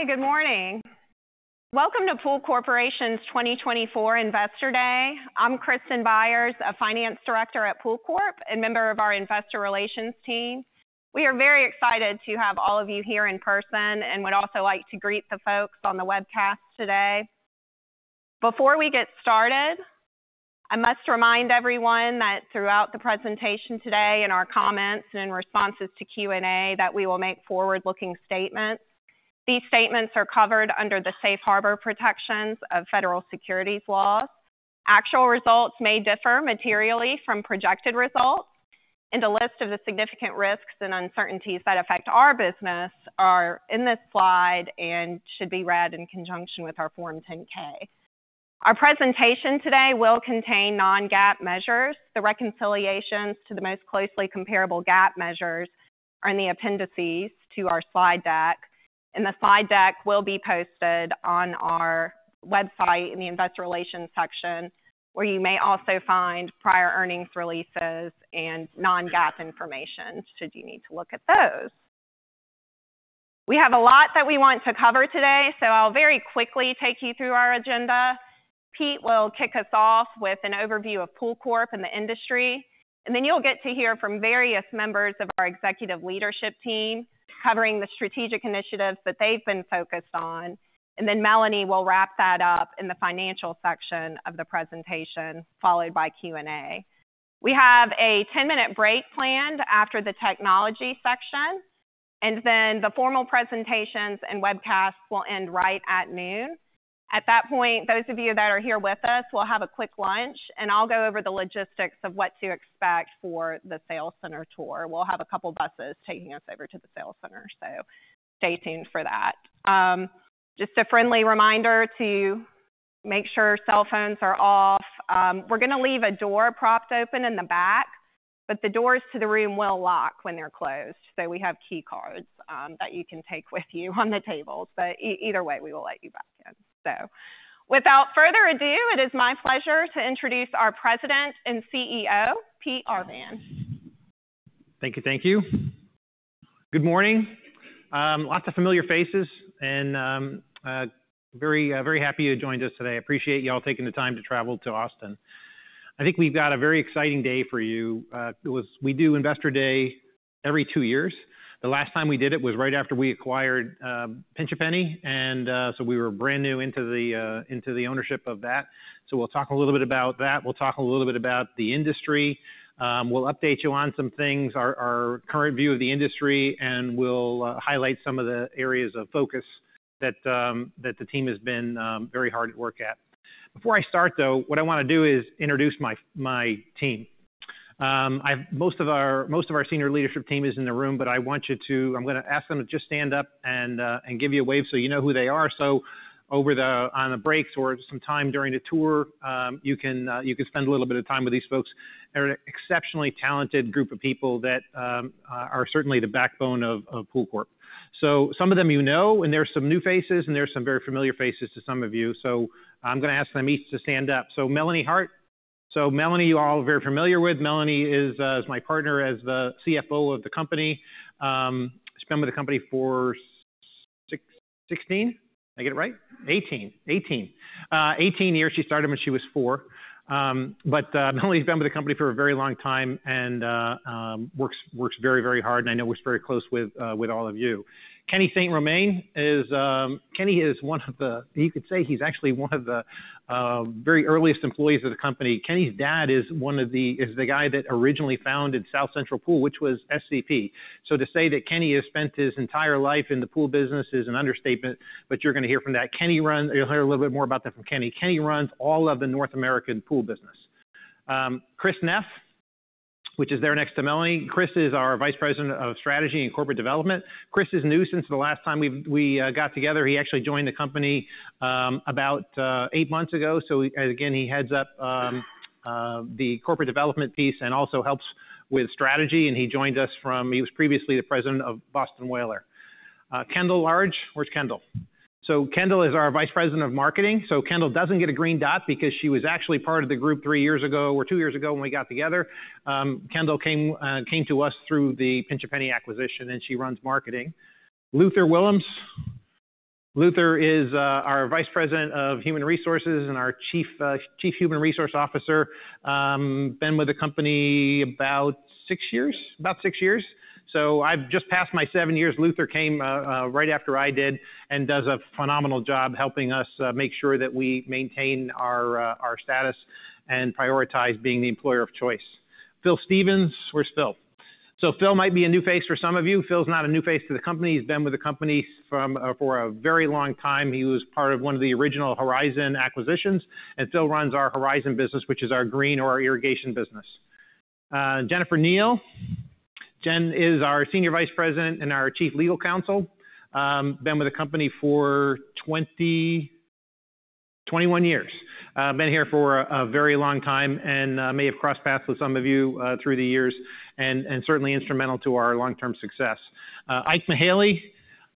Hi, good morning. Welcome to PoolCorp Corporation's 2024 Investor Day. I'm Kristin Byers, a Finance Director at PoolCorp and member of our Investor Relations team. We are very excited to have all of you here in person and would also like to greet the folks on the webcast today. Before we get started, I must remind everyone that throughout the presentation today and our comments and in responses to Q&A that we will make forward-looking statements. These statements are covered under the Safe Harbor protections of federal securities laws. Actual results may differ materially from projected results, and a list of the significant risks and uncertainties that affect our business are in this slide and should be read in conjunction with our Form 10-K. Our presentation today will contain non-GAAP measures. The reconciliations to the most closely comparable GAAP measures are in the appendices to our slide deck, and the slide deck will be posted on our website in the Investor Relations section, where you may also find prior earnings releases and non-GAAP information should you need to look at those. We have a lot that we want to cover today, so I'll very quickly take you through our agenda. Pete will kick us off with an overview of PoolCorp and the industry, and then you'll get to hear from various members of our executive leadership team covering the strategic initiatives that they've been focused on, and then Melanie will wrap that up in the financial section of the presentation, followed by Q&A. We have a 10-minute break planned after the technology section, and then the formal presentations and webcasts will end right at noon. At that point, those of you that are here with us will have a quick lunch, and I'll go over the logistics of what to expect for the sales center tour. We'll have a couple buses taking us over to the sales center, so stay tuned for that. Just a friendly reminder to make sure cell phones are off. We're going to leave a door propped open in the back, but the doors to the room will lock when they're closed, so we have key cards that you can take with you on the tables, but either way we will let you back in. Without further ado, it is my pleasure to introduce our President and CEO, Pete Arvan. Thank you, thank you. Good morning. Lots of familiar faces, and very happy you joined us today. I appreciate y'all taking the time to travel to Austin. I think we've got a very exciting day for you. We do Investor Day every two years. The last time we did it was right after we acquired Pinch A Penny, and so we were brand new into the ownership of that. So we'll talk a little bit about that. We'll talk a little bit about the industry. We'll update you on some things, our current view of the industry, and we'll highlight some of the areas of focus that the team has been very hard at work at. Before I start, though, what I want to do is introduce my team. Most of our senior leadership team is in the room, but I want you to, I'm going to ask them to just stand up and give you a wave so you know who they are. So on the breaks or some time during the tour, you can spend a little bit of time with these folks. They're an exceptionally talented group of people that are certainly the backbone of PoolCorp. So some of them you know, and there's some new faces, and there's some very familiar faces to some of you, so I'm going to ask them each to stand up. So Melanie Hart. So Melanie, you all are very familiar with. Melanie is my partner as the CFO of the company. She's been with the company for 16? Did I get it right? 18. 18. 18 years. She started when she was four. But Melanie's been with the company for a very long time and works very, very hard, and I know works very close with all of you. Kenny St. Romain is one of the you could say he's actually one of the very earliest employees of the company. Kenny's dad is the guy that originally founded South Central Pool, which was SCP. So to say that Kenny has spent his entire life in the pool business is an understatement, but you're going to hear from that. You'll hear a little bit more about that from Kenny. Kenny runs all of the North American pool business. Chris Neff, which is there next to Melanie. Chris is our Vice President of Strategy and Corporate Development. Chris is new since the last time we got together. He actually joined the company about eight months ago, so again, he heads up the corporate development piece and also helps with strategy, and he joined us from; he was previously the President of Boston Whaler. Kendall Large. Where's Kendall? So Kendall is our Vice President of Marketing. So Kendall doesn't get a green dot because she was actually part of the group three years ago or two years ago when we got together. Kendall came to us through the Pinch A Penny acquisition, and she runs marketing. Luther Willems. Luther is our Vice President of Human Resources and our Chief Human Resources Officer. Been with the company about six years. About six years. So I've just passed my seven years. Luther came right after I did and does a phenomenal job helping us make sure that we maintain our status and prioritize being the employer of choice. Phil Stevens. Where's Phil? So Phil might be a new face for some of you. Phil's not a new face to the company. He's been with the company for a very long time. He was part of one of the original Horizon acquisitions, and Phil runs our Horizon business, which is our green or our irrigation business. Jennifer Neil. Jen is our Senior Vice President and our Chief Legal Counsel. Been with the company for 21 years. Been here for a very long time and may have crossed paths with some of you through the years and certainly instrumental to our long-term success. Ike Mahaley.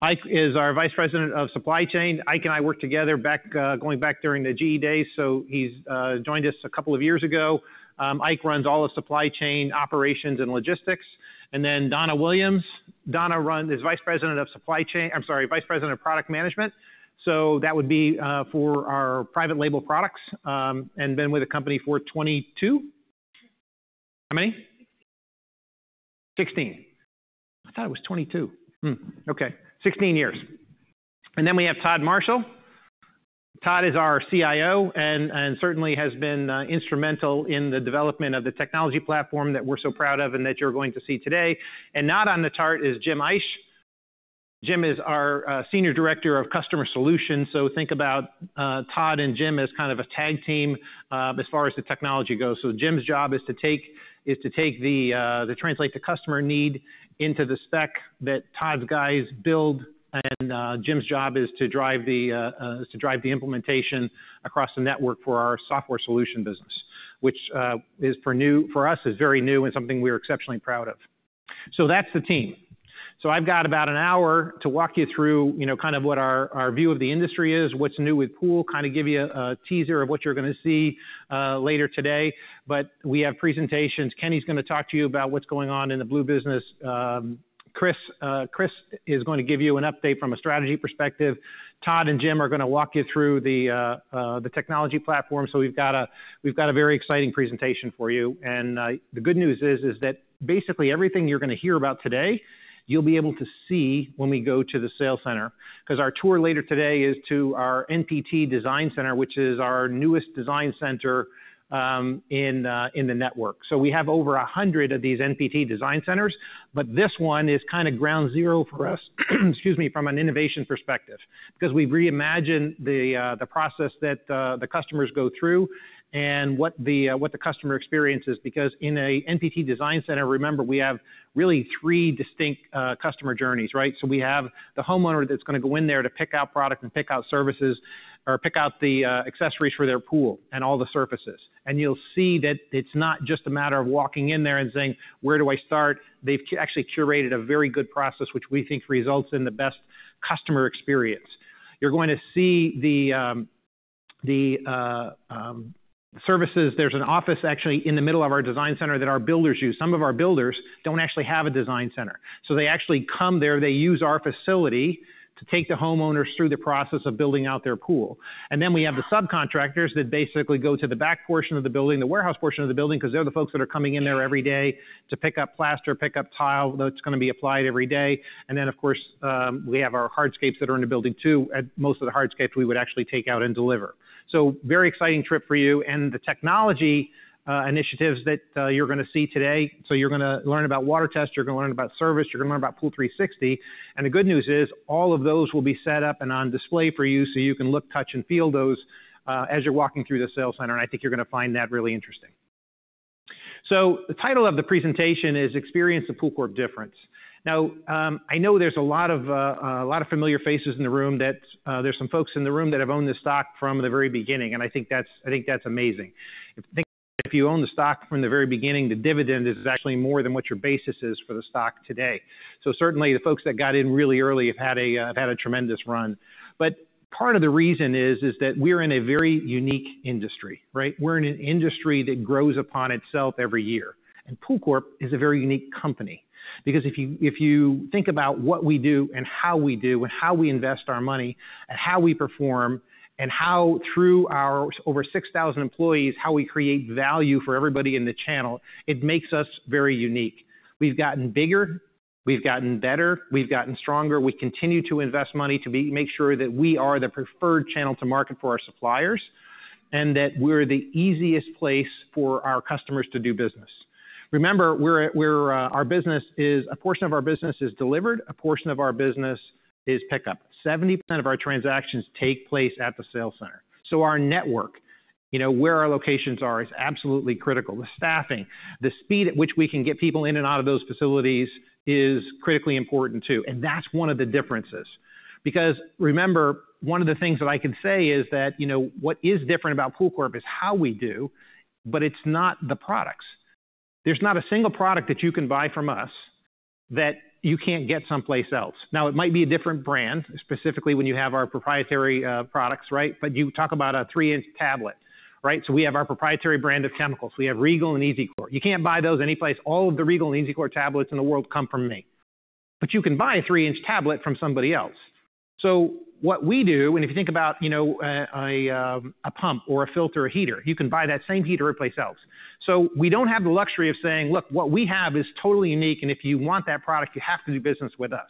Ike is our Vice President of Supply Chain. Ike and I worked together going back during the GE days, so he's joined us a couple of years ago. Ike runs all of supply chain operations and logistics. And then Donna Williams. Donna is Vice President of Supply Chain. I'm sorry, Vice President of Product Management. So that would be for our private label products and been with the company for 22. How many? 16. 16. I thought it was 22. Okay. 16 years. And then we have Todd Marshall. Todd is our CIO and certainly has been instrumental in the development of the technology platform that we're so proud of and that you're going to see today. And not on the chart is Jim Eich. Jim is our Senior Director of Customer Solutions, so think about Todd and Jim as kind of a tag team as far as the technology goes. So Jim's job is to take and translate the customer need into the spec that Todd's guys build, and Jim's job is to drive the implementation across the network for our software solution business, which for us is very new and something we're exceptionally proud of. So that's the team. So I've got about an hour to walk you through kind of what our view of the industry is, what's new with Pool, kind of give you a teaser of what you're going to see later today. But we have presentations. Kenny's going to talk to you about what's going on in the pool business. Chris is going to give you an update from a strategy perspective. Todd and Jim are going to walk you through the technology platform, so we've got a very exciting presentation for you. And the good news is that basically everything you're going to hear about today, you'll be able to see when we go to the sales center because our tour later today is to our NPT Design Center, which is our newest design center in the network. So we have over 100 of these NPT Design Centers, but this one is kind of ground zero for us, excuse me, from an innovation perspective because we've reimagined the process that the customers go through and what the customer experience is. Because in an NPT Design Center, remember, we have really three distinct customer journeys, right? So we have the homeowner that's going to go in there to pick out product and pick out services or pick out the accessories for their pool and all the surfaces. And you'll see that it's not just a matter of walking in there and saying, "Where do I start?" They've actually curated a very good process, which we think results in the best customer experience. You're going to see the services. There's an office actually in the middle of our design center that our builders use. Some of our builders don't actually have a design center, so they actually come there. They use our facility to take the homeowners through the process of building out their pool. And then we have the subcontractors that basically go to the back portion of the building, the warehouse portion of the building, because they're the folks that are coming in there every day to pick up plaster, pick up tile that's going to be applied every day. And then, of course, we have our hardscapes that are in the building too. Most of the hardscapes we would actually take out and deliver. So very exciting trip for you and the technology initiatives that you're going to see today. So you're going to learn about water test. You're going to learn about service. You're going to learn about POOL360. The good news is all of those will be set up and on display for you so you can look, touch, and feel those as you're walking through the sales center. I think you're going to find that really interesting. The title of the presentation is "Experience the PoolCorp Difference." Now, I know there's a lot of familiar faces in the room. There's some folks in the room that have owned this stock from the very beginning, and I think that's amazing. If you own the stock from the very beginning, the dividend is actually more than what your basis is for the stock today. Certainly the folks that got in really early have had a tremendous run. But part of the reason is that we're in a very unique industry, right? We're in an industry that grows upon itself every year, and PoolCorp is a very unique company because if you think about what we do and how we do and how we invest our money and how we perform and how through our over 6,000 employees, how we create value for everybody in the channel, it makes us very unique. We've gotten bigger. We've gotten better. We've gotten stronger. We continue to invest money to make sure that we are the preferred channel to market for our suppliers and that we're the easiest place for our customers to do business. Remember, our business is a portion of our business is delivered. A portion of our business is pickup. 70% of our transactions take place at the sales center. So our network, where our locations are, is absolutely critical. The staffing, the speed at which we can get people in and out of those facilities is critically important too. And that's one of the differences because remember, one of the things that I can say is that what is different about PoolCorp is how we do, but it's not the products. There's not a single product that you can buy from us that you can't get someplace else. Now, it might be a different brand, specifically when you have our proprietary products, right? But you talk about a 3-inch tablet, right? So we have our proprietary brand of chemicals. We have Regal and E-Z Clor. You can't buy those anyplace. All of the Regal and E-Z Clor tablets in the world come from me, but you can buy a 3-inch tablet from somebody else. So what we do, and if you think about a pump or a filter, a heater, you can buy that same heater everyplace else. So we don't have the luxury of saying, "Look, what we have is totally unique, and if you want that product, you have to do business with us."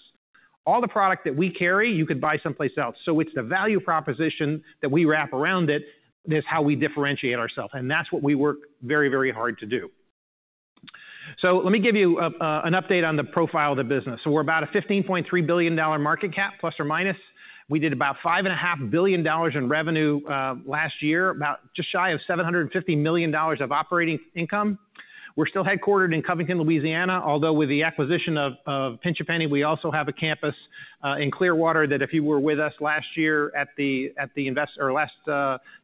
All the product that we carry, you could buy someplace else. So it's the value proposition that we wrap around it. That's how we differentiate ourselves, and that's what we work very, very hard to do. So let me give you an update on the profile of the business. So we're about a $15.3 billion ± market cap. We did about $5.5 billion in revenue last year, about just shy of $750 million of operating income. We're still headquartered in Covington, Louisiana, although with the acquisition of Pinch A Penny, we also have a campus in Clearwater, that if you were with us last year at the last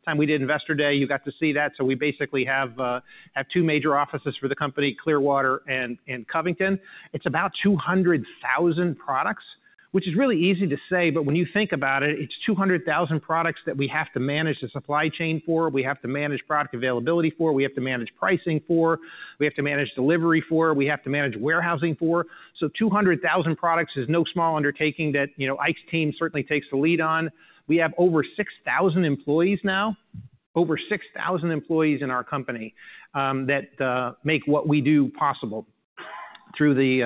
time we did Investor Day, you got to see that. So we basically have two major offices for the company, Clearwater and Covington. It's about 200,000 products, which is really easy to say, but when you think about it, it's 200,000 products that we have to manage the supply chain for. We have to manage product availability for. We have to manage pricing for. We have to manage delivery for. We have to manage warehousing for. So 200,000 products is no small undertaking that Ike's team certainly takes the lead on. We have over 6,000 employees now, over 6,000 employees in our company that make what we do possible through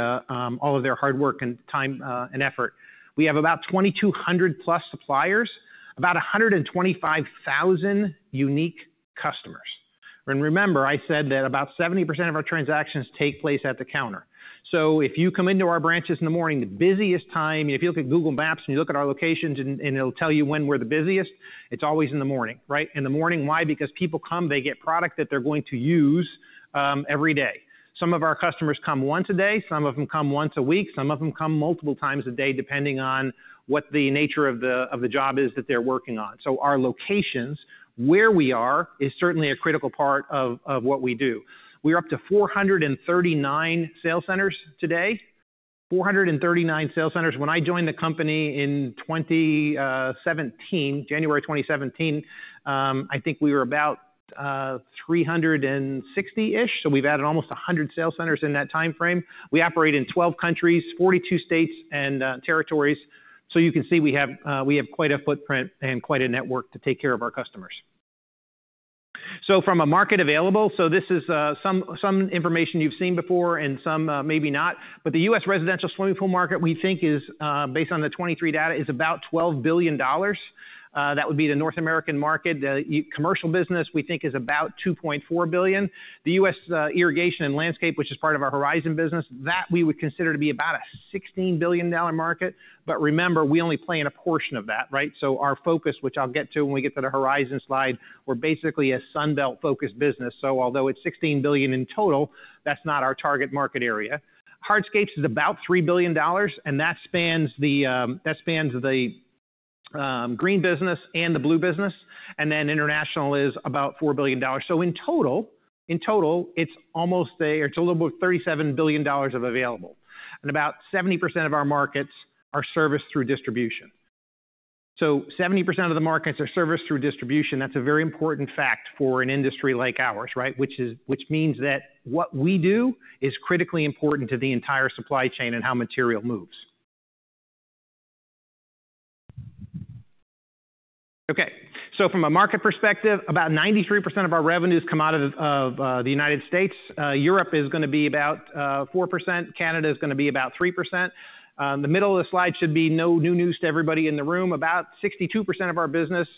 all of their hard work and time and effort. We have about 2,200+ suppliers, about 125,000 unique customers. Remember, I said that about 70% of our transactions take place at the counter. If you come into our branches in the morning, the busiest time, if you look at Google Maps and you look at our locations and it'll tell you when we're the busiest, it's always in the morning, right? In the morning. Why? Because people come. They get product that they're going to use every day. Some of our customers come once a day. Some of them come once a week. Some of them come multiple times a day, depending on what the nature of the job is that they're working on. Our locations, where we are, is certainly a critical part of what we do. We are up to 439 sales centers today. 439 sales centers. When I joined the company in January 2017, I think we were about 360-ish. So we've added almost 100 sales centers in that time frame. We operate in 12 countries, 42 states and territories. So you can see we have quite a footprint and quite a network to take care of our customers. So from a market available, so this is some information you've seen before and some maybe not. But the US residential swimming pool market, we think, is based on the 2023 data, is about $12 billion. That would be the North American market. The commercial business, we think, is about $2.4 billion. The US irrigation and landscape, which is part of our Horizon business, that we would consider to be about a $16 billion market. But remember, we only play in a portion of that, right? So our focus, which I'll get to when we get to the Horizon slide, we're basically a sunbelt-focused business. So although it's $16 billion in total, that's not our target market area. Hardscapes is about $3 billion, and that spans the green business and the blue business. And then international is about $4 billion. So in total, it's almost a little over $37 billion of available, and about 70% of our markets are serviced through distribution. So 70% of the markets are serviced through distribution. That's a very important fact for an industry like ours, right? Which means that what we do is critically important to the entire supply chain and how material moves. Okay. So from a market perspective, about 93% of our revenues come out of the United States. Europe is going to be about 4%. Canada is going to be about 3%. The middle of the slide should be no new news to everybody in the room. About 62% of our business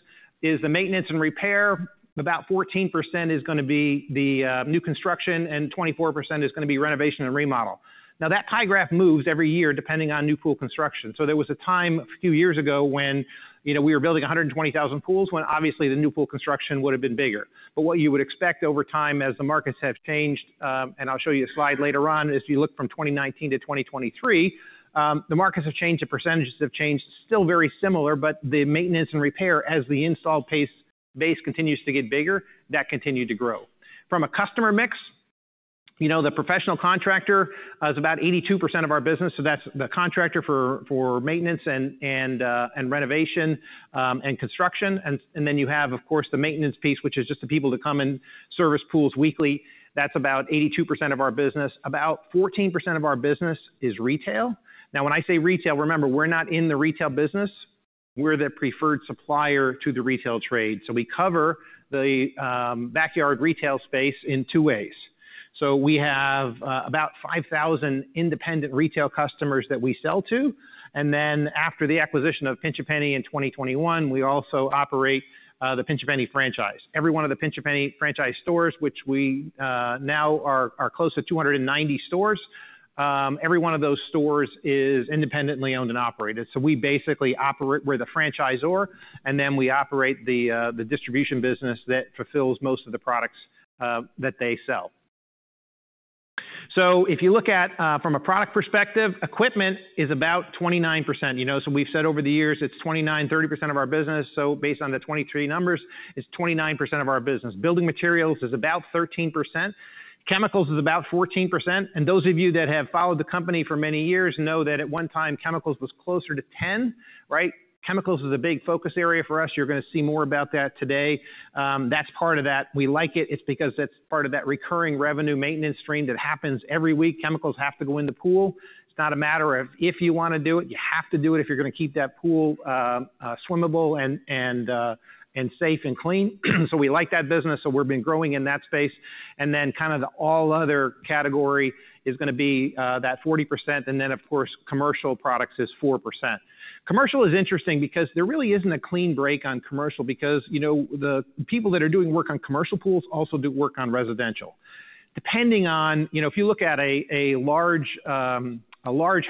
is the maintenance and repair. About 14% is going to be the new construction, and 24% is going to be renovation and remodel. Now, that pie graph moves every year depending on new pool construction. So there was a time a few years ago when we were building 120,000 pools, when obviously the new pool construction would have been bigger. But what you would expect over time as the markets have changed and I'll show you a slide later on, if you look from 2019 to 2023, the markets have changed. The percentages have changed still very similar, but the maintenance and repair, as the installed base continues to get bigger, that continue to grow. From a customer mix, the professional contractor is about 82% of our business. So that's the contractor for maintenance and renovation and construction. And then you have, of course, the maintenance piece, which is just the people that come and service pools weekly. That's about 82% of our business. About 14% of our business is retail. Now, when I say retail, remember, we're not in the retail business. We're the preferred supplier to the retail trade. So we cover the backyard retail space in two ways. So we have about 5,000 independent retail customers that we sell to. And then after the acquisition of Pinch A Penny in 2021, we also operate the Pinch A Penny franchise. Every one of the Pinch A Penny franchise stores, which we now are close to 290 stores, every one of those stores is independently owned and operated. So we basically operate where the franchisor and then we operate the distribution business that fulfills most of the products that they sell. So if you look at from a product perspective, equipment is about 29%. So we've said over the years it's 29, 30% of our business. So based on the 2023 numbers, it's 29% of our business. Building materials is about 13%. Chemicals is about 14%. And those of you that have followed the company for many years know that at one time chemicals was closer to 10%, right? Chemicals is a big focus area for us. You're going to see more about that today. That's part of that. We like it. It's because that's part of that recurring revenue maintenance stream that happens every week. Chemicals have to go in the pool. It's not a matter of if you want to do it. You have to do it if you're going to keep that pool swimmable and safe and clean. So we like that business. So we've been growing in that space. And then kind of the all other category is going to be that 40%. And then, of course, commercial products is 4%. Commercial is interesting because there really isn't a clean break on commercial, because the people that are doing work on commercial pools also do work on residential. Depending on if you look at a large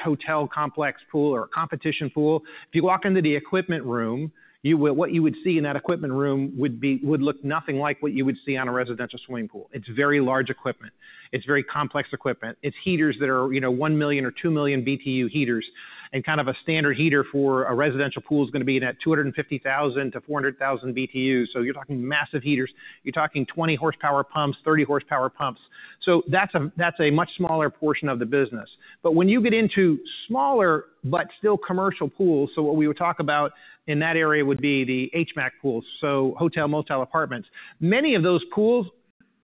hotel complex pool or a competition pool, if you walk into the equipment room, what you would see in that equipment room would look nothing like what you would see on a residential swimming pool. It's very large equipment. It's very complex equipment. It's heaters that are 1 million or 2 million BTU heaters. And kind of a standard heater for a residential pool is going to be at 250,000-400,000 BTU. So you're talking massive heaters. You're talking 20 horsepower pumps, 30 horsepower pumps. So that's a much smaller portion of the business. But when you get into smaller but still commercial pools, so what we would talk about in that area would be the HMAC pools, so hotel, motel, apartments. Many of those pools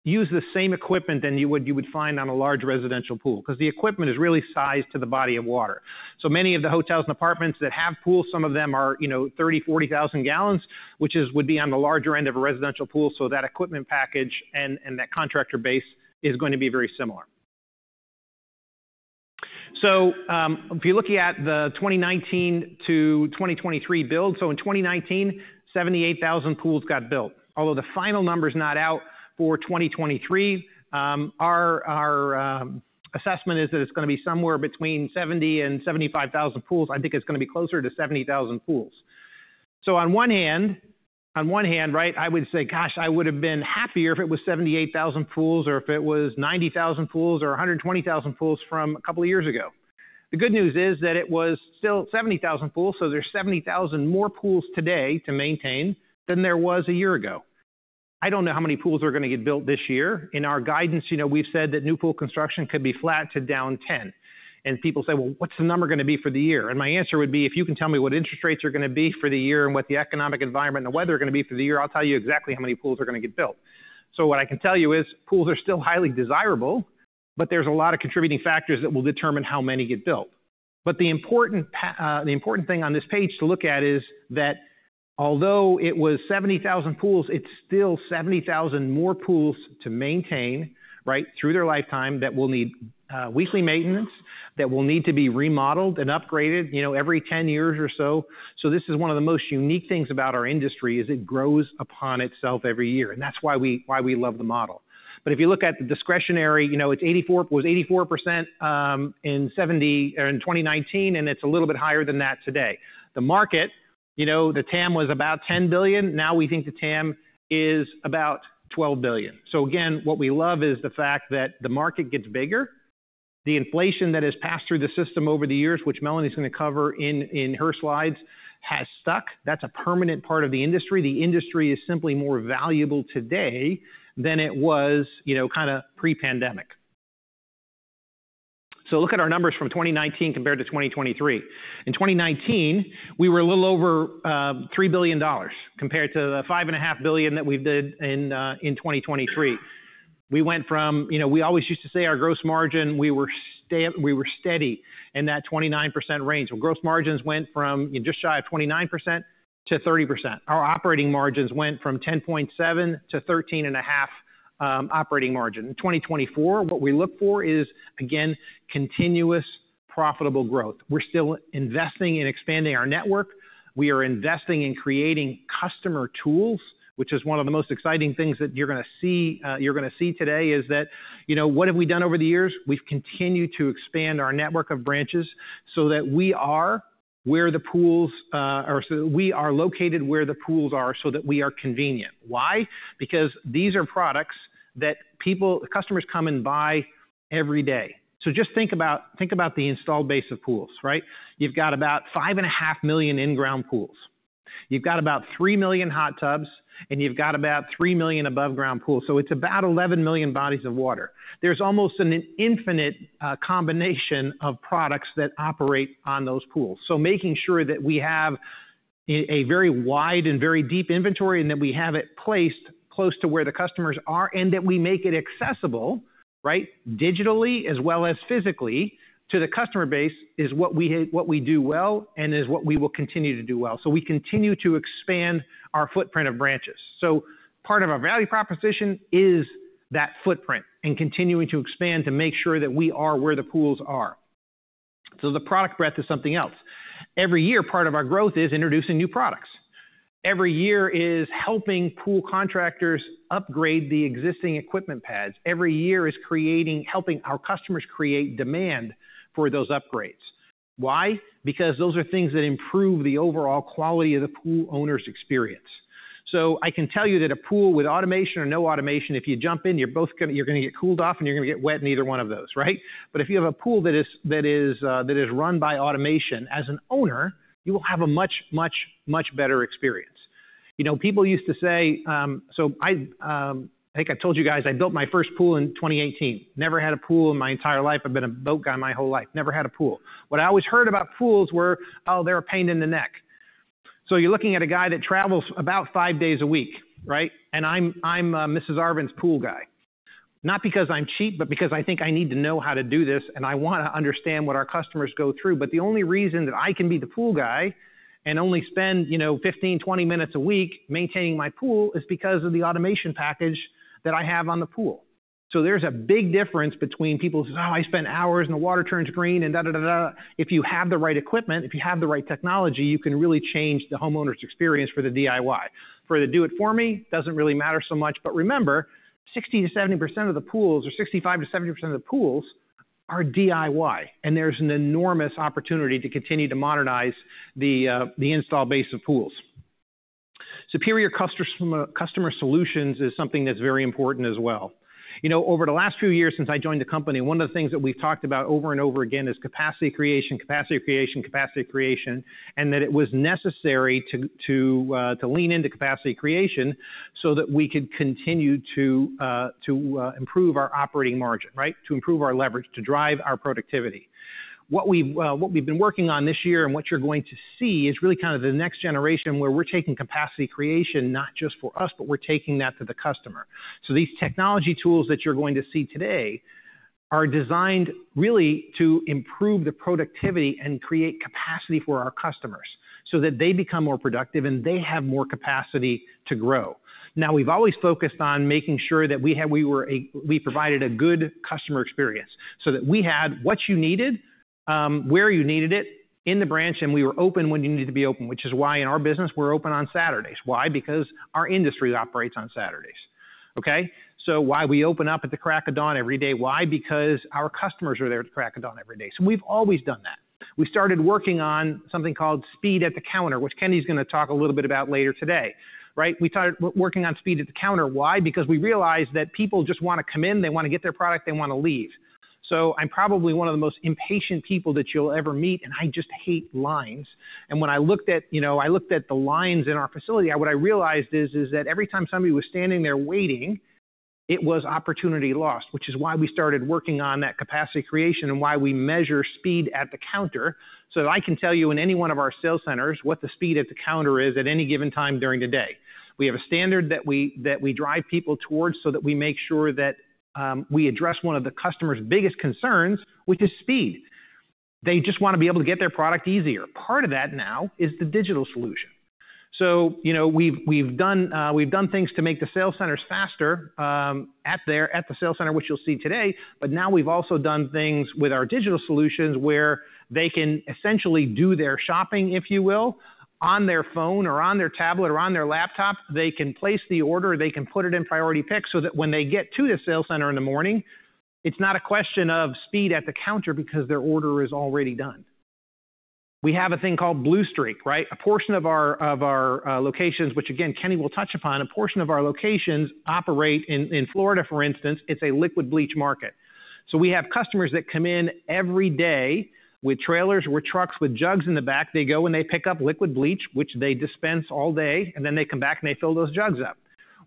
use the same equipment than you would find on a large residential pool because the equipment is really sized to the body of water. So many of the hotels and apartments that have pools, some of them are 30,000-40,000 gallons, which would be on the larger end of a residential pool. So that equipment package and that contractor base is going to be very similar. So if you're looking at the 2019 to 2023 build, so in 2019, 78,000 pools got built. Although the final number is not out for 2023, our assessment is that it's going to be somewhere between 70,000 and 75,000 pools. I think it's going to be closer to 70,000 pools. So on one hand, right, I would say, gosh, I would have been happier if it was 78,000 pools or if it was 90,000 pools or 120,000 pools from a couple of years ago. The good news is that it was still 70,000 pools. So there's 70,000 more pools today to maintain than there was a year ago. I don't know how many pools are going to get built this year. In our guidance, we've said that new pool construction could be flat to down 10%. And people say, well, what's the number going to be for the year? My answer would be, if you can tell me what interest rates are going to be for the year and what the economic environment and the weather are going to be for the year, I'll tell you exactly how many pools are going to get built. What I can tell you is pools are still highly desirable, but there's a lot of contributing factors that will determine how many get built. The important thing on this page to look at is that although it was 70,000 pools, it's still 70,000 more pools to maintain through their lifetime that will need weekly maintenance, that will need to be remodeled and upgraded every 10 years or so. This is one of the most unique things about our industry: it grows upon itself every year. That's why we love the model. But if you look at the discretionary, it was 84% in 2019, and it's a little bit higher than that today. The market, the TAM was about $10 billion. Now we think the TAM is about $12 billion. So again, what we love is the fact that the market gets bigger. The inflation that has passed through the system over the years, which Melanie is going to cover in her slides, has stuck. That's a permanent part of the industry. The industry is simply more valuable today than it was kind of pre-pandemic. So look at our numbers from 2019 compared to 2023. In 2019, we were a little over $3 billion compared to the $5.5 billion that we did in 2023. We went from we always used to say our gross margin, we were steady in that 29% range. Well, gross margins went from just shy of 29% to 30%. Our operating margins went from 10.7% to 13.5% operating margin. In 2024, what we look for is, again, continuous profitable growth. We're still investing in expanding our network. We are investing in creating customer tools, which is one of the most exciting things that you're going to see. You're going to see today is that what have we done over the years? We've continued to expand our network of branches so that we are where the pools are so that we are located where the pools are so that we are convenient. Why? Because these are products that customers come and buy every day. So just think about the installed base of pools, right? You've got about 5.5 million in-ground pools. You've got about 3 million hot tubs, and you've got about 3 million above-ground pools. So it's about 11 million bodies of water. There's almost an infinite combination of products that operate on those pools. So making sure that we have a very wide and very deep inventory and that we have it placed close to where the customers are and that we make it accessible, right, digitally as well as physically to the customer base is what we do well and is what we will continue to do well. So we continue to expand our footprint of branches. So part of our value proposition is that footprint and continuing to expand to make sure that we are where the pools are. So the product breadth is something else. Every year, part of our growth is introducing new products. Every year is helping pool contractors upgrade the existing equipment pads. Every year is helping our customers create demand for those upgrades. Why? Because those are things that improve the overall quality of the pool owner's experience. So I can tell you that a pool with automation or no automation, if you jump in, you're going to get cooled off and you're going to get wet in either one of those, right? But if you have a pool that is run by automation as an owner, you will have a much, much, much better experience. People used to say, so I think I told you guys, I built my first pool in 2018. Never had a pool in my entire life. I've been a boat guy my whole life. Never had a pool. What I always heard about pools were, oh, they're a pain in the neck. So you're looking at a guy that travels about five days a week, right? And I'm Mrs. Arvan's pool guy. Not because I'm cheap, but because I think I need to know how to do this. And I want to understand what our customers go through. But the only reason that I can be the pool guy and only spend 15, 20 minutes a week maintaining my pool is because of the automation package that I have on the pool. So there's a big difference between people who say, oh, I spend hours and the water turns green and da da da da. If you have the right equipment, if you have the right technology, you can really change the homeowner's experience for the DIY. For the do-it-for-me, doesn't really matter so much. But remember, 60%-70% of the pools or 65%-70% of the pools are DIY. And there's an enormous opportunity to continue to modernize the installed base of pools. Superior customer solutions is something that's very important as well. Over the last few years since I joined the company, one of the things that we've talked about over and over again is capacity creation, capacity creation, capacity creation, and that it was necessary to lean into capacity creation so that we could continue to improve our operating margin, right? To improve our leverage, to drive our productivity. What we've been working on this year and what you're going to see is really kind of the next generation where we're taking capacity creation, not just for us, but we're taking that to the customer. So these technology tools that you're going to see today are designed really to improve the productivity and create capacity for our customers so that they become more productive and they have more capacity to grow. Now, we've always focused on making sure that we provided a good customer experience so that we had what you needed, where you needed it in the branch, and we were open when you needed to be open, which is why in our business we're open on Saturdays. Why? Because our industry operates on Saturdays. Okay? So why we open up at the crack of dawn every day? Why? Because our customers are there at the crack of dawn every day. So we've always done that. We started working on something called speed at the counter, which Kenny is going to talk a little bit about later today, right? We started working on speed at the counter. Why? Because we realized that people just want to come in. They want to get their product. They want to leave. So I'm probably one of the most impatient people that you'll ever meet. And I just hate lines. And when I looked at the lines in our facility, what I realized is that every time somebody was standing there waiting, it was opportunity lost, which is why we started working on that capacity creation and why we measure speed at the counter. So I can tell you in any one of our sales centers what the speed at the counter is at any given time during the day. We have a standard that we drive people towards so that we make sure that we address one of the customer's biggest concerns, which is speed. They just want to be able to get their product easier. Part of that now is the digital solution. So we've done things to make the sales centers faster at the sales center, which you'll see today. But now we've also done things with our digital solutions where they can essentially do their shopping, if you will, on their phone or on their tablet or on their laptop. They can place the order. They can put it in priority pick so that when they get to the sales center in the morning, it's not a question of speed at the counter because their order is already done. We have a thing called Blue Streak, right? A portion of our locations, which again, Kenny will touch upon, a portion of our locations operate in Florida, for instance. It's a liquid bleach market. So we have customers that come in every day with trailers or trucks with jugs in the back. They go and they pick up liquid bleach, which they dispense all day, and then they come back and they fill those jugs up.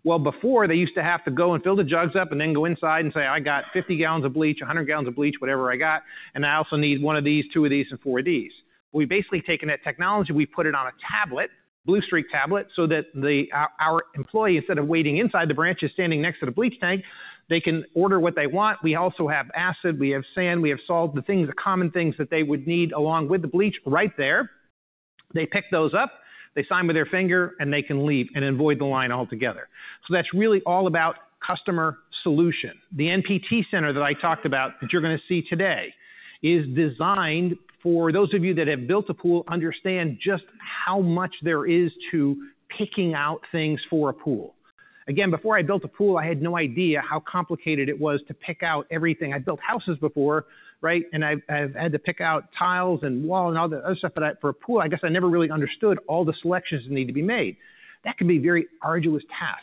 Well, before they used to have to go and fill the jugs up and then go inside and say, I got 50 gallons of bleach, 100 gallons of bleach, whatever I got, and I also need one of these, two of these, and four of these. We've basically taken that technology. We've put it on a tablet, Blue Streak tablet, so that our employee, instead of waiting inside the branch, is standing next to the bleach tank. They can order what they want. We also have acid. We have sand. We have salt. The things, the common things that they would need along with the bleach right there. They pick those up, they sign with their finger, and they can leave and avoid the line altogether. So that's really all about customer solution. The NPT Center that I talked about that you're going to see today is designed for those of you that have built a pool understand just how much there is to picking out things for a pool. Again, before I built a pool, I had no idea how complicated it was to pick out everything. I built houses before, right? And I've had to pick out tiles and wall and all the other stuff. But for a pool, I guess I never really understood all the selections that need to be made. That can be a very arduous task.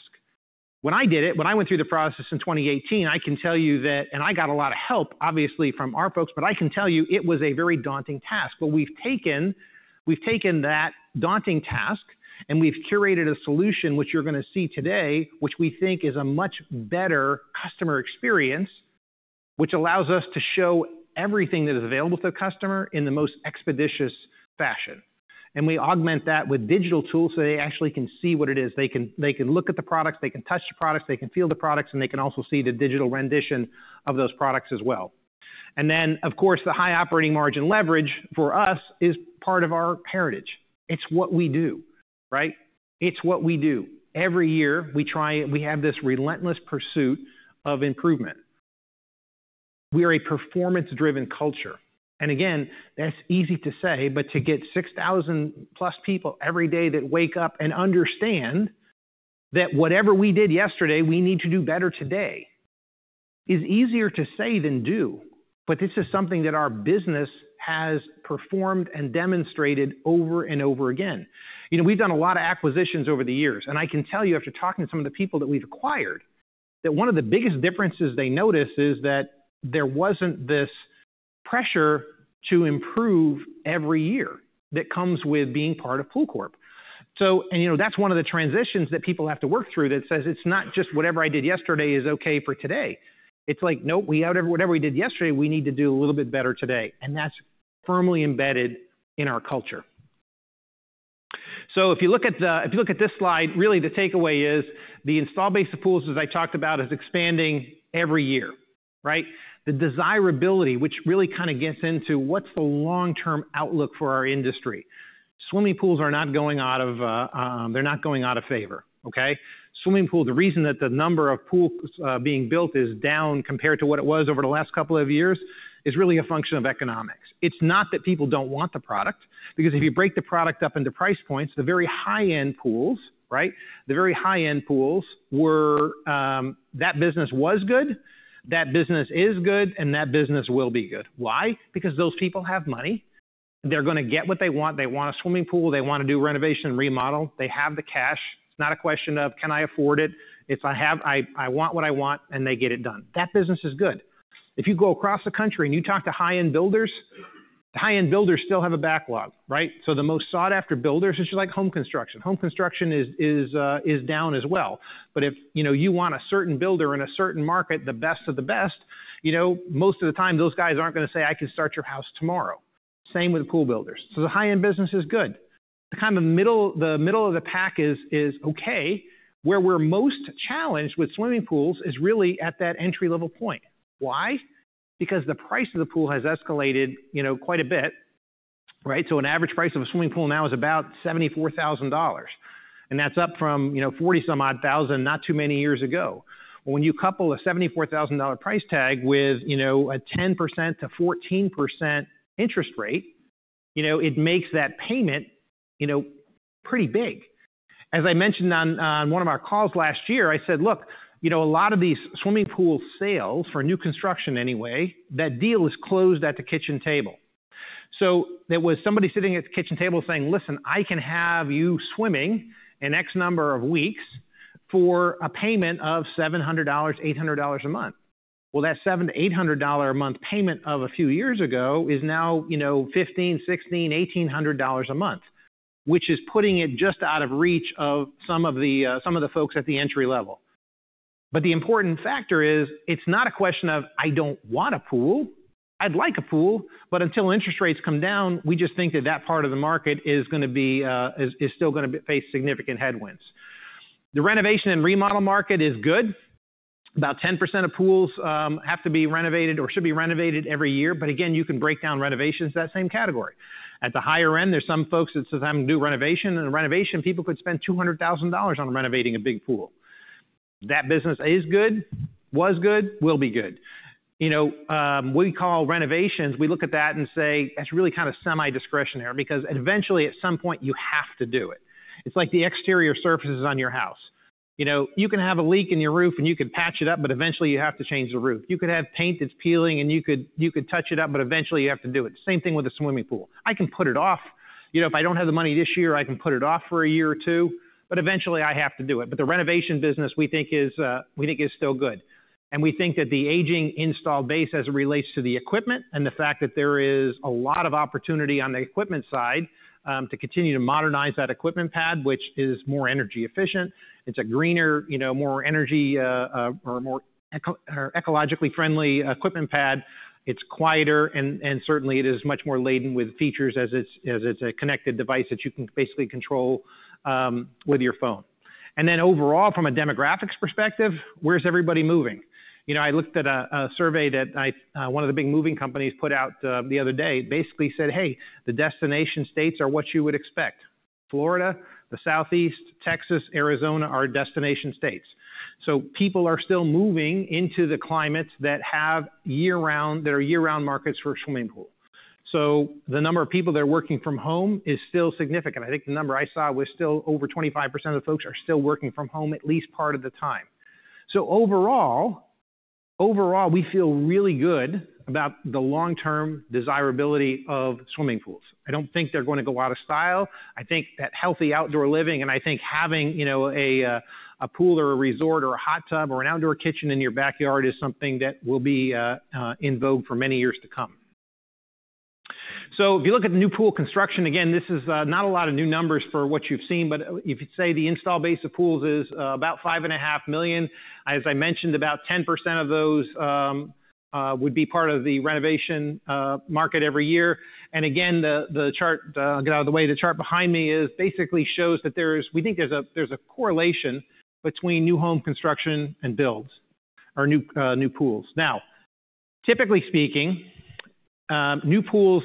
When I did it, when I went through the process in 2018, I can tell you that and I got a lot of help, obviously, from our folks, but I can tell you it was a very daunting task. But we've taken that daunting task and we've curated a solution, which you're going to see today, which we think is a much better customer experience, which allows us to show everything that is available to the customer in the most expeditious fashion. And we augment that with digital tools so they actually can see what it is. They can look at the products, they can touch the products, they can feel the products, and they can also see the digital rendition of those products as well. And then, of course, the high operating margin leverage for us is part of our heritage. It's what we do, right? It's what we do. Every year we try. We have this relentless pursuit of improvement. We are a performance-driven culture. And again, that's easy to say, but to get 6,000-plus people every day that wake up and understand that whatever we did yesterday, we need to do better today is easier to say than do. But this is something that our business has performed and demonstrated over and over again. We've done a lot of acquisitions over the years, and I can tell you after talking to some of the people that we've acquired that one of the biggest differences they notice is that there wasn't this pressure to improve every year that comes with being part of PoolCorp. And that's one of the transitions that people have to work through that says it's not just whatever I did yesterday is okay for today. It's like, nope, we have whatever we did yesterday. We need to do a little bit better today. And that's firmly embedded in our culture. So if you look at this slide, really, the takeaway is the installed base of pools, as I talked about, is expanding every year, right? The desirability, which really kind of gets into what's the long-term outlook for our industry. Swimming pools are not going out of favor, okay? Swimming pool, the reason that the number of pools being built is down compared to what it was over the last couple of years is really a function of economics. It's not that people don't want the product, because if you break the product up into price points, the very high-end pools, right? The very high-end pools were that business was good, that business is good, and that business will be good. Why? Because those people have money. They're going to get what they want. They want a swimming pool. They want to do renovation and remodel. They have the cash. It's not a question of can I afford it? It's I want what I want, and they get it done. That business is good. If you go across the country and you talk to high-end builders, the high-end builders still have a backlog, right? So the most sought-after builders is just like home construction. Home construction is down as well. But if you want a certain builder in a certain market, the best of the best, you know most of the time those guys aren't going to say, I can start your house tomorrow. Same with pool builders. So the high-end business is good. The kind of middle of the pack is okay. Where we're most challenged with swimming pools is really at that entry-level point. Why? Because the price of the pool has escalated quite a bit, right? So an average price of a swimming pool now is about $74,000, and that's up from 40-some-odd thousand not too many years ago. Well, when you couple a $74,000 price tag with a 10%-14% interest rate, it makes that payment pretty big. As I mentioned on one of our calls last year, I said, look, a lot of these swimming pool sales for new construction anyway, that deal is closed at the kitchen table. So there was somebody sitting at the kitchen table saying, listen, I can have you swimming an X number of weeks for a payment of $700-$800 a month. Well, that $700-$800 a month payment of a few years ago is now $1,500, $1,600, $1,800 a month, which is putting it just out of reach of some of the folks at the entry level. But the important factor is it's not a question of I don't want a pool. I'd like a pool. But until interest rates come down, we just think that that part of the market is going to be is still going to face significant headwinds. The renovation and remodel market is good. About 10% of pools have to be renovated or should be renovated every year. But again, you can break down renovations to that same category. At the higher end, there's some folks that sometimes do renovation. And renovation, people could spend $200,000 on renovating a big pool. That business is good, was good, will be good. You know we call renovations. We look at that and say that's really kind of semi-discretionary because eventually, at some point, you have to do it. It's like the exterior surfaces on your house. You can have a leak in your roof and you could patch it up, but eventually you have to change the roof. You could have paint that's peeling and you could touch it up, but eventually you have to do it. Same thing with a swimming pool. I can put it off. If I don't have the money this year, I can put it off for a year or two, but eventually I have to do it. But the renovation business, we think, is still good. And we think that the aging installed base, as it relates to the equipment and the fact that there is a lot of opportunity on the equipment side to continue to modernize that equipment pad, which is more energy efficient. It's a greener, more energy or more ecologically friendly equipment pad. It's quieter, and certainly it is much more laden with features as it's a connected device that you can basically control with your phone. And then overall, from a demographics perspective, where's everybody moving? I looked at a survey that one of the big moving companies put out the other day basically said, hey, the destination states are what you would expect. Florida, the Southeast, Texas, Arizona are destination states. So people are still moving into the climates that have year-round that are year-round markets for swimming pool. So the number of people that are working from home is still significant. I think the number I saw was still over 25% of the folks are still working from home at least part of the time. So overall, we feel really good about the long-term desirability of swimming pools. I don't think they're going to go out of style. I think that healthy outdoor living and I think having a pool or a resort or a hot tub or an outdoor kitchen in your backyard is something that will be in vogue for many years to come. So if you look at the new pool construction, again, this is not a lot of new numbers for what you've seen, but if you say the installed base of pools is about 5.5 million, as I mentioned, about 10% of those would be part of the renovation market every year. And again, the chart I'll get out of the way. The chart behind me basically shows that there's, we think, a correlation between new home construction and builds or new pools. Now, typically speaking, new pools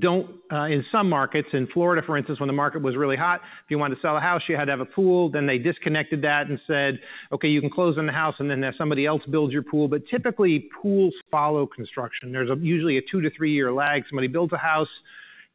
don't in some markets in Florida, for instance, when the market was really hot, if you wanted to sell a house, you had to have a pool. Then they disconnected that and said, okay, you can close in the house and then have somebody else build your pool. But typically, pools follow construction. There's usually a 2-3-year lag. Somebody builds a house,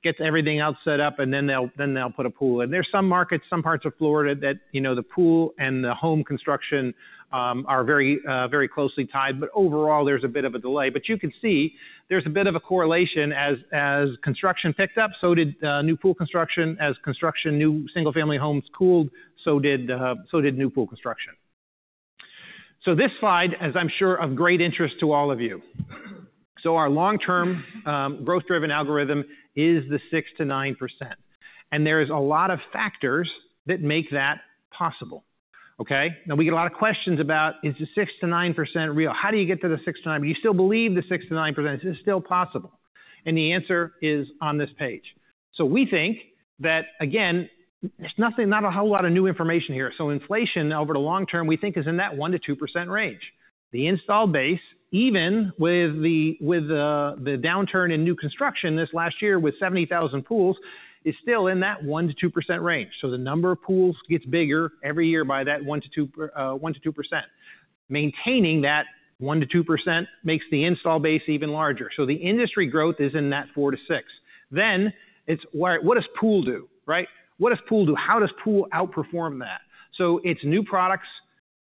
gets everything else set up, and then they'll put a pool. And there's some markets, some parts of Florida, that the pool and the home construction are very closely tied. But overall, there's a bit of a delay. But you can see there's a bit of a correlation as construction picked up, so did new pool construction. As construction, new single-family homes cooled, so did new pool construction. So this slide, as I'm sure, of great interest to all of you. So our long-term growth-driven algorithm is the 6%-9%. And there is a lot of factors that make that possible, okay? Now, we get a lot of questions about is the 6%-9% real? How do you get to the 6%-9%? But you still believe the 6%-9% is still possible. And the answer is on this page. So we think that, again, there's not a whole lot of new information here. So inflation over the long term, we think, is in that 1%-2% range. The installed base, even with the downturn in new construction this last year with 70,000 pools, is still in that 1%-2% range. So the number of pools gets bigger every year by that 1%-2%. Maintaining that 1%-2% makes the installed base even larger. So the industry growth is in that 4%-6%. Then it's what does pool do, right? What does pool do? How does pool outperform that? So it's new products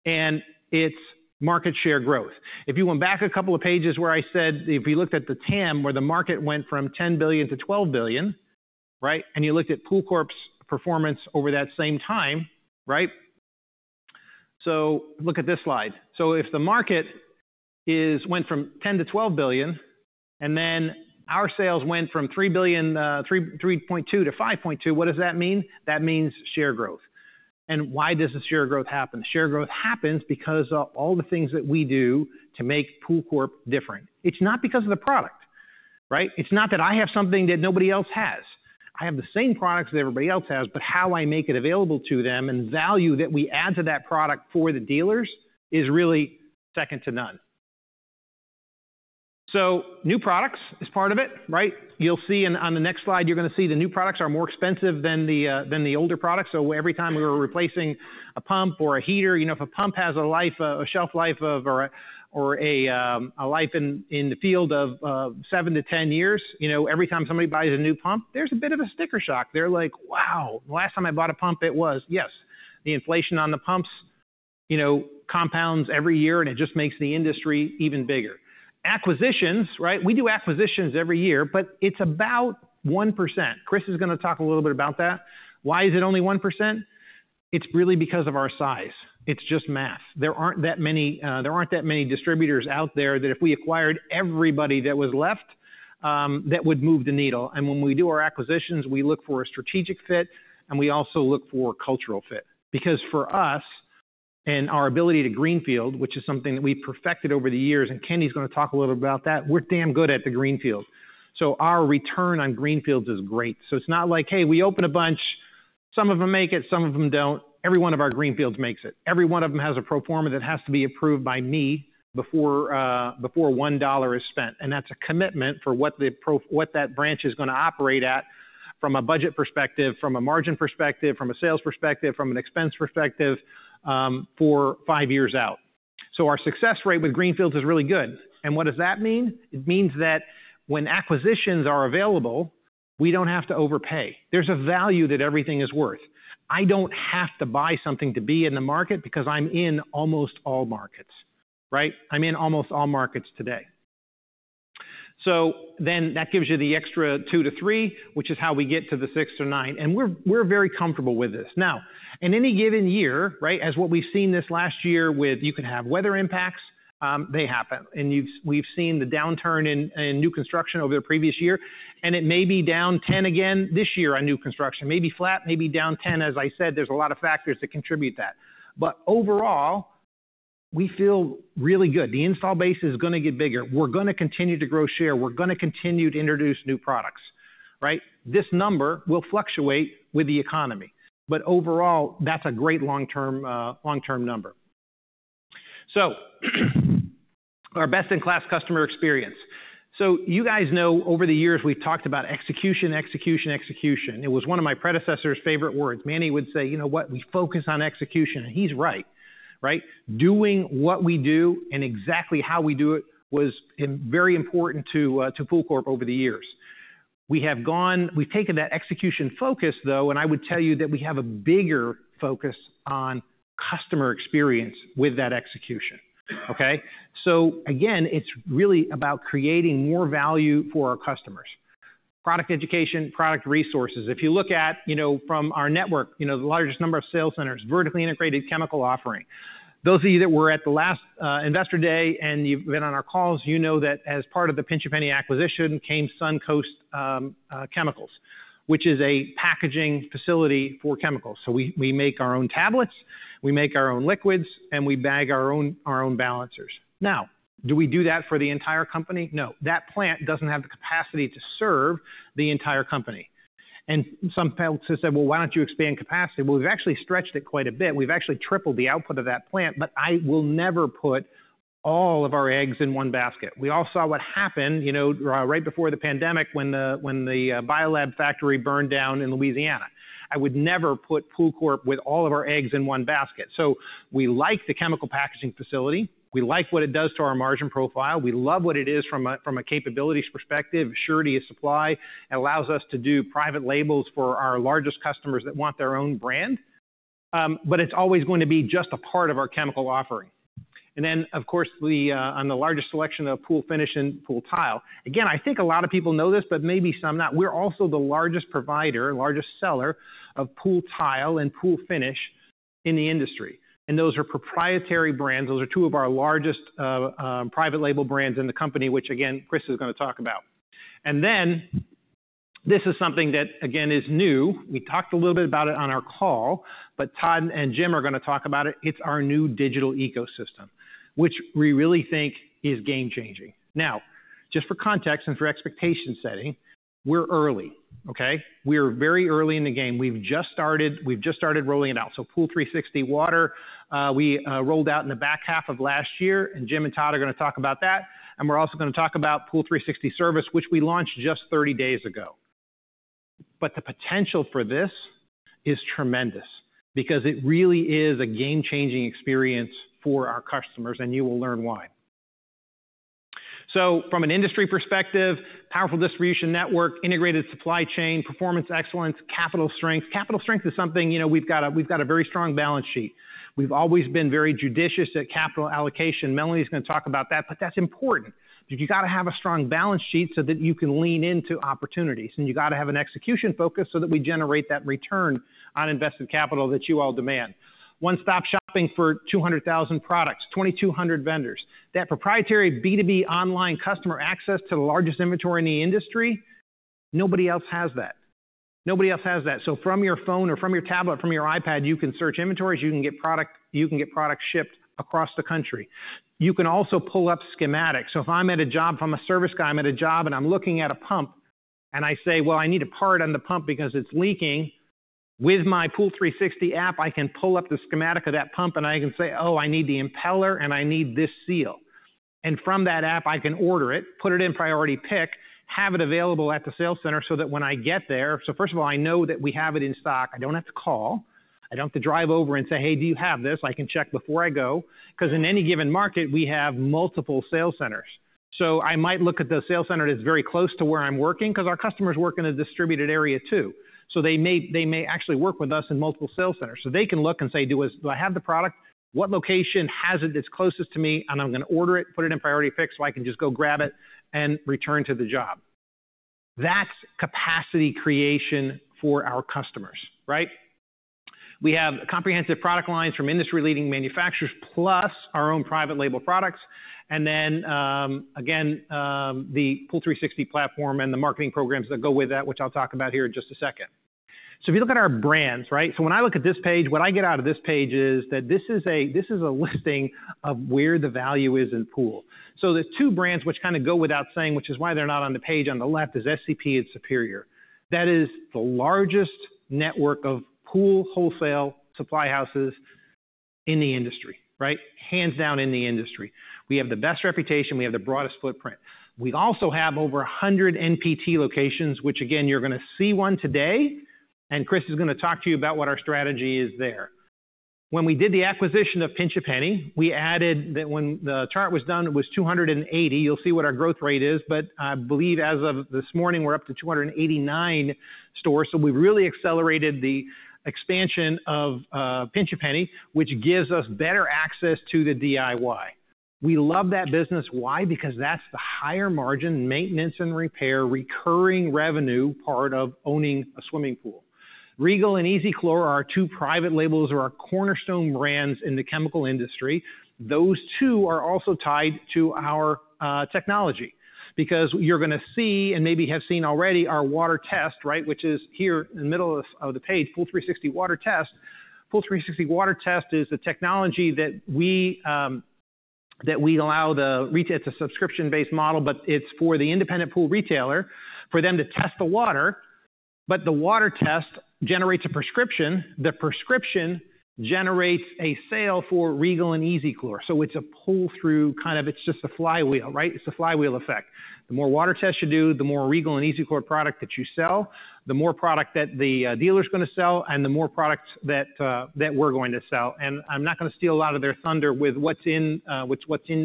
and it's market share growth. If you went back a couple of pages where I said if you looked at the TAM, where the market went from $10 billion-$12 billion, right? And you looked at PoolCorp's performance over that same time, right? So look at this slide. So if the market went from $10 billion-$12 billion and then our sales went from $3.2 billion-$5.2 billion, what does that mean? That means share growth. And why does the share growth happen? Share growth happens because of all the things that we do to make PoolCorp different. It's not because of the product, right? It's not that I have something that nobody else has. I have the same products that everybody else has, but how I make it available to them and value that we add to that product for the dealers is really second to none. So new products is part of it, right? You'll see on the next slide, you're going to see the new products are more expensive than the older products. So every time we were replacing a pump or a heater, if a pump has a life, a shelf life of or a life in the field of 7-10 years, every time somebody buys a new pump, there's a bit of a sticker shock. They're like, wow, the last time I bought a pump, it was yes. The inflation on the pumps compounds every year, and it just makes the industry even bigger. Acquisitions, right? We do acquisitions every year, but it's about 1%. Chris is going to talk a little bit about that. Why is it only 1%? It's really because of our size. It's just math. There aren't that many distributors out there that if we acquired everybody that was left, that would move the needle. When we do our acquisitions, we look for a strategic fit, and we also look for cultural fit. Because for us and our ability to greenfield, which is something that we perfected over the years, and Kenny's going to talk a little bit about that, we're damn good at the greenfield. So our return on greenfields is great. So it's not like, hey, we open a bunch. Some of them make it. Some of them don't. Every one of our greenfields makes it. Every one of them has a pro forma that has to be approved by me before $1 is spent. That's a commitment for what that branch is going to operate at from a budget perspective, from a margin perspective, from a sales perspective, from an expense perspective for five years out. Our success rate with greenfields is really good. What does that mean? It means that when acquisitions are available, we don't have to overpay. There's a value that everything is worth. I don't have to buy something to be in the market because I'm in almost all markets, right? I'm in almost all markets today. So then that gives you the extra 2%-3%, which is how we get to the 6%-9%. We're very comfortable with this. Now, in any given year, right? As what we've seen this last year, you could have weather impacts. They happen. And we've seen the downturn in new construction over the previous year. And it may be down 10% again this year on new construction, maybe flat, maybe down 10%. As I said, there's a lot of factors that contribute that. But overall, we feel really good. The installed base is going to get bigger. We're going to continue to grow share. We're going to continue to introduce new products, right? This number will fluctuate with the economy. But overall, that's a great long-term number. So our best-in-class customer experience. So you guys know, over the years, we've talked about execution, execution, execution. It was one of my predecessors' favorite words. Manny would say, you know what? We focus on execution. And he's right, right? Doing what we do and exactly how we do it was very important to PoolCorp over the years. We've taken that execution focus, though, and I would tell you that we have a bigger focus on customer experience with that execution, okay? So again, it's really about creating more value for our customers. Product education, product resources. If you look at from our network, the largest number of sales centers, vertically integrated chemical offering. Those of you that were at the last Investor Day and you've been on our calls, you know that as part of the Pinch A Penny acquisition came Suncoast Chemicals, which is a packaging facility for chemicals. So we make our own tablets, we make our own liquids, and we bag our own balancers. Now, do we do that for the entire company? No. That plant doesn't have the capacity to serve the entire company. Some folks have said, well, why don't you expand capacity? Well, we've actually stretched it quite a bit. We've actually tripled the output of that plant. But I will never put all of our eggs in one basket. We all saw what happened right before the pandemic when the BioLab factory burned down in Louisiana. I would never put PoolCorp with all of our eggs in one basket. So we like the chemical packaging facility. We like what it does to our margin profile. We love what it is from a capabilities perspective, assuredness of supply. It allows us to do private labels for our largest customers that want their own brand. But it's always going to be just a part of our chemical offering. And then, of course, on the largest selection of pool finish and pool tile. Again, I think a lot of people know this, but maybe some not. We're also the largest provider, largest seller of pool tile and pool finish in the industry. Those are proprietary brands. Those are two of our largest private label brands in the company, which, again, Chris is going to talk about. Then this is something that, again, is new. We talked a little bit about it on our call, but Todd and Jim are going to talk about it. It's our new digital ecosystem, which we really think is game-changing. Now, just for context and for expectation setting, we're early, okay? We are very early in the game. We've just started rolling it out. So POOL360 water, we rolled out in the back half of last year. And Jim and Todd are going to talk about that. We're also going to talk about POOL360 Service, which we launched just 30 days ago. The potential for this is tremendous because it really is a game-changing experience for our customers. You will learn why. From an industry perspective, powerful distribution network, integrated supply chain, performance excellence, capital strength. Capital strength is something we've got a very strong balance sheet. We've always been very judicious at capital allocation. Melanie's going to talk about that. That's important. You've got to have a strong balance sheet so that you can lean into opportunities. You've got to have an execution focus so that we generate that return on invested capital that you all demand. One-stop shopping for 200,000 products, 2,200 vendors. That proprietary B2B online customer access to the largest inventory in the industry, nobody else has that. Nobody else has that. So from your phone or from your tablet, from your iPad, you can search inventories. You can get product shipped across the country. You can also pull up schematics. So if I'm at a job, if I'm a service guy, I'm at a job and I'm looking at a pump and I say, well, I need a part on the pump because it's leaking, with my POOL360 app, I can pull up the schematic of that pump and I can say, oh, I need the impeller and I need this seal. And from that app, I can order it, put it in priority pick, have it available at the sales center so that when I get there so first of all, I know that we have it in stock. I don't have to call. I don't have to drive over and say, hey, do you have this? I can check before I go. Because in any given market, we have multiple sales centers. So I might look at the sales center that's very close to where I'm working because our customers work in a distributed area, too. So they may actually work with us in multiple sales centers. So they can look and say, do I have the product? What location has it that's closest to me? And I'm going to order it, put it in priority fix so I can just go grab it and return to the job. That's capacity creation for our customers, right? We have comprehensive product lines from industry-leading manufacturers plus our own private label products. And then, again, the POOL360 platform and the marketing programs that go with that, which I'll talk about here in just a second. So if you look at our brands, right? So when I look at this page, what I get out of this page is that this is a listing of where the value is in pool. So the two brands which kind of go without saying, which is why they're not on the page on the left, is SCP and Superior. That is the largest network of pool wholesale supply houses in the industry, right? Hands down in the industry. We have the best reputation. We have the broadest footprint. We also have over 100 NPT locations, which, again, you're going to see one today. And Chris is going to talk to you about what our strategy is there. When we did the acquisition of Pinch A Penny, we added that when the chart was done, it was 280. You'll see what our growth rate is. But I believe as of this morning, we're up to 289 stores. So we've really accelerated the expansion of Pinch A Penny, which gives us better access to the DIY. We love that business. Why? Because that's the higher margin, maintenance and repair, recurring revenue part of owning a swimming pool. Regal and E-Z Clor are our two private labels or our cornerstone brands in the chemical industry. Those two are also tied to our technology because you're going to see and maybe have seen already our water test, right? Which is here in the middle of the page, POOL360 WaterTest. POOL360 WaterTest is the technology that we allow the it's a subscription-based model, but it's for the independent pool retailer for them to test the water. But the water test generates a prescription. The prescription generates a sale for Regal and E-Z Clor. So it's a pull-through kind of it's just a flywheel, right? It's a flywheel effect. The more water tests you do, the more Regal and E-Z Clor product that you sell, the more product that the dealer is going to sell, and the more product that we're going to sell. I'm not going to steal a lot of their thunder with what's in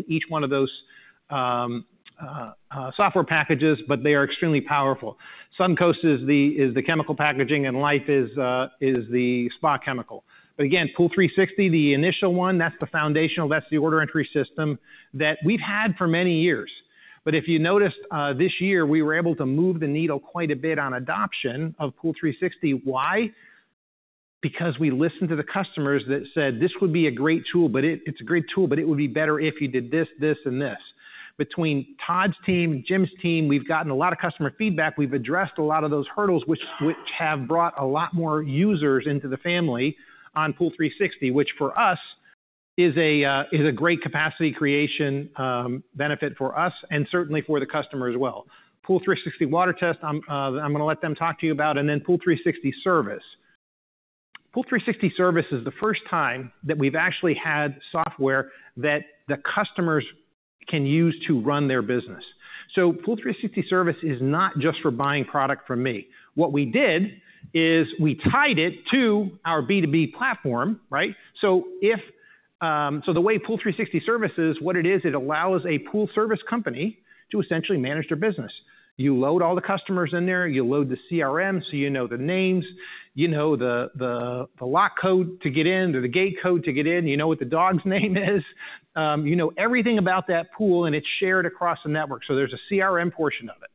each one of those software packages, but they are extremely powerful. Suncoast is the chemical packaging and Life is the spa chemical. But again, POOL360, the initial one, that's the foundational. That's the order entry system that we've had for many years. But if you noticed, this year we were able to move the needle quite a bit on adoption of POOL360. Why? Because we listened to the customers that said, this would be a great tool, but it's a great tool, but it would be better if you did this, this, and this. Between Todd's team, Jim's team, we've gotten a lot of customer feedback. We've addressed a lot of those hurdles, which have brought a lot more users into the family on POOL360, which for us is a great capacity creation benefit for us and certainly for the customer as well. POOL360 WaterTest, I'm going to let them talk to you about. And then POOL360 Service. POOL360 Service is the first time that we've actually had software that the customers can use to run their business. So POOL360 Service is not just for buying product from me. What we did is we tied it to our B2B platform, right? So the way POOL360 Service is, what it is, it allows a Pool service company to essentially manage their business. You load all the customers in there. You load the CRM so you know the names, you know the lock code to get in, the gate code to get in, you know what the dog's name is. You know everything about that pool, and it's shared across the network. So there's a CRM portion of it.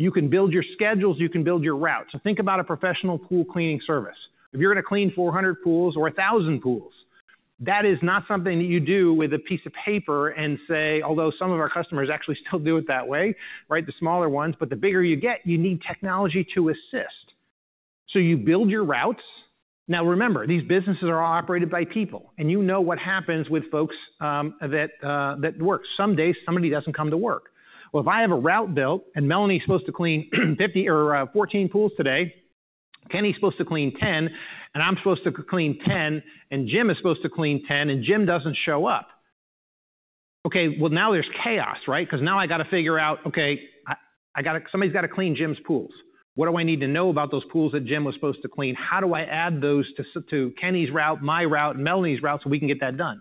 You can build your schedules. You can build your routes. So think about a professional pool cleaning service. If you're going to clean 400 pools or 1,000 pools, that is not something that you do with a piece of paper and say, although some of our customers actually still do it that way, right? The smaller ones. But the bigger you get, you need technology to assist. So you build your routes. Now, remember, these businesses are all operated by people. And you know what happens with folks that work. Some days, somebody doesn't come to work. Well, if I have a route built and Melanie's supposed to clean 14 pools today, Penny's supposed to clean 10, and I'm supposed to clean 10, and Jim is supposed to clean 10, and Jim doesn't show up. Okay, well, now there's chaos, right? Because now I got to figure out, okay, somebody's got to clean Jim's pools. What do I need to know about those pools that Jim was supposed to clean? How do I add those to Penny's route, my route, Melanie's route so we can get that done?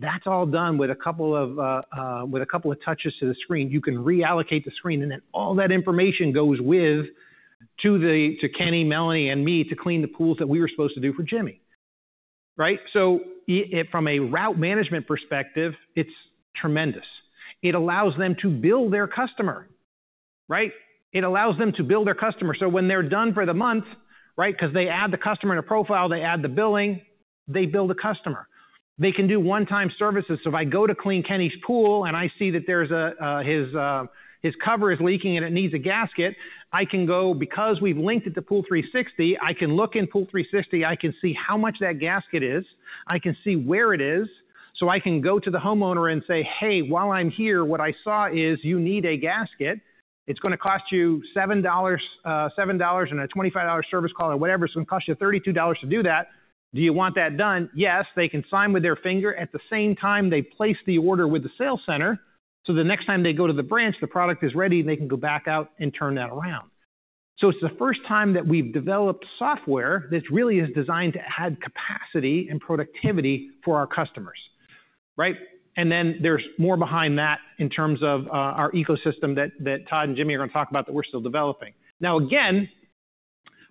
That's all done with a couple of touches to the screen. You can reallocate the screen, and then all that information goes with to Penny, Melanie, and me to clean the pools that we were supposed to do for Jimmy, right? So from a route management perspective, it's tremendous. It allows them to build their customer, right? It allows them to build their customer. So when they're done for the month, right? Because they add the customer in a profile, they add the billing, they build a customer. They can do one-time services. So if I go to clean Pinch A Penny's pool and I see that his cover is leaking and it needs a gasket, I can go because we've linked it to POOL360, I can look in POOL360, I can see how much that gasket is. I can see where it is. So I can go to the homeowner and say, hey, while I'm here, what I saw is you need a gasket. It's going to cost you $7 and a $25 service call or whatever. It's going to cost you $32 to do that. Do you want that done? Yes. They can sign with their finger. At the same time, they place the order with the sales center. So the next time they go to the branch, the product is ready and they can go back out and turn that around. So it's the first time that we've developed software that really is designed to add capacity and productivity for our customers, right? And then there's more behind that in terms of our ecosystem that Todd and Jimmy are going to talk about that we're still developing. Now, again,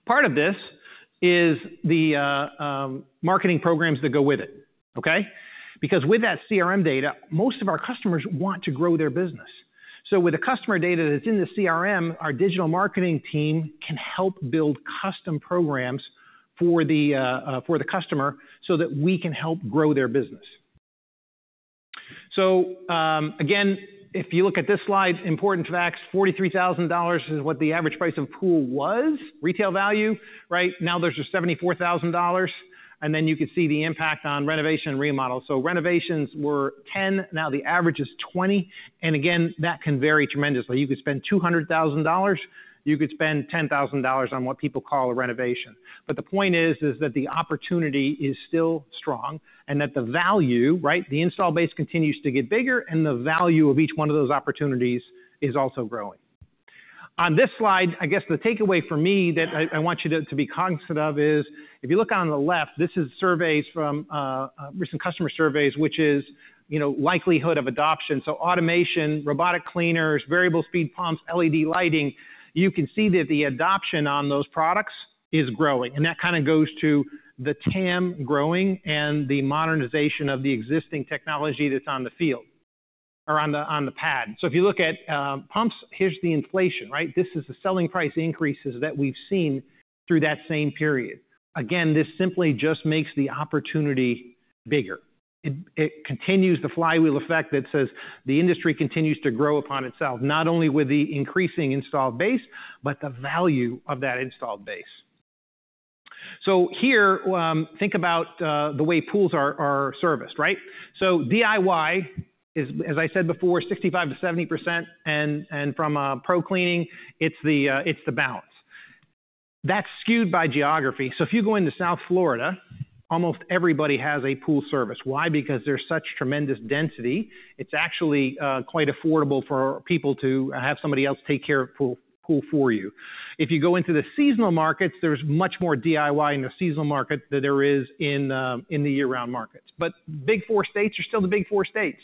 part of this is the marketing programs that go with it, okay? Because with that CRM data, most of our customers want to grow their business. So with the customer data that's in the CRM, our digital marketing team can help build custom programs for the customer so that we can help grow their business. So again, if you look at this slide, important facts, $43,000 is what the average price of a pool was, retail value, right? Now there's a $74,000. And then you can see the impact on renovation and remodel. So renovations were 10. Now the average is 20. And again, that can vary tremendously. You could spend $200,000. You could spend $10,000 on what people call a renovation. But the point is that the opportunity is still strong and that the value, right? The installed base continues to get bigger, and the value of each one of those opportunities is also growing. On this slide, I guess the takeaway for me that I want you to be cognizant of is if you look on the left, this is surveys from recent customer surveys, which is likelihood of adoption. So automation, robotic cleaners, variable speed pumps, LED lighting. You can see that the adoption on those products is growing. And that kind of goes to the TAM growing and the modernization of the existing technology that's on the field or on the pad. So if you look at pumps, here's the inflation, right? This is the selling price increases that we've seen through that same period. Again, this simply just makes the opportunity bigger. It continues the flywheel effect that says the industry continues to grow upon itself, not only with the increasing installed base, but the value of that installed base. So here, think about the way pools are serviced, right? So DIY is, as I said before, 65%-70%. And from a pro cleaning, it's the balance. That's skewed by geography. So if you go into South Florida, almost everybody has a pool service. Why? Because there's such tremendous density. It's actually quite affordable for people to have somebody else take care of pool for you. If you go into the seasonal markets, there's much more DIY in the seasonal market than there is in the year-round markets. But Big Four states are still the Big Four states.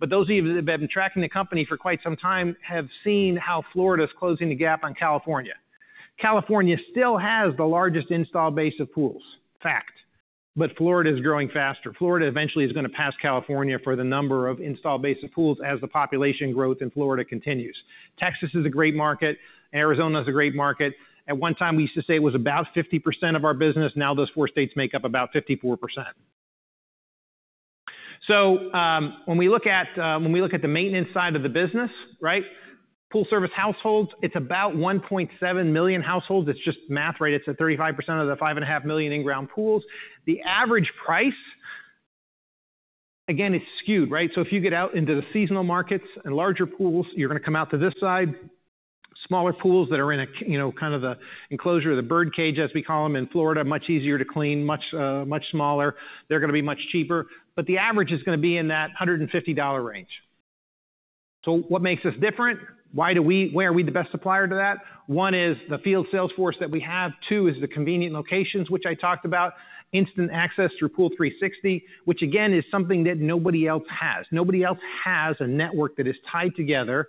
But those who have been tracking the company for quite some time have seen how Florida is closing the gap on California. California still has the largest installed base of pools, fact. But Florida is growing faster. Florida eventually is going to pass California for the number of installed base of pools as the population growth in Florida continues. Texas is a great market. Arizona is a great market. At one time, we used to say it was about 50% of our business. Now those four states make up about 54%. So when we look at the maintenance side of the business, right? Pool service households, it's about 1.7 million households. It's just math, right? It's 35% of the 5.5 million in-ground pools. The average price, again, is skewed, right? So if you get out into the seasonal markets and larger pools, you're going to come out to this side, smaller pools that are in kind of the enclosure of the birdcage, as we call them in Florida, much easier to clean, much smaller. They're going to be much cheaper. But the average is going to be in that $150 range. So what makes us different? Why do we, where are we the best supplier to that? One is the field sales force that we have. Two is the convenient locations, which I talked about, instant access through POOL360, which, again, is something that nobody else has. Nobody else has a network that is tied together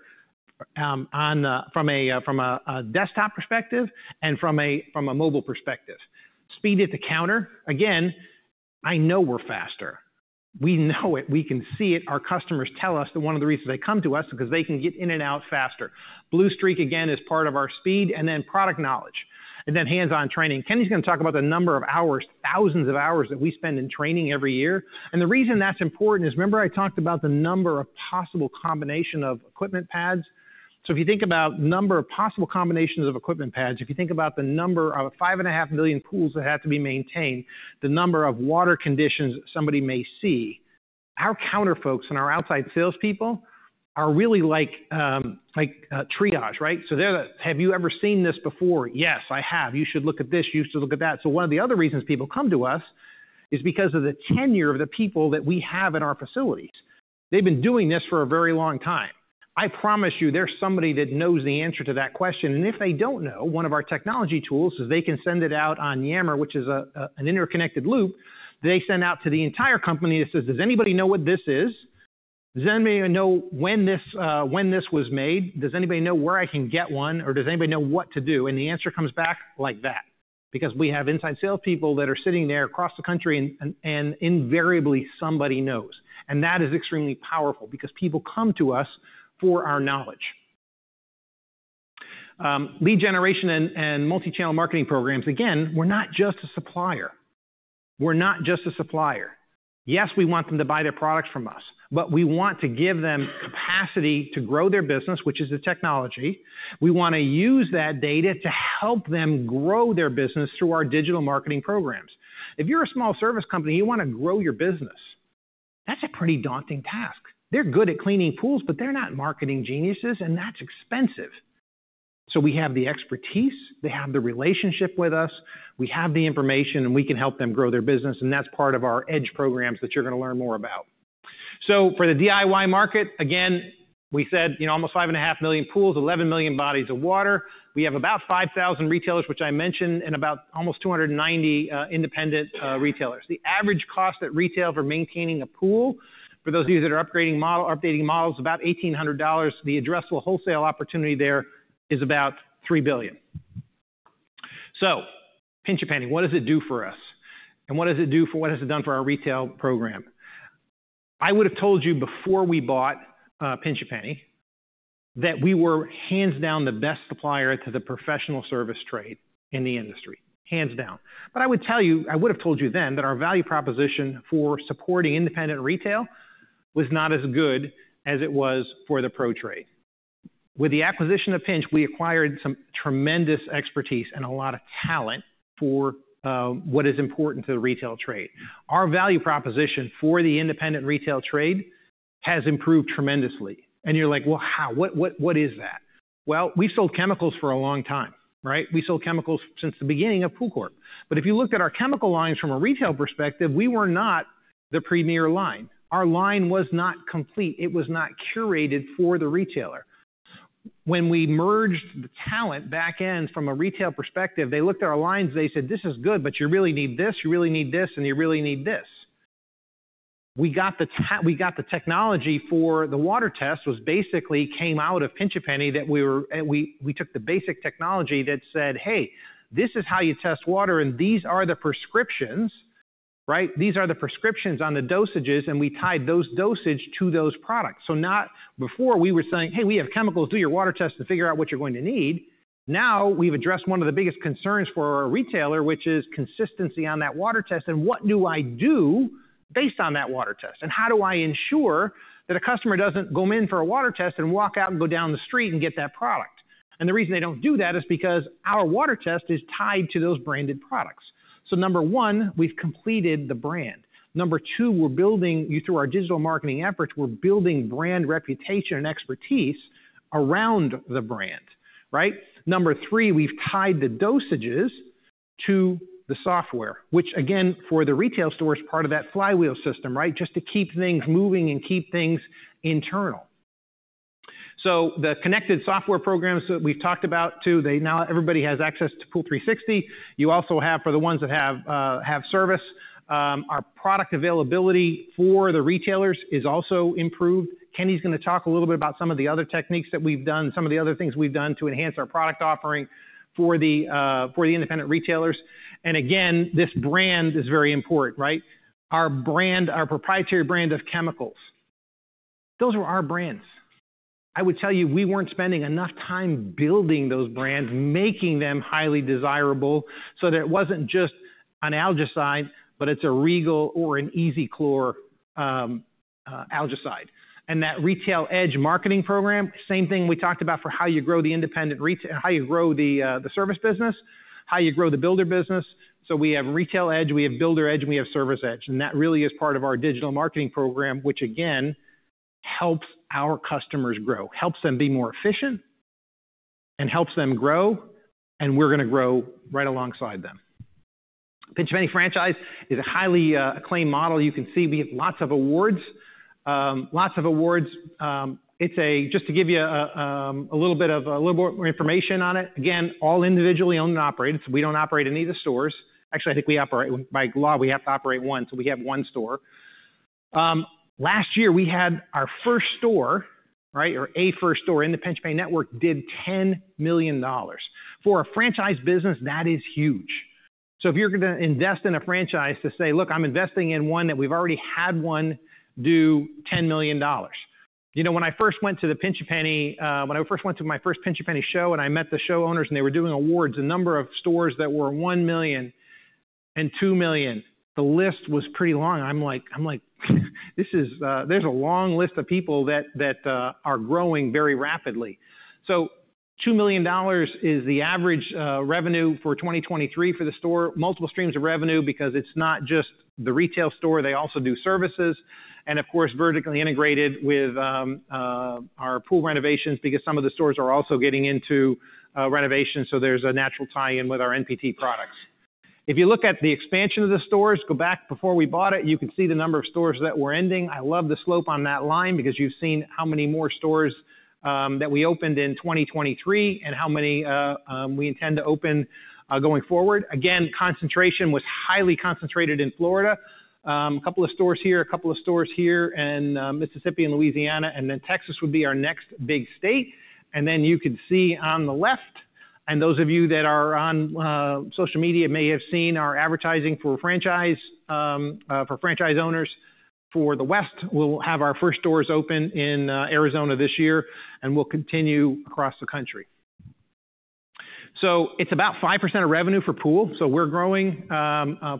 from a desktop perspective and from a mobile perspective. Speed at the counter, again, I know we're faster. We know it. We can see it. Our customers tell us that one of the reasons they come to us is because they can get in and out faster. Blue Streak, again, is part of our speed and then product knowledge and then hands-on training. Kenny's going to talk about the number of hours, thousands of hours that we spend in training every year. And the reason that's important is remember I talked about the number of possible combination of equipment pads? So if you think about number of possible combinations of equipment pads, if you think about the number of 5.5 million pools that have to be maintained, the number of water conditions somebody may see, our counter folks and our outside salespeople are really like triage, right? So they're the have you ever seen this before? Yes, I have. You should look at this. You should look at that. So one of the other reasons people come to us is because of the tenure of the people that we have in our facilities. They've been doing this for a very long time. I promise you, there's somebody that knows the answer to that question. And if they don't know, one of our technology tools is they can send it out on Yammer, which is an interconnected loop. They send out to the entire company that says, does anybody know what this is? Does anybody know when this was made? Does anybody know where I can get one? Or does anybody know what to do? The answer comes back like that because we have inside salespeople that are sitting there across the country, and invariably, somebody knows. That is extremely powerful because people come to us for our knowledge. Lead generation and multi-channel marketing programs, again, we're not just a supplier. We're not just a supplier. Yes, we want them to buy their products from us, but we want to give them capacity to grow their business, which is the technology. We want to use that data to help them grow their business through our digital marketing programs. If you're a small service company, you want to grow your business. That's a pretty daunting task. They're good at cleaning pools, but they're not marketing geniuses, and that's expensive. So we have the expertise. They have the relationship with us. We have the information, and we can help them grow their business. And that's part of our edge programs that you're going to learn more about. So for the DIY market, again, we said almost 5.5 million pools, 11 million bodies of water. We have about 5,000 retailers, which I mentioned, and about almost 290 independent retailers. The average cost that retail for maintaining a pool, for those of you that are upgrading models, about $1,800. The addressable wholesale opportunity there is about $3 billion. So Pinch A Penny, what does it do for us? And what does it do for what has it done for our retail program? I would have told you before we bought Pinch A Penny that we were hands down the best supplier to the professional service trade in the industry, hands down. But I would tell you, I would have told you then that our value proposition for supporting independent retail was not as good as it was for the pro trade. With the acquisition of Pinch, we acquired some tremendous expertise and a lot of talent for what is important to the retail trade. Our value proposition for the independent retail trade has improved tremendously. And you're like, well, how? What is that? Well, we've sold chemicals for a long time, right? We sold chemicals since the beginning of PoolCorp. But if you looked at our chemical lines from a retail perspective, we were not the premier line. Our line was not complete. It was not curated for the retailer. When we merged the talent back ends from a retail perspective, they looked at our lines and they said, "This is good, but you really need this. You really need this, and you really need this." We got the technology for the water test, which basically came out of Pinch A Penny, that we took the basic technology that said, "Hey, this is how you test water, and these are the prescriptions, right?" These are the prescriptions on the dosages, and we tied those dosages to those products. So before, we were saying, "Hey, we have chemicals. Do your water test to figure out what you're going to need." Now we've addressed one of the biggest concerns for our retailer, which is consistency on that water test. And what do I do based on that water test? How do I ensure that a customer doesn't go in for a water test and walk out and go down the street and get that product? And the reason they don't do that is because our water test is tied to those branded products. So number one, we've completed the brand. Number two, we're building you through our digital marketing efforts, we're building brand reputation and expertise around the brand, right? Number three, we've tied the dosages to the software, which, again, for the retail stores, part of that flywheel system, right? Just to keep things moving and keep things internal. So the connected software programs that we've talked about too, they now everybody has access to POOL360. You also have, for the ones that have service, our product availability for the retailers is also improved. Kenny's going to talk a little bit about some of the other techniques that we've done, some of the other things we've done to enhance our product offering for the independent retailers. And again, this brand is very important, right? Our brand, our proprietary brand of chemicals, those were our brands. I would tell you, we weren't spending enough time building those brands, making them highly desirable so that it wasn't just an algaecide, but it's a Regal or an Easy Chlor algaecide. And that Retail Edge marketing program, same thing we talked about for how you grow the independent retailer, how you grow the service business, how you grow the builder business. So we have Retail Edge, we have Builder Edge, and we have Service Edge. That really is part of our digital marketing program, which, again, helps our customers grow, helps them be more efficient and helps them grow. We're going to grow right alongside them. Pinch A Penny franchise is a highly acclaimed model. You can see we have lots of awards, lots of awards. It's just to give you a little bit more information on it. Again, all individually owned and operated. We don't operate any of the stores. Actually, I think we operate by law, we have to operate one. We have one store. Last year, we had our first store, right? Or a first store in the Pinch A Penny network did $10 million for a franchise business. That is huge. So if you're going to invest in a franchise to say, look, I'm investing in one that we've already had one do $10 million. When I first went to the Pinch A Penny, when I first went to my first Pinch A Penny show and I met the show owners and they were doing awards, a number of stores that were $1 million and $2 million, the list was pretty long. I'm like, this is there's a long list of people that are growing very rapidly. So $2 million is the average revenue for 2023 for the store, multiple streams of revenue because it's not just the retail store. They also do services and, of course, vertically integrated with our pool renovations because some of the stores are also getting into renovations. So there's a natural tie-in with our NPT products. If you look at the expansion of the stores, go back before we bought it, you can see the number of stores that were ending. I love the slope on that line because you've seen how many more stores that we opened in 2023 and how many we intend to open going forward. Again, concentration was highly concentrated in Florida, a couple of stores here, a couple of stores here in Mississippi and Louisiana, and then Texas would be our next big state. And then you could see on the left, and those of you that are on social media may have seen our advertising for franchise for franchise owners for the west, we'll have our first stores open in Arizona this year and we'll continue across the country. So it's about 5% of revenue for pool. So we're growing. That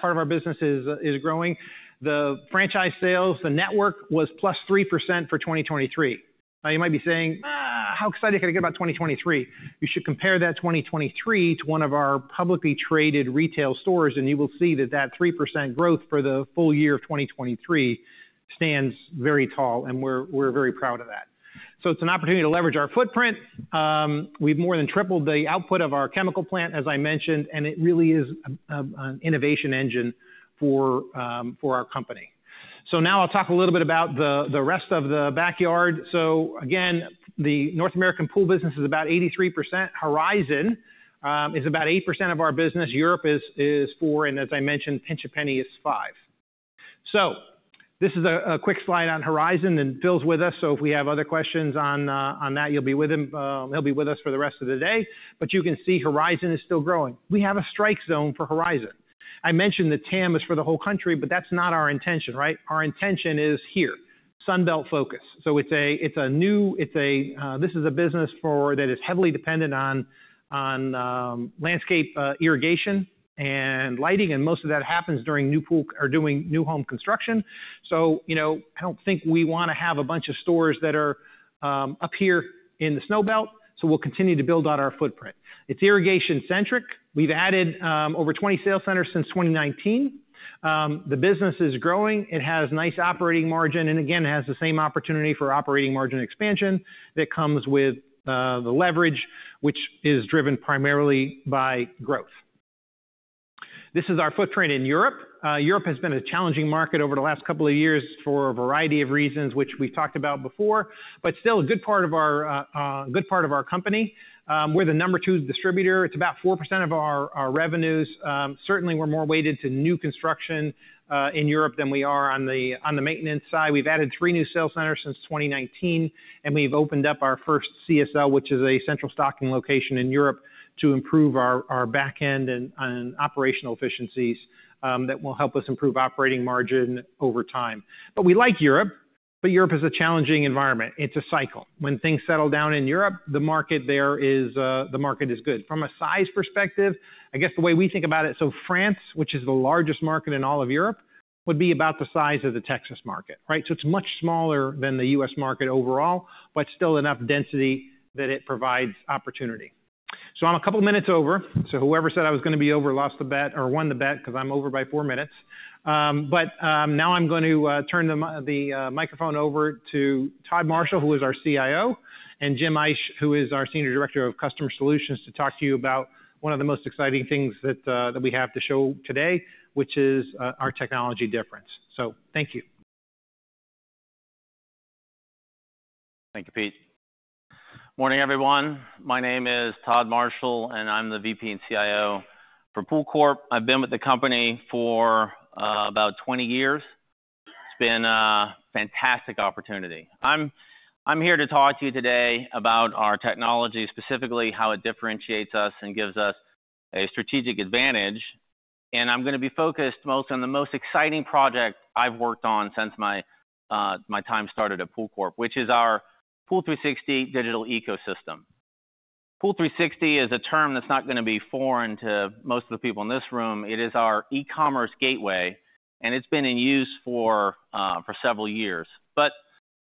part of our business is growing. The franchise sales, the network was plus 3% for 2023. Now you might be saying, how excited can I get about 2023? You should compare that 2023 to one of our publicly traded retail stores, and you will see that that 3% growth for the full year of 2023 stands very tall, and we're very proud of that. It's an opportunity to leverage our footprint. We've more than tripled the output of our chemical plant, as I mentioned, and it really is an innovation engine for our company. Now I'll talk a little bit about the rest of the backyard. Again, the North American pool business is about 83%. Horizon is about 8% of our business. Europe is 4%. And as I mentioned, Pinch A Penny is 5%. This is a quick slide on Horizon and fits with us. So if we have other questions on that, you'll be with him. He'll be with us for the rest of the day. But you can see Horizon is still growing. We have a strike zone for Horizon. I mentioned that TAM is for the whole country, but that's not our intention, right? Our intention is here, Sunbelt Focus. So it's a business that is heavily dependent on landscape irrigation and lighting. And most of that happens during new pool or doing new home construction. So I don't think we want to have a bunch of stores that are up here in the snow belt. So we'll continue to build out our footprint. It's irrigation centric. We've added over 20 sales centers since 2019. The business is growing. It has nice operating margin. And again, it has the same opportunity for operating margin expansion that comes with the leverage, which is driven primarily by growth. This is our footprint in Europe. Europe has been a challenging market over the last couple of years for a variety of reasons, which we've talked about before, but still a good part of our good part of our company. We're the number two distributor. It's about 4% of our revenues. Certainly, we're more weighted to new construction in Europe than we are on the maintenance side. We've added three new sales centers since 2019, and we've opened up our first CSL, which is a central stocking location in Europe to improve our back end and operational efficiencies that will help us improve operating margin over time. But we like Europe, but Europe is a challenging environment. It's a cycle. When things settle down in Europe, the market there is good from a size perspective. I guess the way we think about it, so France, which is the largest market in all of Europe, would be about the size of the Texas market, right? It's much smaller than the U.S. market overall, but still enough density that it provides opportunity. I'm a couple of minutes over. Whoever said I was going to be over lost the bet or won the bet because I'm over by four minutes. Now I'm going to turn the microphone over to Todd Marshall, who is our CIO, and Jim Eich, who is our senior director of customer solutions, to talk to you about one of the most exciting things that we have to show today, which is our technology difference. Thank you. Thank you, Pete. Morning, everyone. My name is Todd Marshall, and I'm the VP and CIO for PoolCorp. I've been with the company for about 20 years. It's been a fantastic opportunity. I'm here to talk to you today about our technology, specifically how it differentiates us and gives us a strategic advantage. And I'm going to be focused most on the most exciting project I've worked on since my time started at PoolCorp, which is our POOL360 digital ecosystem. POOL360 is a term that's not going to be foreign to most of the people in this room. It is our e-commerce gateway, and it's been in use for several years. But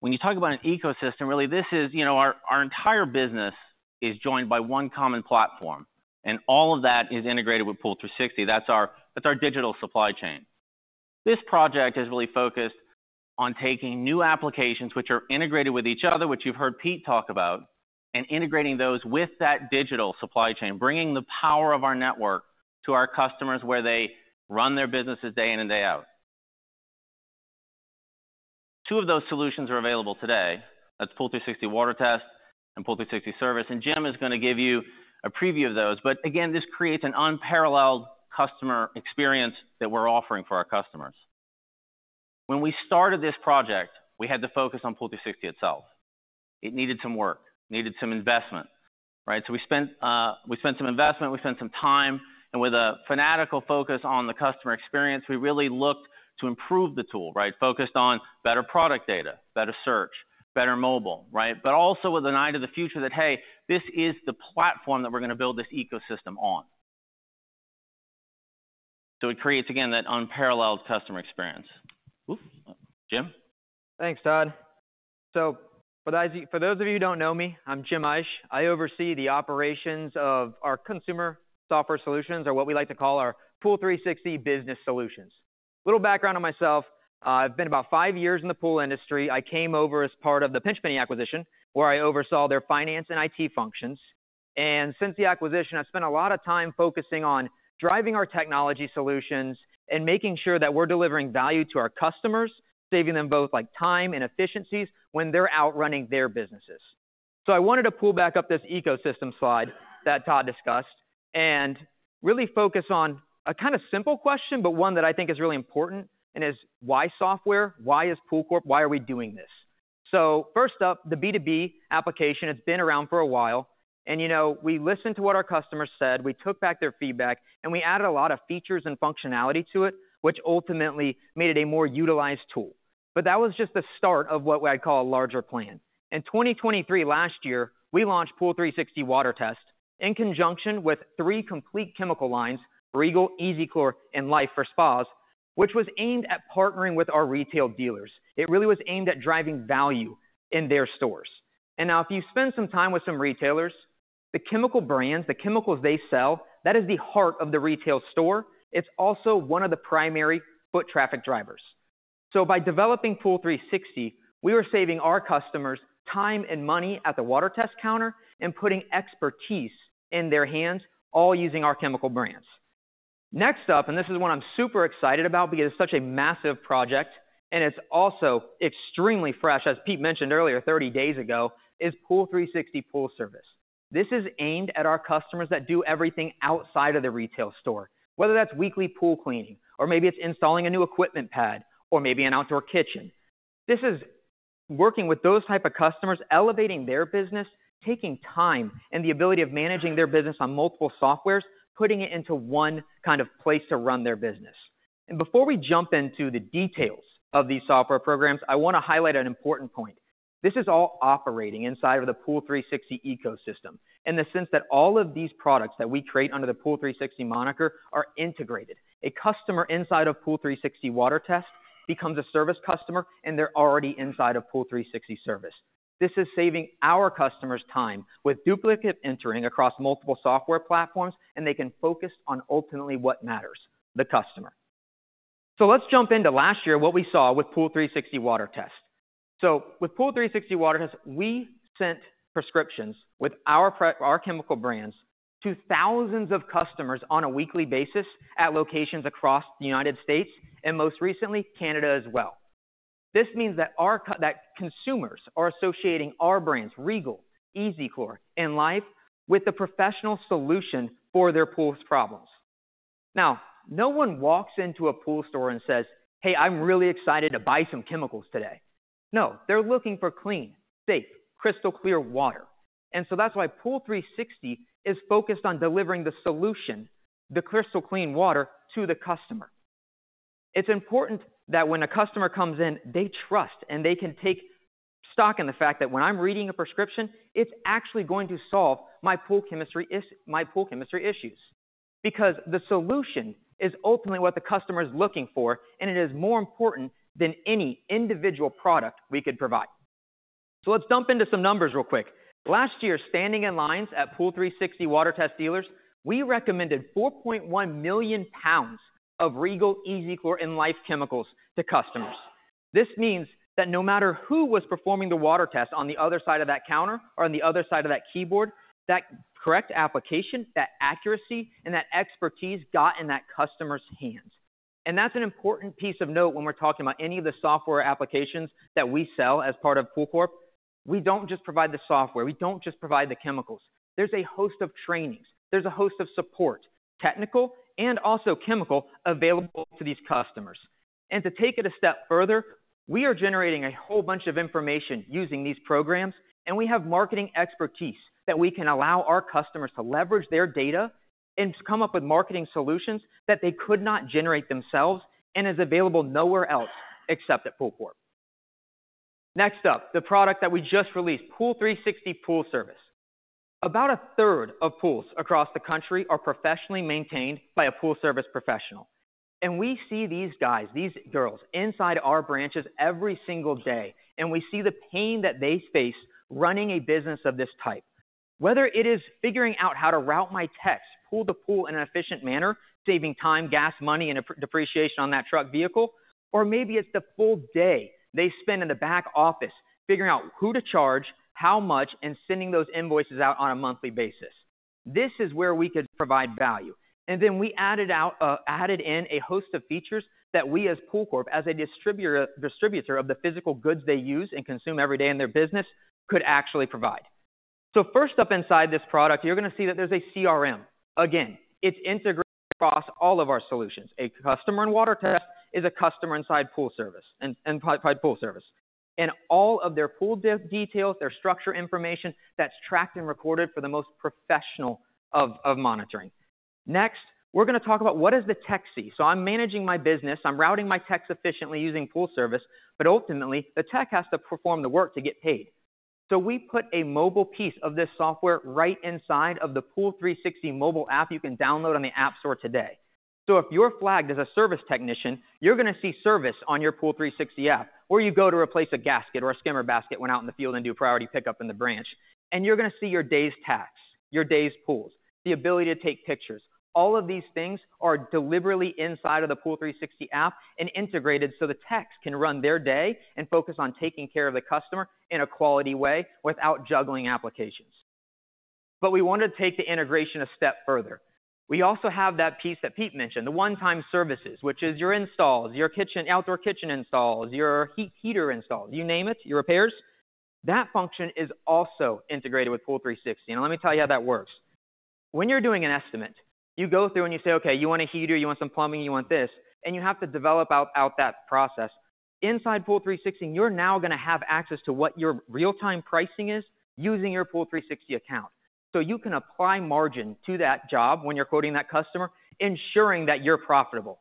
when you talk about an ecosystem, really, this is our entire business is joined by one common platform, and all of that is integrated with POOL360. That's our digital supply chain. This project is really focused on taking new applications which are integrated with each other, which you've heard Pete talk about, and integrating those with that digital supply chain, bringing the power of our network to our customers where they run their businesses day in and day out. Two of those solutions are available today. That's POOL360 WaterTest and POOL360 Service. Jim is going to give you a preview of those. But again, this creates an unparalleled customer experience that we're offering for our customers. When we started this project, we had to focus on POOL360 itself. It needed some work, needed some investment, right? So we spent some investment, we spent some time, and with a fanatical focus on the customer experience, we really looked to improve the tool, right? Focused on better product data, better search, better mobile, right? But also with an eye to the future that, hey, this is the platform that we're going to build this ecosystem on. So it creates, again, that unparalleled customer experience. Oops, Jim. Thanks, Todd. So for those of you who don't know me, I'm Jim Eich. I oversee the operations of our customer software solutions, or what we like to call our POOL360 business solutions. Little background on myself. I've been about five years in the pool industry. I came over as part of the Pinch A Penny acquisition, where I oversaw their finance and IT functions. And since the acquisition, I've spent a lot of time focusing on driving our technology solutions and making sure that we're delivering value to our customers, saving them both time and efficiencies when they're out running their businesses. So I wanted to pull back up this ecosystem slide that Todd discussed and really focus on a kind of simple question, but one that I think is really important and is why software? Why is PoolCorp? Why are we doing this? So first up, the B2B application, it's been around for a while, and we listened to what our customers said. We took back their feedback, and we added a lot of features and functionality to it, which ultimately made it a more utilized tool. But that was just the start of what I'd call a larger plan. In 2023, last year, we launched POOL360 WaterTest in conjunction with three complete chemical lines, Regal, E-Z Clor, and Life for Spas, which was aimed at partnering with our retail dealers. It really was aimed at driving value in their stores. Now if you spend some time with some retailers, the chemical brands, the chemicals they sell, that is the heart of the retail store. It's also one of the primary foot traffic drivers. So by developing POOL360, we were saving our customers time and money at the water test counter and putting expertise in their hands, all using our chemical brands. Next up, and this is one I'm super excited about because it's such a massive project and it's also extremely fresh, as Pete mentioned earlier, 30 days ago, is POOL360 Service. This is aimed at our customers that do everything outside of the retail store, whether that's weekly pool cleaning or maybe it's installing a new equipment pad or maybe an outdoor kitchen. This is working with those type of customers, elevating their business, taking time and the ability of managing their business on multiple softwares, putting it into one kind of place to run their business. Before we jump into the details of these software programs, I want to highlight an important point. This is all operating inside of the POOL360 ecosystem in the sense that all of these products that we create under the POOL360 moniker are integrated. A customer inside of POOL360 water test becomes a service customer, and they're already inside of POOL360 Service. This is saving our customers time with duplicate entering across multiple software platforms, and they can focus on ultimately what matters, the customer. Let's jump into last year, what we saw with POOL360 water test. So with POOL360 WaterTest, we sent prescriptions with our chemical brands to thousands of customers on a weekly basis at locations across the United States and most recently, Canada as well. This means that consumers are associating our brands, Regal, Easy Chlor, and Life, with the professional solution for their pool's problems. Now, no one walks into a pool store and says, "Hey, I'm really excited to buy some chemicals today." No, they're looking for clean, safe, crystal clear water. And so that's why POOL360 is focused on delivering the solution, the crystal clean water to the customer. It's important that when a customer comes in, they trust and they can take stock in the fact that when I'm reading a prescription, it's actually going to solve my pool chemistry issues because the solution is ultimately what the customer is looking for, and it is more important than any individual product we could provide. So let's jump into some numbers real quick. Last year, standing in lines at POOL360 WaterTest dealers, we recommended 4.1 million pounds of Regal, E-Z Clor, and Life chemicals to customers. This means that no matter who was performing the water test on the other side of that counter or on the other side of that keyboard, that correct application, that accuracy, and that expertise got in that customer's hands. And that's an important piece of note when we're talking about any of the software applications that we sell as part of PoolCorp. We don't just provide the software. We don't just provide the chemicals. There's a host of trainings. There's a host of support, technical and also chemical, available to these customers. And to take it a step further, we are generating a whole bunch of information using these programs, and we have marketing expertise that we can allow our customers to leverage their data and come up with marketing solutions that they could not generate themselves and is available nowhere else except at PoolCorp. Next up, the product that we just released, POOL360 Service. About a third of pools across the country are professionally maintained by a pool service professional. And we see these guys, these girls inside our branches every single day, and we see the pain that they face running a business of this type, whether it is figuring out how to route my techs, pool to pool in an efficient manner, saving time, gas, money, and depreciation on that truck vehicle, or maybe it's the full day they spend in the back office figuring out who to charge, how much, and sending those invoices out on a monthly basis. This is where we could provide value. And then we added in a host of features that we, as PoolCorp, as a distributor of the physical goods they use and consume every day in their business, could actually provide. So first up inside this product, you're going to see that there's a CRM. Again, it's integrated across all of our solutions. A customer in WaterTest is a customer inside Pool Service and Pool Service. All of their pool details, their structure information, that's tracked and recorded for the most professional of monitoring. Next, we're going to talk about what is the tech suite? So I'm managing my business. I'm routing my techs efficiently using Pool Service, but ultimately, the tech has to perform the work to get paid. So we put a mobile piece of this software right inside of the POOL360 Mobile app you can download on the App Store today. So if you're flagged as a service technician, you're going to see Service on your POOL360 app, or you go to replace a gasket or a skimmer basket when out in the field and do priority pickup in the branch, and you're going to see your day's tasks, your day's pools, the ability to take pictures. All of these things are deliberately inside of the POOL360 app and integrated so the techs can run their day and focus on taking care of the customer in a quality way without juggling applications. But we wanted to take the integration a step further. We also have that piece that Pete mentioned, the one-time services, which is your installs, your outdoor kitchen installs, your heater installs, you name it, your repairs. That function is also integrated with POOL360. And let me tell you how that works. When you're doing an estimate, you go through and you say, "Okay, you want a heater, you want some plumbing, you want this," and you have to develop out that process. Inside POOL360, you're now going to have access to what your real-time pricing is using your POOL360 account. So you can apply margin to that job when you're quoting that customer, ensuring that you're profitable.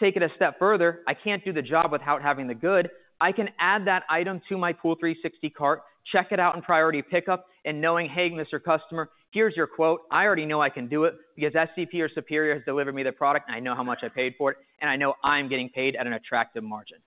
Take it a step further. I can't do the job without having the good. I can add that item to my POOL360 cart, check it out in priority pickup, and knowing, "Hey, Mr. Customer, here's your quote. I already know I can do it because SCP or Superior has delivered me the product, and I know how much I paid for it, and I know I'm getting paid at an attractive margin."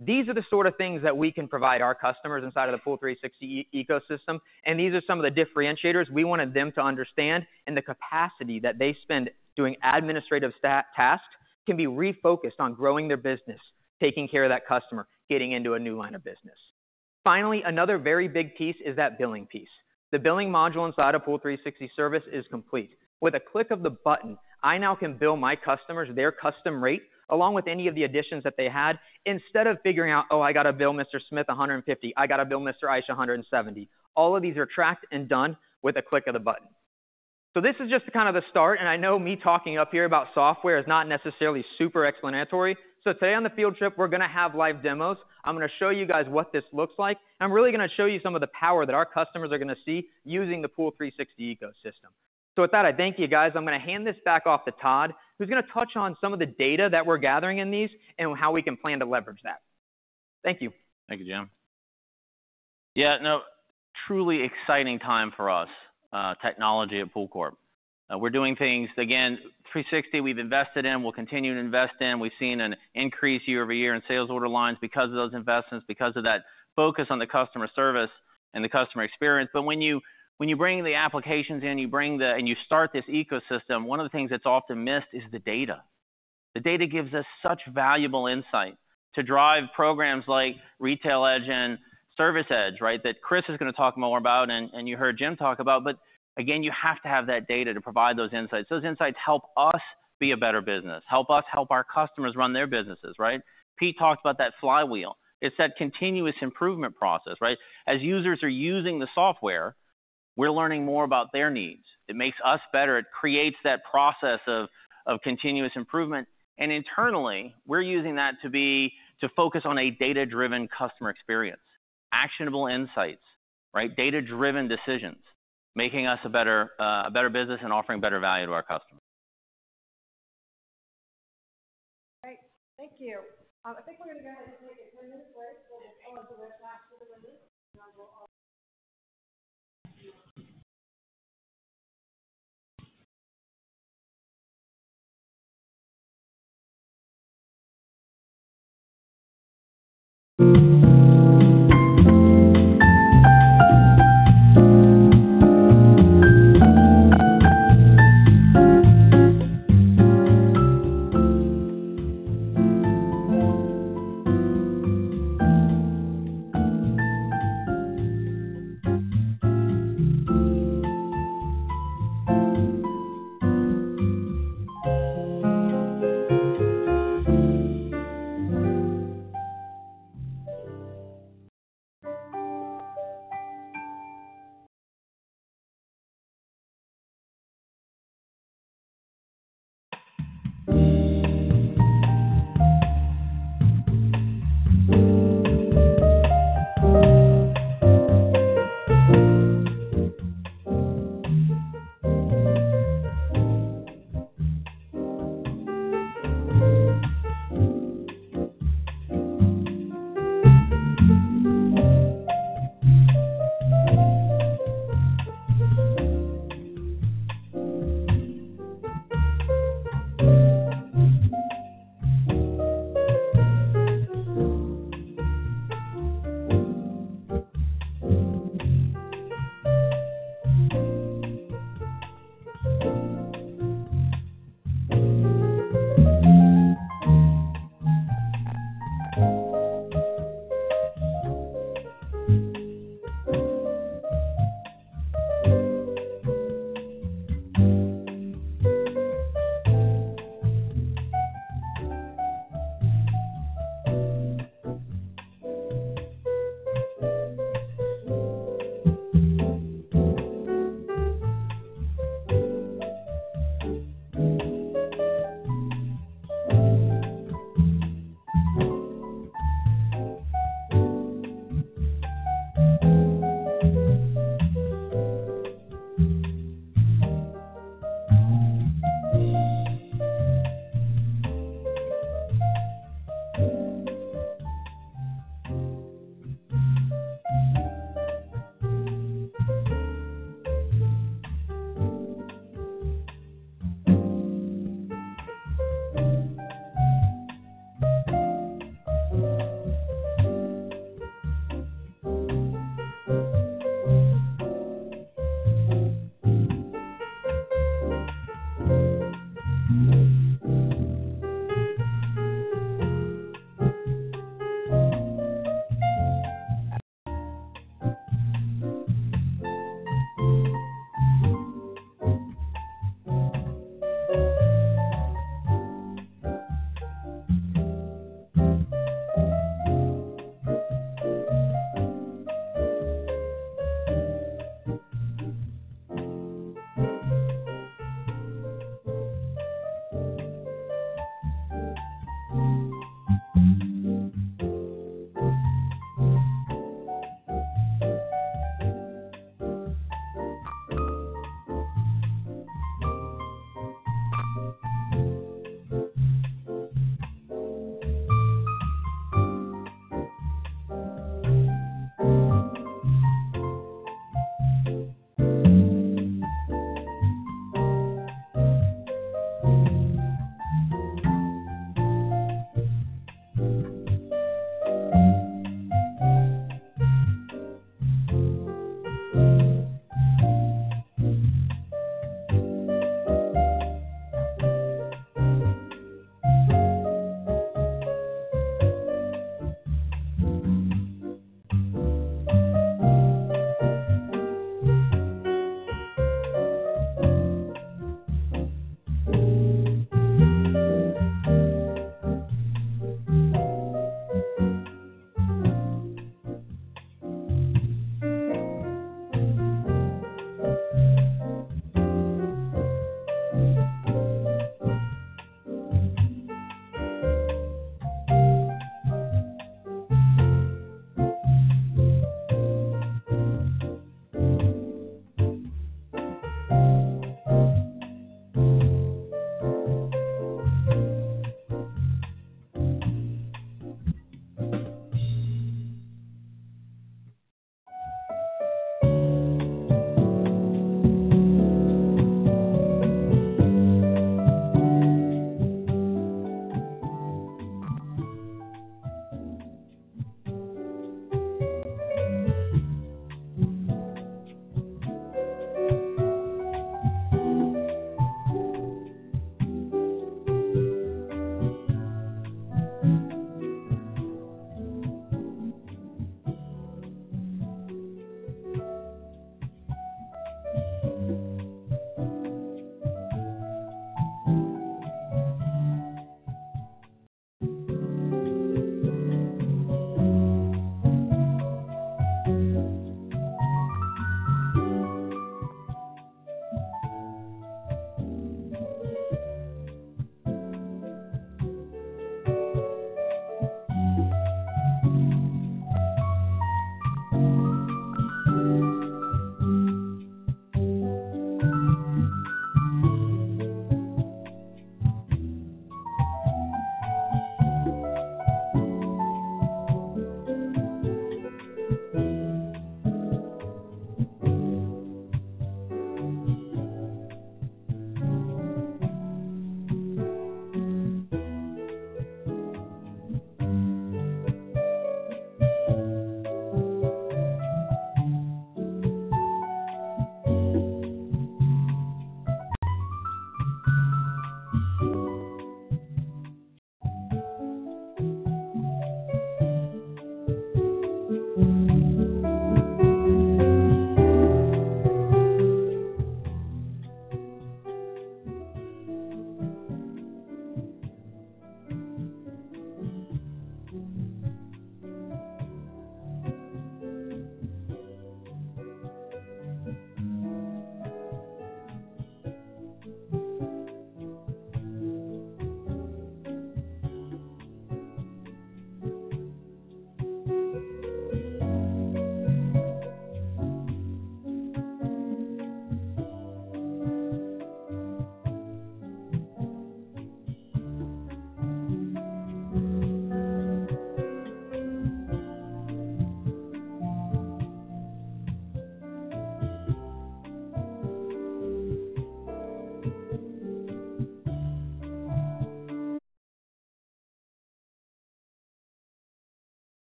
These are the sort of things that we can provide our customers inside of the POOL360 ecosystem. And these are some of the differentiators we wanted them to understand, and the capacity that they spend doing administrative tasks can be refocused on growing their business, taking care of that customer, getting into a new line of business. Finally, another very big piece is that billing piece. The billing module inside of POOL360 Service is complete. With a click of the button, I now can bill my customers their custom rate along with any of the additions that they had instead of figuring out, "Oh, I got to bill Mr. Smith $150. I got to bill Mr. Eich $170." All of these are tracked and done with a click of the button. So this is just kind of the start. And I know me talking up here about software is not necessarily super explanatory. So today on the field trip, we're going to have live demos. I'm going to show you guys what this looks like, and I'm really going to show you some of the power that our customers are going to see using the POOL360 ecosystem. So with that, I thank you guys. I'm going to hand this back off to Todd, who's going to touch on some of the data that we're gathering in these and how we can plan to leverage that. Thank you. Thank you, Jim. Yeah, no, truly exciting time for us, technology at PoolCorp. We're doing things, again, 360 we've invested in, we'll continue to invest in. We've seen an increase year-over-year in sales order lines because of those investments, because of that focus on the customer service and the customer experience. But when you bring the applications in, you bring the and you start this ecosystem, one of the things that's often missed is the data. The data gives us such valuable insight to drive programs like RetailEdge and ServiceEdge, right, that Chris is going to talk more about and you heard Jim talk about. But again, you have to have that data to provide those insights. Those insights help us be a better business, help us help our customers run their businesses, right? Pete talked about that flywheel. It's that continuous improvement process, right? As users are using the software, we're learning more about their needs. It makes us better. It creates that process of continuous improvement. And internally, we're using that to focus on a data-driven customer experience, actionable insights, right? Data-driven decisions, making us a better business and offering better value to our customers. Great. Thank you. I think we're going to go ahead and take a 10-minute break. We'll just go on to the next slide for the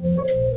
release.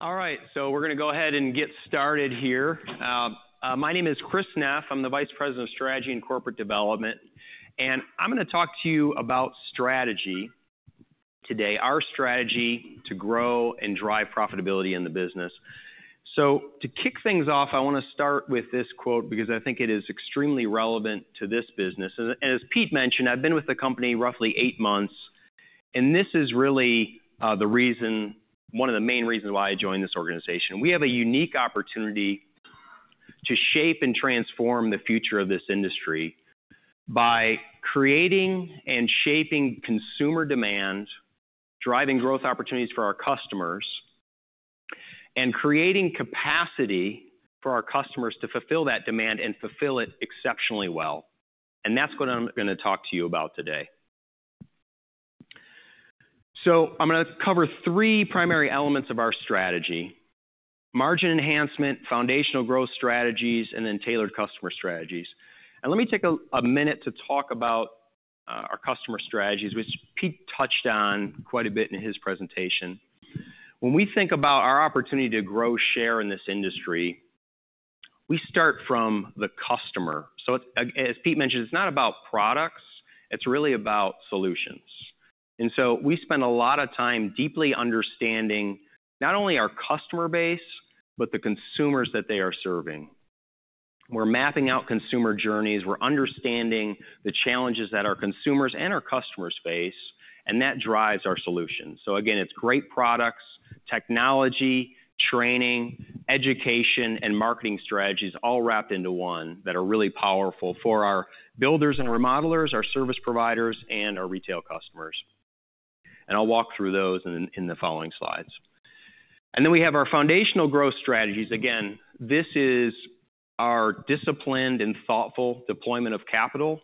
All right, we're going to go ahead and get started here. My name is Chris Neff. I'm the Vice President of Strategy and Corporate Development. I'm going to talk to you about strategy today, our strategy to grow and drive profitability in the business. To kick things off, I want to start with this quote because I think it is extremely relevant to this business. As Pete mentioned, I've been with the company roughly eight months. This is really the reason, one of the main reasons why I joined this organization. We have a unique opportunity to shape and transform the future of this industry by creating and shaping consumer demand, driving growth opportunities for our customers, and creating capacity for our customers to fulfill that demand and fulfill it exceptionally well. That's what I'm going to talk to you about today. So I'm going to cover three primary elements of our strategy: margin enhancement, foundational growth strategies, and then tailored customer strategies. And let me take a minute to talk about our customer strategies, which Pete touched on quite a bit in his presentation. When we think about our opportunity to grow share in this industry, we start from the customer. So as Pete mentioned, it's not about products. It's really about solutions. And so we spend a lot of time deeply understanding not only our customer base, but the consumers that they are serving. We're mapping out consumer journeys. We're understanding the challenges that our consumers and our customers face. And that drives our solutions. So again, it's great products, technology, training, education, and marketing strategies all wrapped into one that are really powerful for our builders and remodelers, our service providers, and our retail customers. I'll walk through those in the following slides. Then we have our foundational growth strategies. Again, this is our disciplined and thoughtful deployment of capital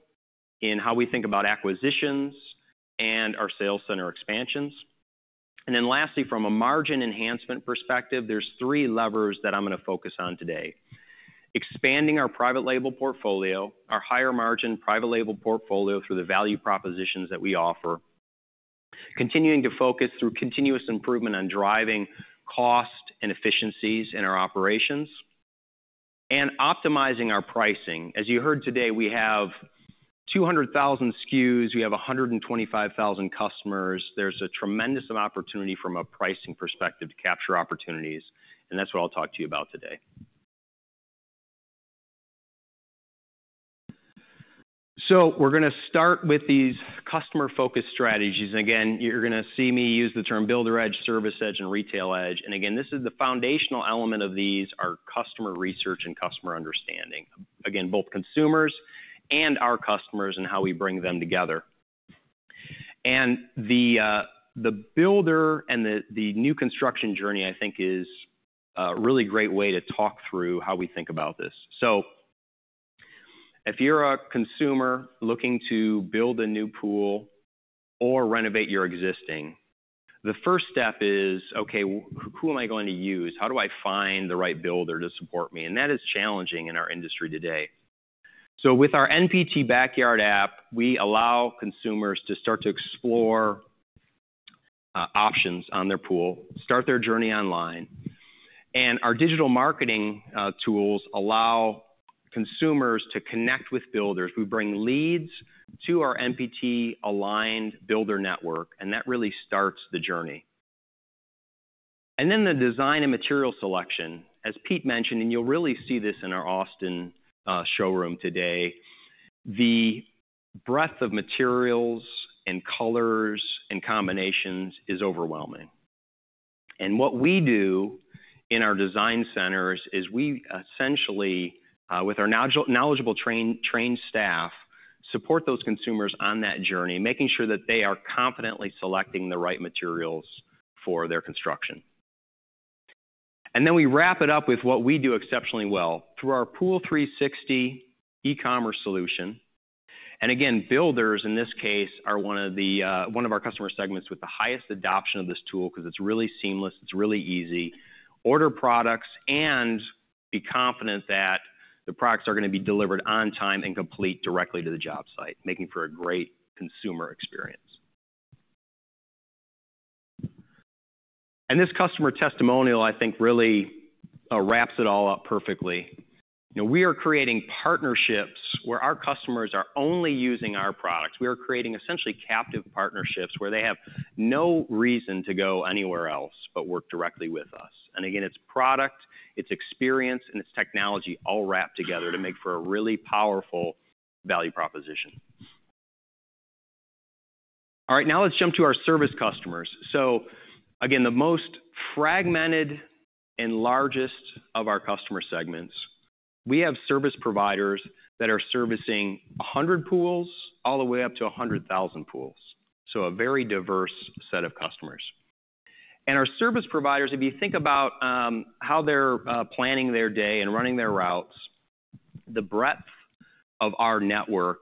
in how we think about acquisitions and our sales center expansions. Then lastly, from a margin enhancement perspective, there's three levers that I'm going to focus on today: expanding our private label portfolio, our higher margin private label portfolio through the value propositions that we offer, continuing to focus through continuous improvement on driving cost and efficiencies in our operations, and optimizing our pricing. As you heard today, we have 200,000 SKUs. We have 125,000 customers. There's a tremendous amount of opportunity from a pricing perspective to capture opportunities. That's what I'll talk to you about today. We're going to start with these customer-focused strategies. And again, you're going to see me use the term Builder Edge, Service Edge, and Retail Edge. And again, this is the foundational element of these: our customer research and customer understanding, again, both consumers and our customers and how we bring them together. And the builder and the new construction journey, I think, is a really great way to talk through how we think about this. So if you're a consumer looking to build a new pool or renovate your existing, the first step is, "Okay, who am I going to use? How do I find the right builder to support me?" And that is challenging in our industry today. So with our NPT Backyard app, we allow consumers to start to explore options on their pool, start their journey online. And our digital marketing tools allow consumers to connect with builders. We bring leads to our NPT-aligned builder network. And that really starts the journey. And then the design and material selection. As Pete mentioned, and you'll really see this in our Austin showroom today, the breadth of materials and colors and combinations is overwhelming. And what we do in our design centers is we essentially, with our knowledgeable trained staff, support those consumers on that journey, making sure that they are confidently selecting the right materials for their construction. And then we wrap it up with what we do exceptionally well through our POOL360 e-commerce solution. And again, builders, in this case, are one of our customer segments with the highest adoption of this tool because it's really seamless. It's really easy. Order products and be confident that the products are going to be delivered on time and complete directly to the job site, making for a great consumer experience. This customer testimonial, I think, really wraps it all up perfectly. We are creating partnerships where our customers are only using our products. We are creating essentially captive partnerships where they have no reason to go anywhere else but work directly with us. And again, it's product, it's experience, and it's technology all wrapped together to make for a really powerful value proposition. All right, now let's jump to our service customers. Again, the most fragmented and largest of our customer segments, we have service providers that are servicing 100 pools all the way up to 100,000 pools. A very diverse set of customers. Our service providers, if you think about how they're planning their day and running their routes, the breadth of our network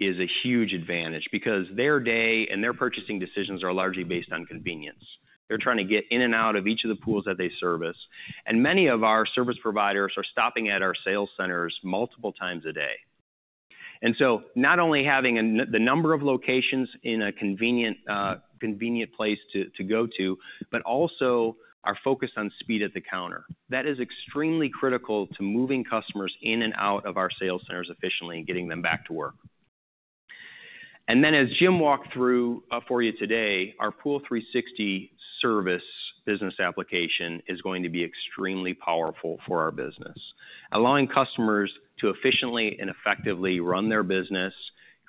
is a huge advantage because their day and their purchasing decisions are largely based on convenience. They're trying to get in and out of each of the pools that they service. Many of our service providers are stopping at our sales centers multiple times a day. So not only having the number of locations in a convenient place to go to, but also our focus on speed at the counter. That is extremely critical to moving customers in and out of our sales centers efficiently and getting them back to work. Then as Jim walked through for you today, our POOL360 Service business application is going to be extremely powerful for our business, allowing customers to efficiently and effectively run their business,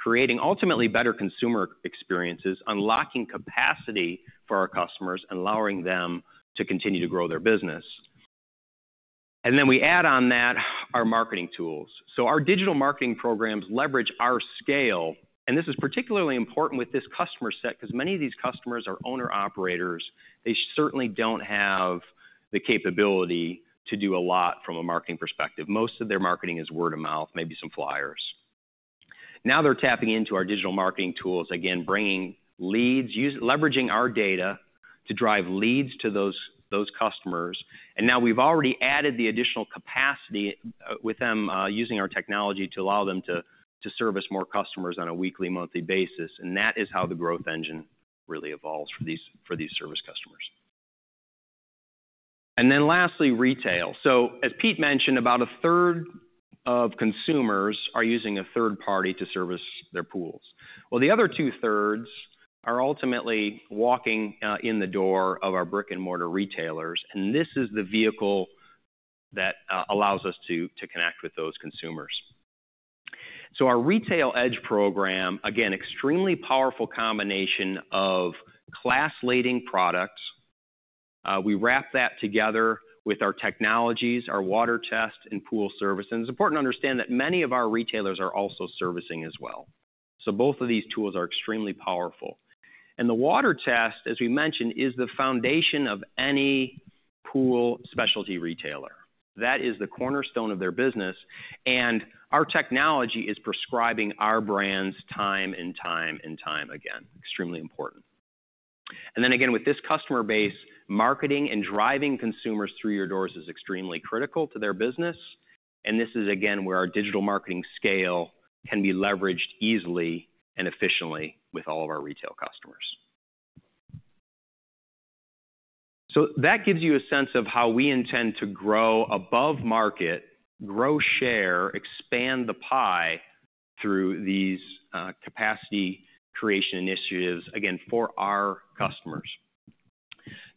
creating ultimately better consumer experiences, unlocking capacity for our customers, allowing them to continue to grow their business. Then we add on that our marketing tools. Our digital marketing programs leverage our scale. This is particularly important with this customer set because many of these customers are owner-operators. They certainly don't have the capability to do a lot from a marketing perspective. Most of their marketing is word of mouth, maybe some flyers. Now they're tapping into our digital marketing tools, again, leveraging our data to drive leads to those customers. Now we've already added the additional capacity with them using our technology to allow them to service more customers on a weekly, monthly basis. That is how the growth engine really evolves for these service customers. Then lastly, retail. As Pete mentioned, about a third of consumers are using a third party to service their pools. Well, the other two-thirds are ultimately walking in the door of our brick-and-mortar retailers. This is the vehicle that allows us to connect with those consumers. So our Retail Edge program, again, extremely powerful combination of class-leading products. We wrap that together with our technologies, our water test and pool service. And it's important to understand that many of our retailers are also servicing as well. So both of these tools are extremely powerful. And the water test, as we mentioned, is the foundation of any pool specialty retailer. That is the cornerstone of their business. And our technology is prescribing our brands time and time and time again, extremely important. And then again, with this customer base, marketing and driving consumers through your doors is extremely critical to their business. And this is, again, where our digital marketing scale can be leveraged easily and efficiently with all of our retail customers. So that gives you a sense of how we intend to grow above market, grow share, expand the pie through these capacity creation initiatives, again, for our customers.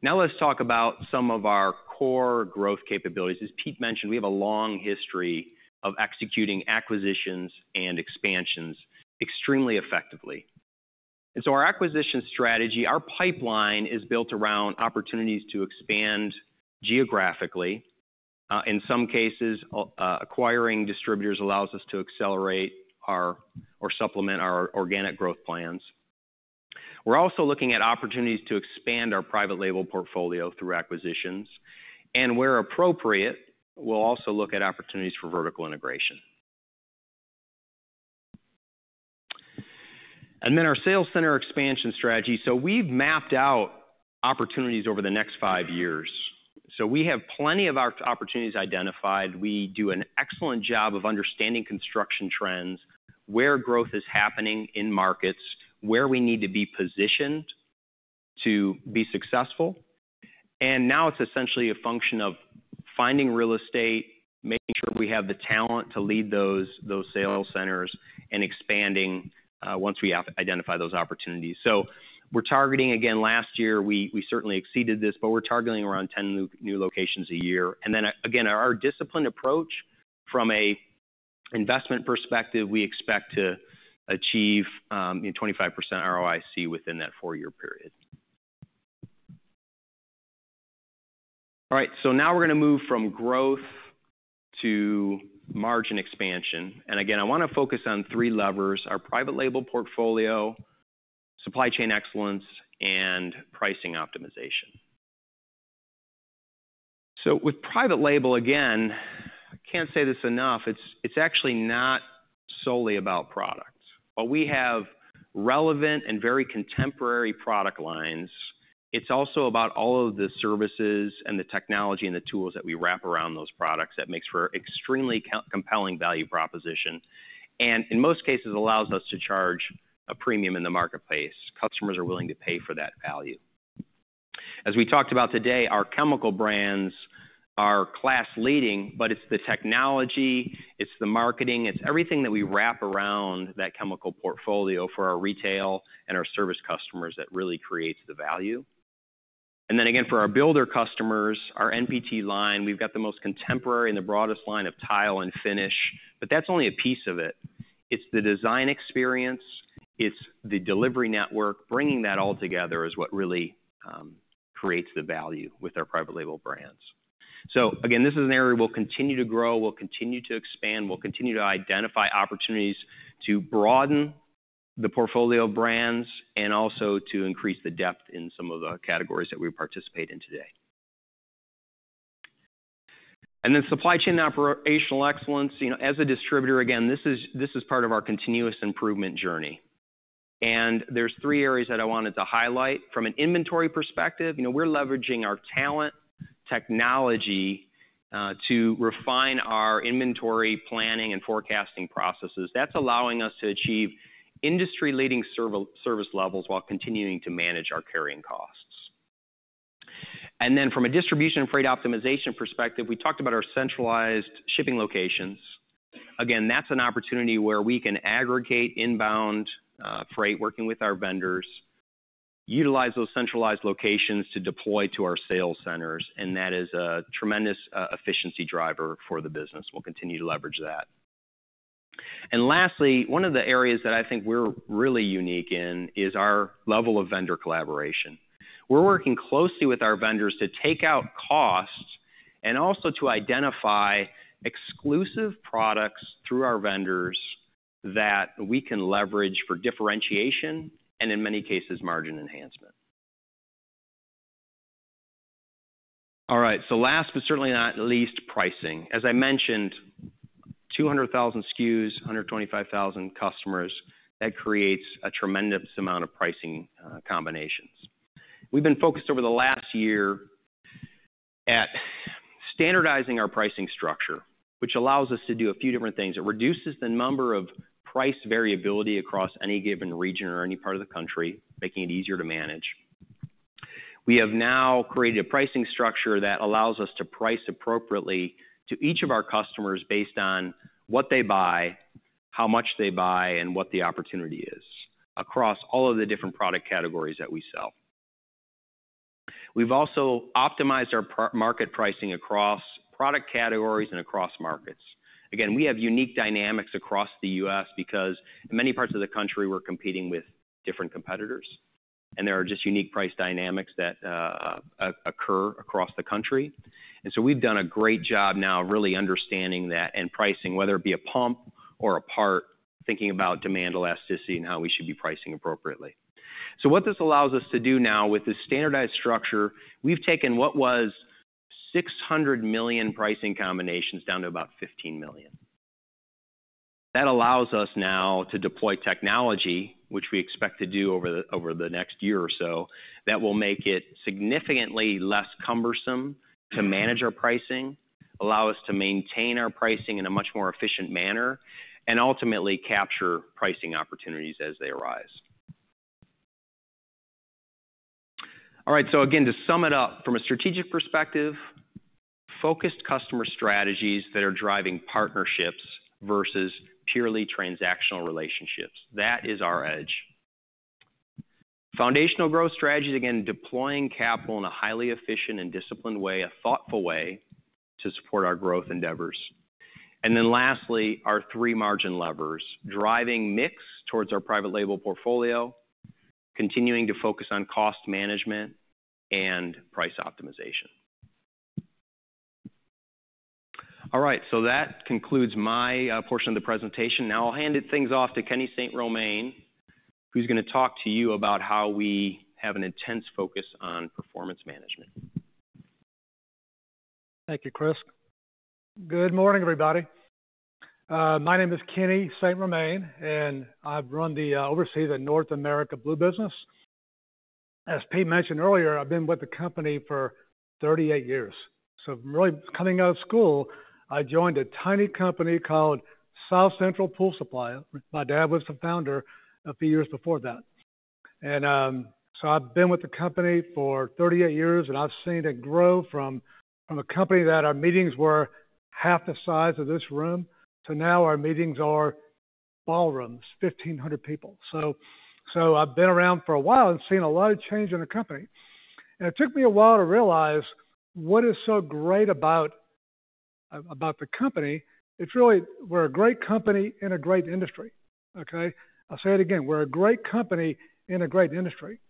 Now let's talk about some of our core growth capabilities. As Pete mentioned, we have a long history of executing acquisitions and expansions extremely effectively. And so our acquisition strategy, our pipeline is built around opportunities to expand geographically. In some cases, acquiring distributors allows us to accelerate or supplement our organic growth plans. We're also looking at opportunities to expand our private label portfolio through acquisitions. And where appropriate, we'll also look at opportunities for vertical integration. And then our sales center expansion strategy. So we've mapped out opportunities over the next five years. So we have plenty of our opportunities identified. We do an excellent job of understanding construction trends, where growth is happening in markets, where we need to be positioned to be successful. And now it's essentially a function of finding real estate, making sure we have the talent to lead those sales centers, and expanding once we identify those opportunities. So we're targeting, again, last year, we certainly exceeded this, but we're targeting around 10 new locations a year. And then again, our disciplined approach, from an investment perspective, we expect to achieve 25% ROIC within that four-year period. All right, so now we're going to move from growth to margin expansion. And again, I want to focus on three levers: our private label portfolio, supply chain excellence, and pricing optimization. So with private label, again, I can't say this enough. It's actually not solely about products. While we have relevant and very contemporary product lines, it's also about all of the services and the technology and the tools that we wrap around those products that makes for an extremely compelling value proposition. And in most cases, it allows us to charge a premium in the marketplace. Customers are willing to pay for that value. As we talked about today, our chemical brands are class-leading, but it's the technology, it's the marketing, it's everything that we wrap around that chemical portfolio for our retail and our service customers that really creates the value. And then again, for our builder customers, our NPT line, we've got the most contemporary and the broadest line of tile and finish. But that's only a piece of it. It's the design experience. It's the delivery network. Bringing that all together is what really creates the value with our private label brands. So again, this is an area we'll continue to grow. We'll continue to expand. We'll continue to identify opportunities to broaden the portfolio of brands and also to increase the depth in some of the categories that we participate in today. And then supply chain operational excellence. As a distributor, again, this is part of our continuous improvement journey. And there's three areas that I wanted to highlight. From an inventory perspective, we're leveraging our talent, technology to refine our inventory planning and forecasting processes. That's allowing us to achieve industry-leading service levels while continuing to manage our carrying costs. And then from a distribution and freight optimization perspective, we talked about our central stocking locations. Again, that's an opportunity where we can aggregate inbound freight working with our vendors, utilize those central stocking locations to deploy to our sales centers. And that is a tremendous efficiency driver for the business. We'll continue to leverage that. And lastly, one of the areas that I think we're really unique in is our level of vendor collaboration. We're working closely with our vendors to take out costs and also to identify exclusive products through our vendors that we can leverage for differentiation and, in many cases, margin enhancement. All right, so last but certainly not least, pricing. As I mentioned, 200,000 SKUs, 125,000 customers. That creates a tremendous amount of pricing combinations. We've been focused over the last year at standardizing our pricing structure, which allows us to do a few different things. It reduces the number of price variability across any given region or any part of the country, making it easier to manage. We have now created a pricing structure that allows us to price appropriately to each of our customers based on what they buy, how much they buy, and what the opportunity is across all of the different product categories that we sell. We've also optimized our market pricing across product categories and across markets. Again, we have unique dynamics across the U.S. because in many parts of the country, we're competing with different competitors. There are just unique price dynamics that occur across the country. So we've done a great job now really understanding that and pricing, whether it be a pump or a part, thinking about demand elasticity and how we should be pricing appropriately. So what this allows us to do now with this standardized structure, we've taken what was 600 million pricing combinations down to about 15 million. That allows us now to deploy technology, which we expect to do over the next year or so, that will make it significantly less cumbersome to manage our pricing, allow us to maintain our pricing in a much more efficient manner, and ultimately capture pricing opportunities as they arise. All right, so again, to sum it up from a strategic perspective, focused customer strategies that are driving partnerships versus purely transactional relationships. That is our edge. Foundational growth strategies, again, deploying capital in a highly efficient and disciplined way, a thoughtful way to support our growth endeavors. And then lastly, our three margin levers, driving mix towards our private label portfolio, continuing to focus on cost management and price optimization. All right, so that concludes my portion of the presentation. Now I'll hand it things off to Kenny St. Romain, who's going to talk to you about how we have an intense focus on performance management. Thank you, Chris. Good morning, everybody. My name is Kenny St. Romain, and I oversee the North American pool business. As Pete mentioned earlier, I've been with the company for 38 years. So really coming out of school, I joined a tiny company called South Central Pool Supply. My dad was the founder a few years before that. And so I've been with the company for 38 years, and I've seen it grow from a company that our meetings were half the size of this room to now our meetings are ballrooms, 1,500 people. So I've been around for a while and seen a lot of change in the company. And it took me a while to realize what is so great about the company. It's really we're a great company in a great industry, okay? I'll say it again. We're a great company in a great industry.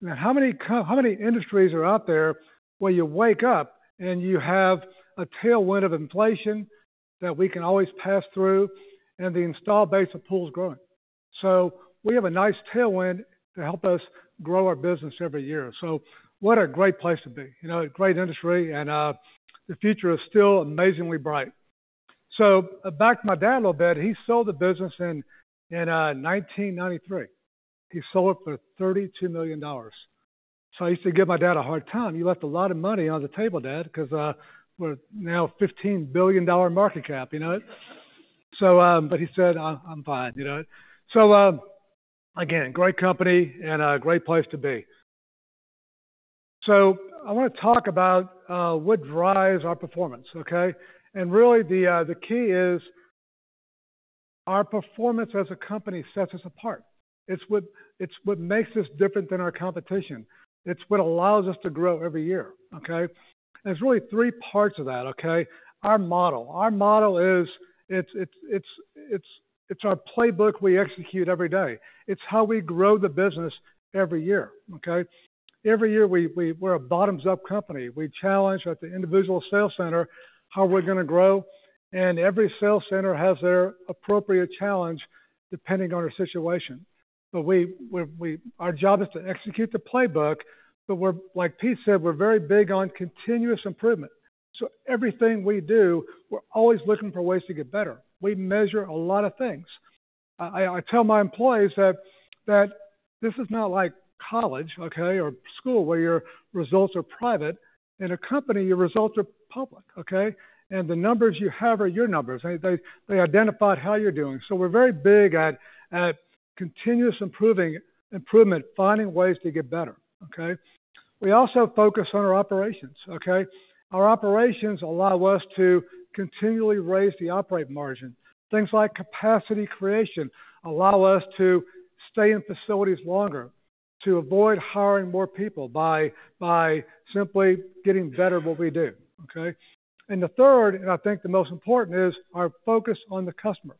Now, how many industries are out there where you wake up and you have a tailwind of inflation that we can always pass through, and the installed base of pools is growing? So we have a nice tailwind to help us grow our business every year. So what a great place to be. Great industry, and the future is still amazingly bright. So back to my dad a little bit. He sold the business in 1993. He sold it for $32 million. So I used to give my dad a hard time. You left a lot of money on the table, Dad, because we're now $15 billion market cap, you know? But he said, "I'm fine," you know? So again, great company and a great place to be. So I want to talk about what drives our performance, okay? And really, the key is our performance as a company sets us apart. It's what makes us different than our competition. It's what allows us to grow every year, okay? And there's really three parts of that, okay? Our model. Our model is it's our playbook we execute every day. It's how we grow the business every year, okay? Every year, we're a bottoms-up company. We challenge at the individual sales center how we're going to grow. And every sales center has their appropriate challenge depending on our situation. But our job is to execute the playbook. But like Pete said, we're very big on continuous improvement. So everything we do, we're always looking for ways to get better. We measure a lot of things. I tell my employees that this is not like college, okay, or school where your results are private. In a company, your results are public, okay? And the numbers you have are your numbers. They identify how you're doing. So we're very big at continuous improvement, finding ways to get better, okay? We also focus on our operations, okay? Our operations allow us to continually raise the operating margin. Things like capacity creation allow us to stay in facilities longer, to avoid hiring more people by simply getting better at what we do, okay? And the third, and I think the most important, is our focus on the customer.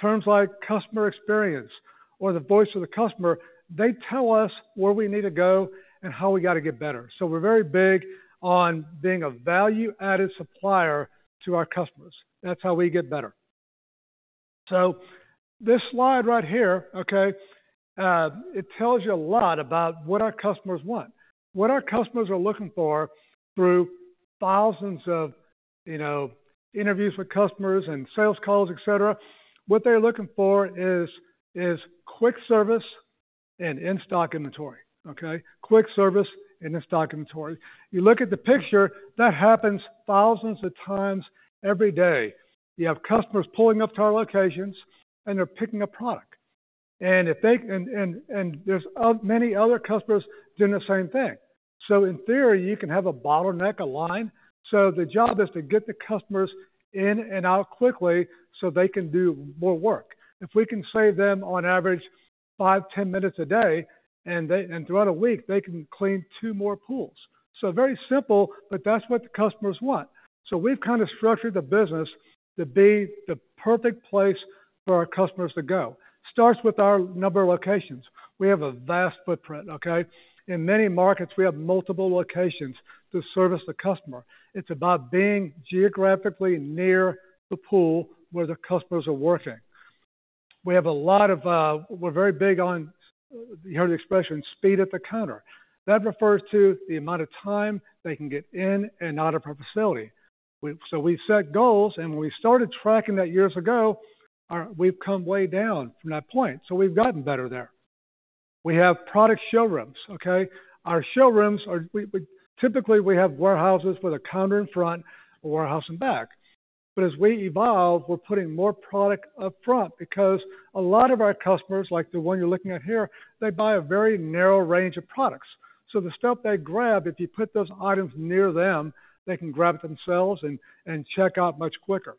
Terms like customer experience or the voice of the customer, they tell us where we need to go and how we got to get better. So we're very big on being a value-added supplier to our customers. That's how we get better. So this slide right here, okay, it tells you a lot about what our customers want. What our customers are looking for through thousands of interviews with customers and sales calls, etc., what they're looking for is quick service and in-stock inventory, okay? Quick service and in-stock inventory. You look at the picture, that happens thousands of times every day. You have customers pulling up to our locations, and they're picking up product. And there's many other customers doing the same thing. So in theory, you can have a bottleneck, a line. So the job is to get the customers in and out quickly so they can do more work. If we can save them, on average, 5, 10 minutes a day, and throughout a week, they can clean two more pools. So very simple, but that's what the customers want. So we've kind of structured the business to be the perfect place for our customers to go. Starts with our number of locations. We have a vast footprint, okay? In many markets, we have multiple locations to service the customer. It's about being geographically near the pool where the customers are working. We're very big on you heard the expression, "Speed at the counter." That refers to the amount of time they can get in and out of our facility. So we've set goals, and when we started tracking that years ago, we've come way down from that point. So we've gotten better there. We have product showrooms, okay? Our showrooms are typically, we have warehouses with a counter in front, a warehouse in back. But as we evolve, we're putting more product up front because a lot of our customers, like the one you're looking at here, they buy a very narrow range of products. So the stuff they grab, if you put those items near them, they can grab it themselves and check out much quicker.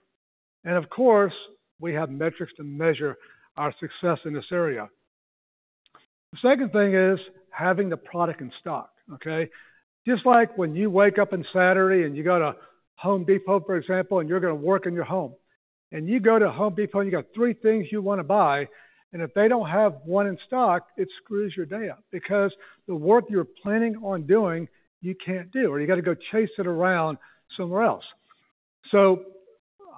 And of course, we have metrics to measure our success in this area. The second thing is having the product in stock, okay? Just like when you wake up on Saturday and you go to Home Depot, for example, and you're going to work in your home, and you go to Home Depot and you got three things you want to buy, and if they don't have one in stock, it screws your day up because the work you're planning on doing, you can't do, or you got to go chase it around somewhere else. So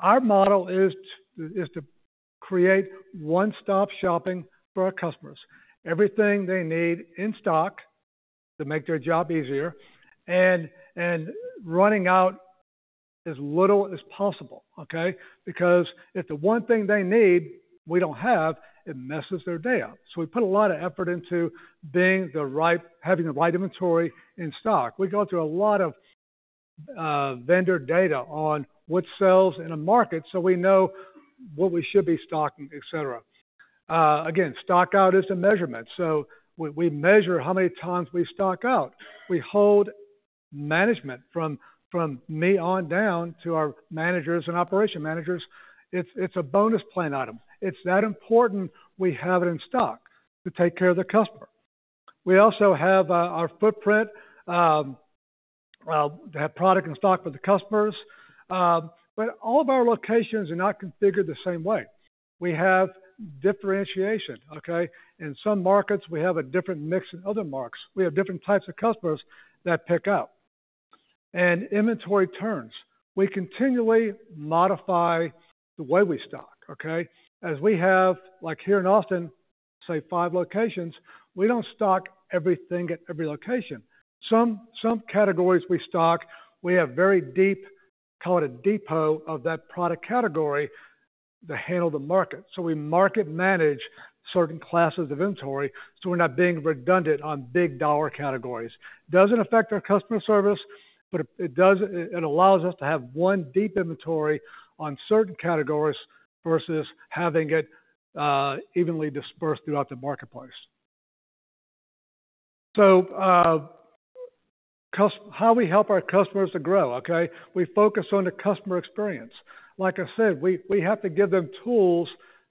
our model is to create one-stop shopping for our customers. Everything they need in stock to make their job easier and running out as little as possible, okay? Because if the one thing they need we don't have, it messes their day up. So we put a lot of effort into having the right inventory in stock. We go through a lot of vendor data on what sells in a market so we know what we should be stocking, etc. Again, stockout is a measurement. So we measure how many times we stock out. We hold management from me on down to our managers and operation managers. It's a bonus plan item. It's that important we have it in stock to take care of the customer. We also have our footprint to have product in stock for the customers. But all of our locations are not configured the same way. We have differentiation, okay? In some markets, we have a different mix than other markets. We have different types of customers that pick up. And inventory turns. We continually modify the way we stock, okay? As we have, like here in Austin, say, 5 locations, we don't stock everything at every location. Some categories we stock, we have very deep, call it a depot of that product category to handle the market. So we market-manage certain classes of inventory so we're not being redundant on big dollar categories. Doesn't affect our customer service, but it allows us to have one deep inventory on certain categories versus having it evenly dispersed throughout the marketplace. So how we help our customers to grow, okay? We focus on the customer experience. Like I said, we have to give them tools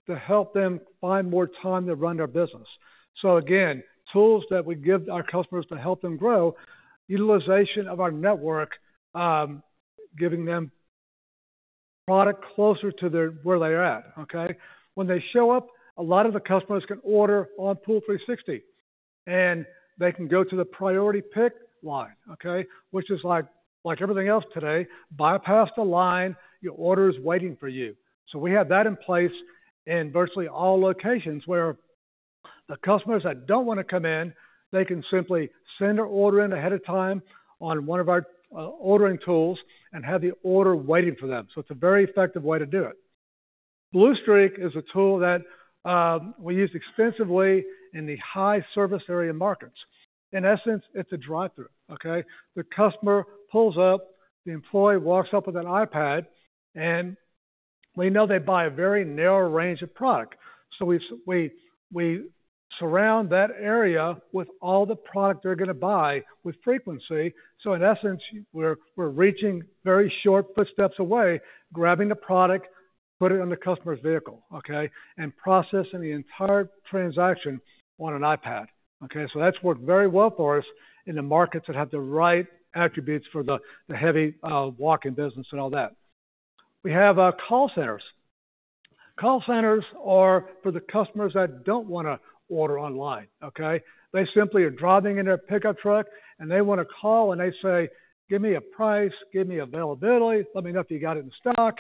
to help them find more time to run their business. So again, tools that we give our customers to help them grow, utilization of our network, giving them product closer to where they're at, okay? When they show up, a lot of the customers can order on POOL360, and they can go to the priority pick line, okay? Which is like everything else today, bypass the line, your order is waiting for you. So we have that in place in virtually all locations where the customers that don't want to come in, they can simply send their order in ahead of time on one of our ordering tools and have the order waiting for them. So it's a very effective way to do it. Blue Streak is a tool that we use extensively in the high service area markets. In essence, it's a drive-through, okay? The customer pulls up, the employee walks up with an iPad, and we know they buy a very narrow range of product. So we surround that area with all the product they're going to buy with frequency. So in essence, we're reaching very short footsteps away, grabbing the product, putting it on the customer's vehicle, okay? And processing the entire transaction on an iPad, okay? So that's worked very well for us in the markets that have the right attributes for the heavy walk-in business and all that. We have call centers. Call centers are for the customers that don't want to order online, okay? They simply are driving in their pickup truck, and they want to call, and they say, "Give me a price. Give me availability. Let me know if you got it in stock.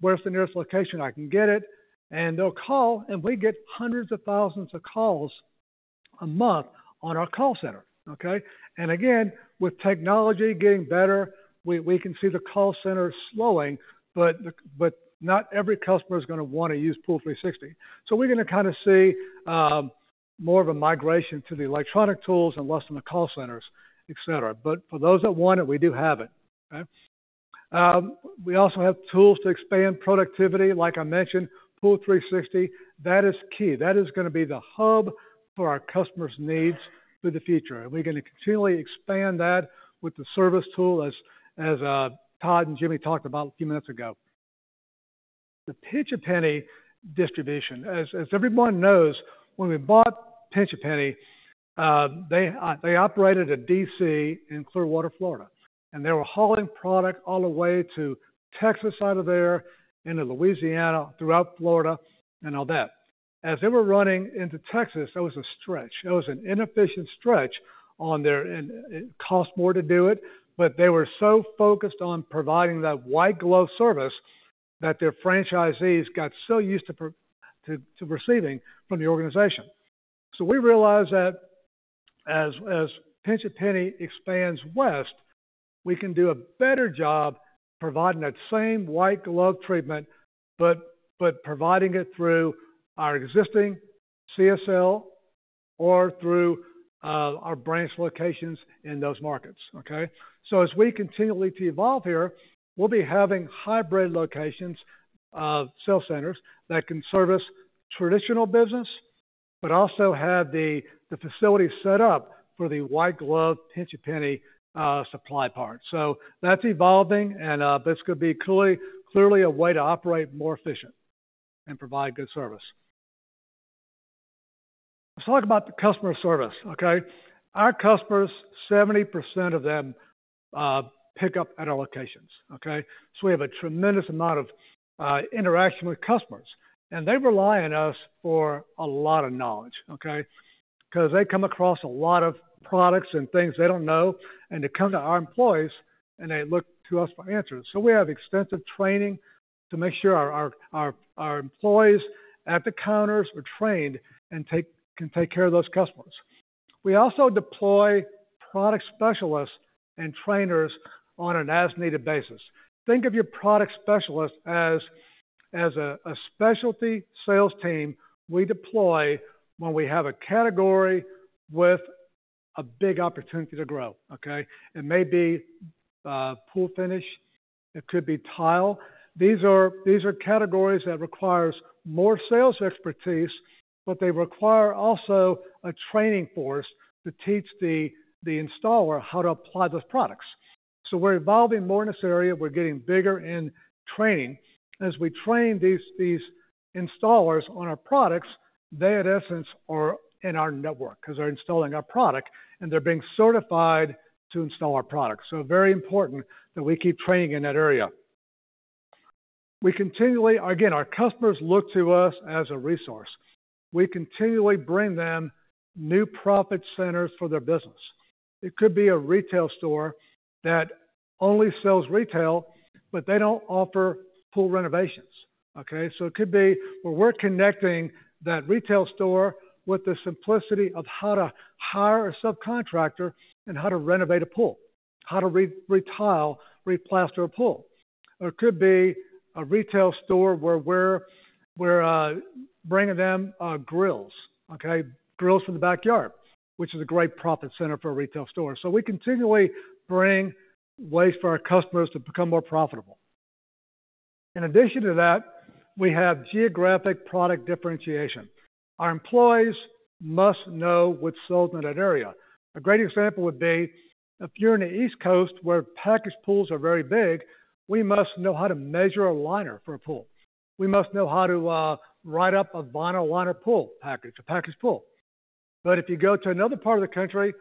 Where's the nearest location I can get it?" And they'll call, and we get hundreds of thousands of calls a month on our call center, okay? And again, with technology getting better, we can see the call center slowing, but not every customer is going to want to use POOL360. So we're going to kind of see more of a migration to the electronic tools and less on the call centers, etc. But for those that want it, we do have it, okay? We also have tools to expand productivity. Like I mentioned, POOL360, that is key. That is going to be the hub for our customers' needs through the future. And we're going to continually expand that with the service tool, as Todd and Jimmy talked about a few minutes ago. The Pinch A Penny distribution. As everyone knows, when we bought Pinch A Penny, they operated a DC in Clearwater, Florida. And they were hauling product all the way to Texas out of there into Louisiana, throughout Florida, and all that. As they were running into Texas, that was a stretch. That was an inefficient stretch on their end; it cost more to do it, but they were so focused on providing that white glove service that their franchisees got so used to receiving from the organization. So we realized that as Pinch A Penny expands west, we can do a better job providing that same white glove treatment but providing it through our existing CSL or through our branch locations in those markets, okay? So as we continually evolve here, we'll be having hybrid locations of sales centers that can service traditional business but also have the facility set up for the white glove Pinch A Penny supply part. So that's evolving, but it's going to be clearly a way to operate more efficient and provide good service. Let's talk about the customer service, okay? Our customers, 70% of them pick up at our locations, okay? So we have a tremendous amount of interaction with customers. And they rely on us for a lot of knowledge, okay? Because they come across a lot of products and things they don't know, and they come to our employees, and they look to us for answers. So we have extensive training to make sure our employees at the counters are trained and can take care of those customers. We also deploy product specialists and trainers on an as-needed basis. Think of your product specialist as a specialty sales team we deploy when we have a category with a big opportunity to grow, okay? It may be pool finish. It could be tile. These are categories that require more sales expertise, but they require also a training force to teach the installer how to apply those products. We're evolving more in this area. We're getting bigger in training. As we train these installers on our products, they, in essence, are in our network because they're installing our product, and they're being certified to install our products. Very important that we keep training in that area. Again, our customers look to us as a resource. We continually bring them new profit centers for their business. It could be a retail store that only sells retail, but they don't offer pool renovations, okay? It could be where we're connecting that retail store with the simplicity of how to hire a subcontractor and how to renovate a pool, how to retile, replaster a pool. Or it could be a retail store where we're bringing them grills, okay? Grills from the backyard, which is a great profit center for a retail store. So we continually bring ways for our customers to become more profitable. In addition to that, we have geographic product differentiation. Our employees must know what's sold in that area. A great example would be if you're on the East Coast where package pools are very big, we must know how to measure a liner for a pool. We must know how to write up a vinyl liner pool package, a package pool. But if you go to another part of the country,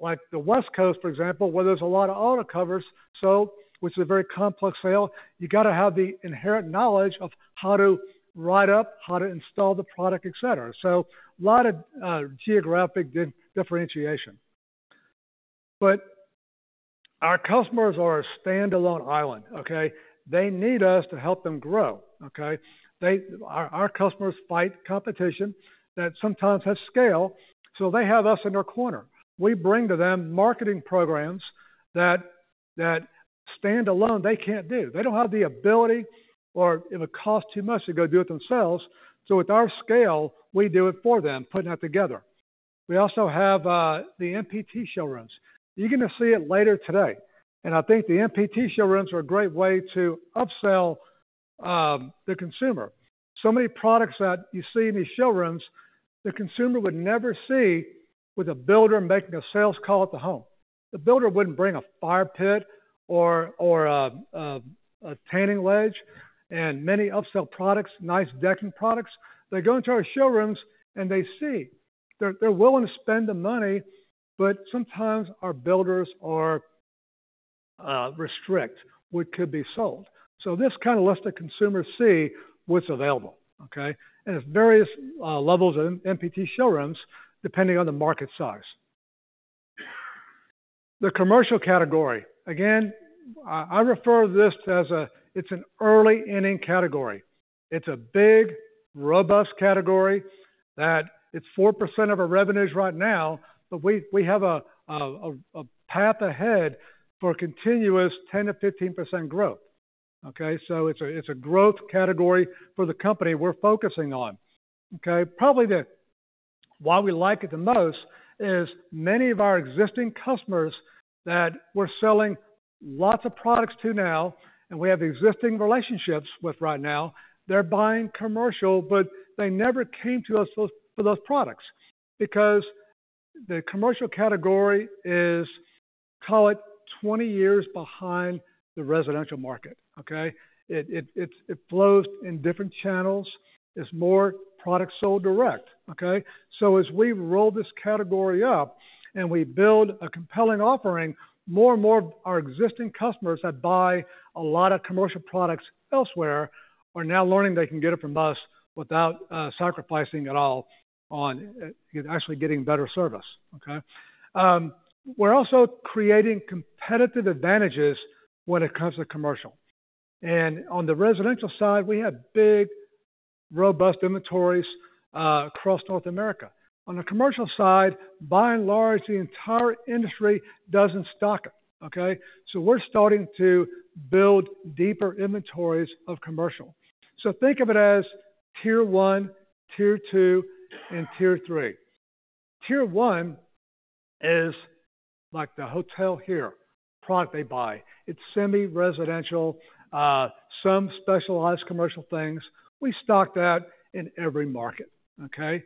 like the West Coast, for example, where there's a lot of auto covers. So, which is a very complex sale, you got to have the inherent knowledge of how to write up, how to install the product, etc. So a lot of geographic differentiation. But our customers are a standalone island, okay? They need us to help them grow, okay? Our customers fight competition that sometimes has scale, so they have us in their corner. We bring to them marketing programs that standalone they can't do. They don't have the ability or it would cost too much to go do it themselves. So with our scale, we do it for them, putting that together. We also have the NPT showrooms. You're going to see it later today. And I think the NPT showrooms are a great way to upsell the consumer. So many products that you see in these showrooms, the consumer would never see with a builder making a sales call at the home. The builder wouldn't bring a fire pit or a tanning ledge and many upsell products, nice decking products. They go into our showrooms, and they see. They're willing to spend the money, but sometimes our builders are restricted. What could be sold? So this kind of lets the consumer see what's available, okay? And there's various levels of NPT showrooms depending on the market size. The commercial category. Again, I refer to this as a it's an early-inning category. It's a big, robust category that it's 4% of our revenues right now, but we have a path ahead for continuous 10%-15% growth, okay? So it's a growth category for the company we're focusing on, okay? Probably why we like it the most is many of our existing customers that we're selling lots of products to now and we have existing relationships with right now, they're buying commercial, but they never came to us for those products because the commercial category is, call it, 20 years behind the residential market, okay? It flows in different channels. It's more product sold direct, okay? So as we roll this category up and we build a compelling offering, more and more of our existing customers that buy a lot of commercial products elsewhere are now learning they can get it from us without sacrificing at all on actually getting better service, okay? We're also creating competitive advantages when it comes to commercial. And on the residential side, we have big, robust inventories across North America. On the commercial side, by and large, the entire industry doesn't stock it, okay? So we're starting to build deeper inventories of commercial. So think of it as tier one, tier two, and tier three. Tier one is like the hotel here, product they buy. It's semi-residential, some specialized commercial things. We stock that in every market, okay?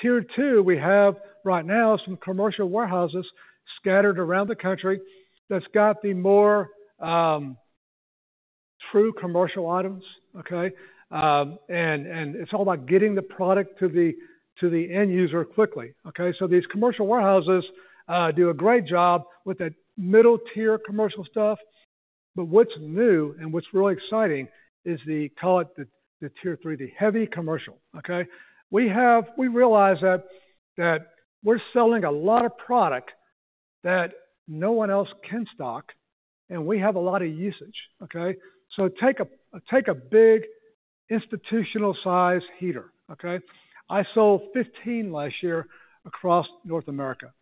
Tier two, we have right now some commercial warehouses scattered around the country that's got the more true commercial items, okay? And it's all about getting the product to the end user quickly, okay? So these commercial warehouses do a great job with that middle-tier commercial stuff. But what's new and what's really exciting is the, call it, the tier three, the heavy commercial, okay? We realize that we're selling a lot of product that no one else can stock, and we have a lot of usage, okay? So take a big institutional-sized heater, okay? I sold 15 last year across North America.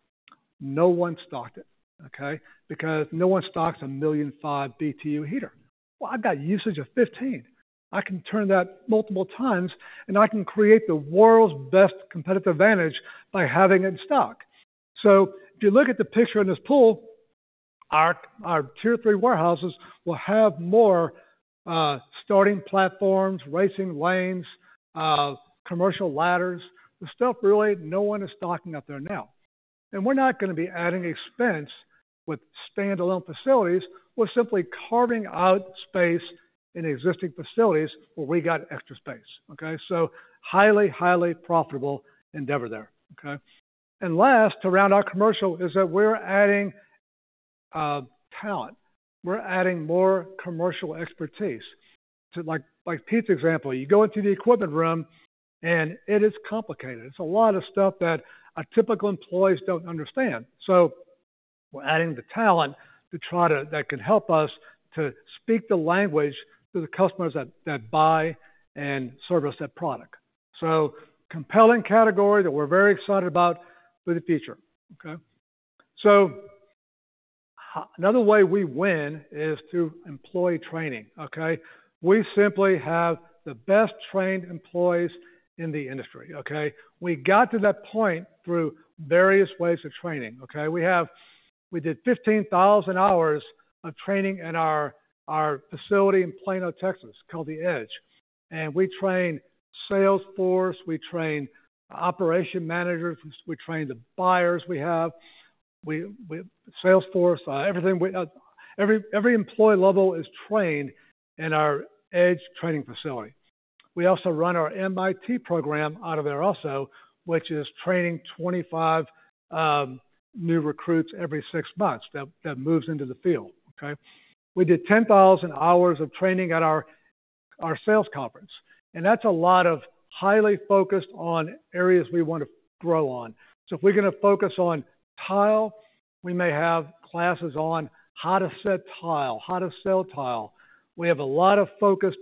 No one stocked it, okay? Because no one stocks a 1.5 million BTU heater. Well, I've got usage of 15. I can turn that multiple times, and I can create the world's best competitive advantage by having it in stock. So if you look at the picture in this pool, our tier three warehouses will have more starting platforms, racing lanes, commercial ladders. The stuff really, no one is stocking up there now. And we're not going to be adding expense with standalone facilities. We're simply carving out space in existing facilities where we got extra space, okay? So highly, highly profitable endeavor there, okay? And last, to round our commercial, is that we're adding talent. We're adding more commercial expertise. Like Pete's example, you go into the equipment room, and it is complicated. It's a lot of stuff that our typical employees don't understand. So we're adding the talent that can help us to speak the language to the customers that buy and service that product. So compelling category that we're very excited about for the future, okay? So another way we win is through employee training, okay? We simply have the best-trained employees in the industry, okay? We got to that point through various ways of training, okay? We did 15,000 hours of training in our facility in Plano, Texas, called The Edge. And we train sales force. We train operations managers. We train the buyers we have. Sales force, everything. Every employee level is trained in our Edge training facility. We also run our MIT program out of there also, which is training 25 new recruits every six months that moves into the field, okay? We did 10,000 hours of training at our sales conference. That's a lot of highly focused on areas we want to grow on. So if we're going to focus on tile, we may have classes on how to set tile, how to sell tile. We have a lot of focused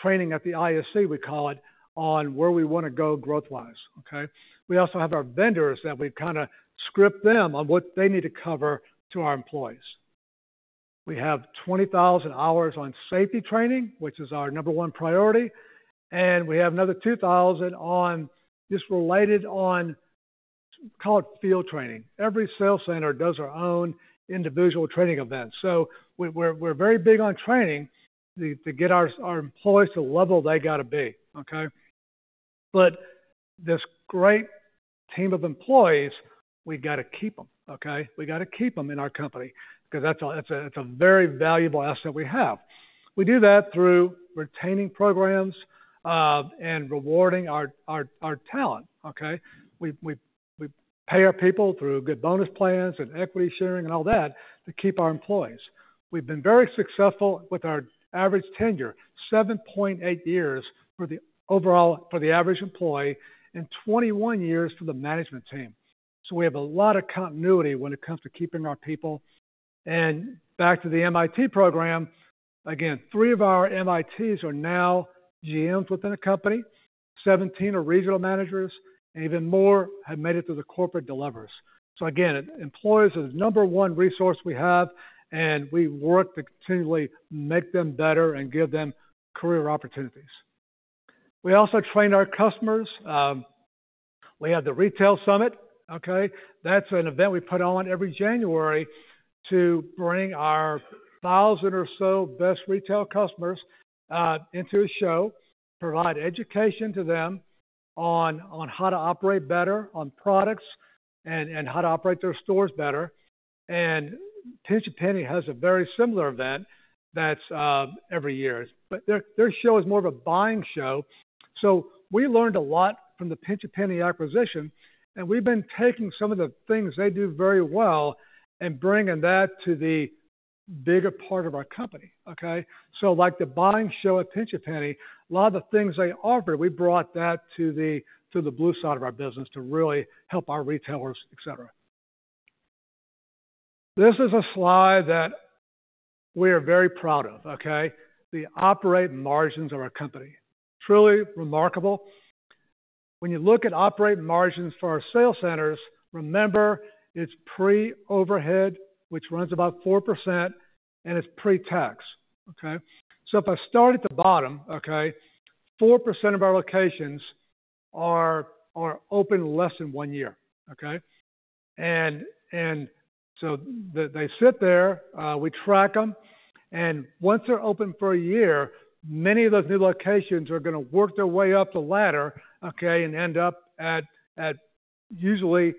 training at the ISC, we call it, on where we want to go growth-wise, okay? We also have our vendors that we've kind of script them on what they need to cover to our employees. We have 20,000 hours on safety training, which is our number one priority. And we have another 2,000 just related on, call it, field training. Every sales center does our own individual training event. So we're very big on training to get our employees to the level they got to be, okay? But this great team of employees, we got to keep them, okay? We got to keep them in our company because that's a very valuable asset we have. We do that through retaining programs and rewarding our talent, okay? We pay our people through good bonus plans and equity sharing and all that to keep our employees. We've been very successful with our average tenure, 7.8 years for the overall for the average employee and 21 years for the management team. So we have a lot of continuity when it comes to keeping our people. And back to the MIT program, again, 3 of our MITs are now GMs within a company, 17 are regional managers, and even more have made it to the corporate levels. So again, employees are the number one resource we have, and we work to continually make them better and give them career opportunities. We also train our customers. We have the Retail Summit, okay? That's an event we put on every January to bring our 1,000 or so best retail customers into a show, provide education to them on how to operate better, on products, and how to operate their stores better. And Pinch A Penny has a very similar event that's every year. But their show is more of a buying show. So we learned a lot from the Pinch A Penny acquisition, and we've been taking some of the things they do very well and bringing that to the bigger part of our company, okay? So like the buying show at Pinch A Penny, a lot of the things they offered, we brought that to the blue side of our business to really help our retailers, etc. This is a slide that we are very proud of, okay? The operating margins of our company. Truly remarkable. When you look at operating margins for our sales centers, remember it's pre-overhead, which runs about 4%, and it's pre-tax, okay? So if I start at the bottom, okay, 4% of our locations are open less than one year, okay? And so they sit there. We track them. And once they're open for a year, many of those new locations are going to work their way up the ladder, okay, and end up at usually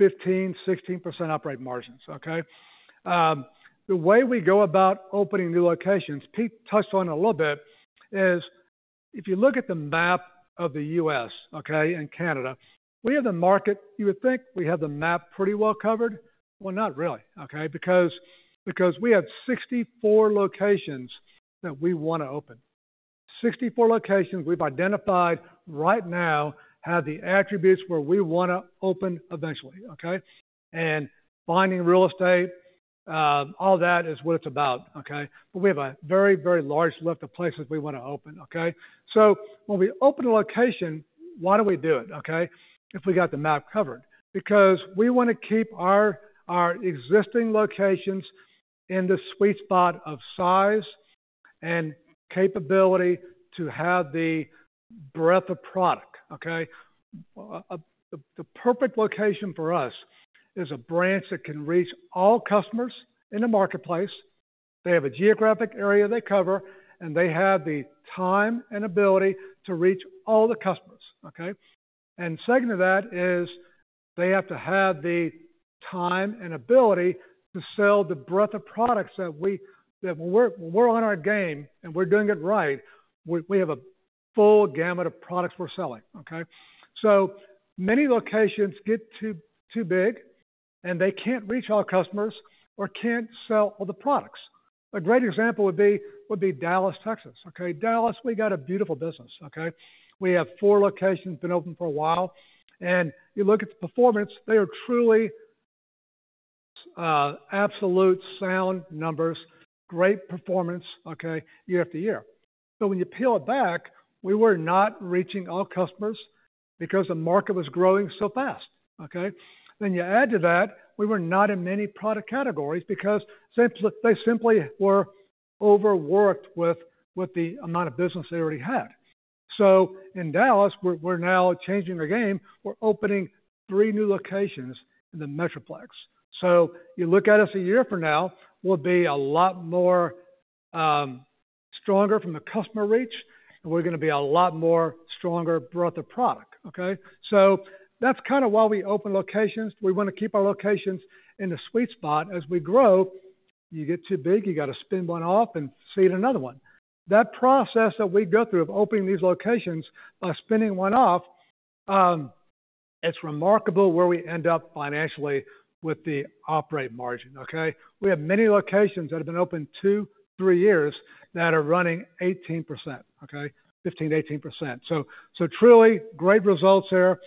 15%-16% operating margins, okay? The way we go about opening new locations, Pete touched on it a little bit, is if you look at the map of the U.S., okay, and Canada, we have the market. You would think we have the map pretty well covered. Well, not really, okay? Because we have 64 locations that we want to open. 64 locations we've identified right now have the attributes where we want to open eventually, okay? And finding real estate, all that is what it's about, okay? But we have a very, very large list of places we want to open, okay? So when we open a location, why do we do it, okay? If we got the map covered? Because we want to keep our existing locations in the sweet spot of size and capability to have the breadth of product, okay? The perfect location for us is a branch that can reach all customers in the marketplace. They have a geographic area they cover, and they have the time and ability to reach all the customers, okay? And second to that is they have to have the time and ability to sell the breadth of products that when we're on our game and we're doing it right, we have a full gamut of products we're selling, okay? So many locations get too big, and they can't reach all customers or can't sell all the products. A great example would be Dallas, Texas, okay? Dallas, we got a beautiful business, okay? We have 4 locations been open for a while. And you look at the performance, they are truly absolute sound numbers, great performance, okay, year after year. But when you peel it back, we were not reaching all customers because the market was growing so fast, okay? Then you add to that, we were not in many product categories because they simply were overworked with the amount of business they already had. So in Dallas, we're now changing our game. We're opening 3 new locations in the metroplex. So you look at us a year from now, we'll be a lot more stronger from the customer reach, and we're going to be a lot more stronger breadth of product, okay? So that's kind of why we open locations. We want to keep our locations in the sweet spot. As we grow, you get too big, you got to spin one off and seed another one. That process that we go through of opening these locations by spinning one off, it's remarkable where we end up financially with the operating margin, okay? We have many locations that have been open 2, 3 years that are running 18%, okay? 15%-18%. So truly great results there.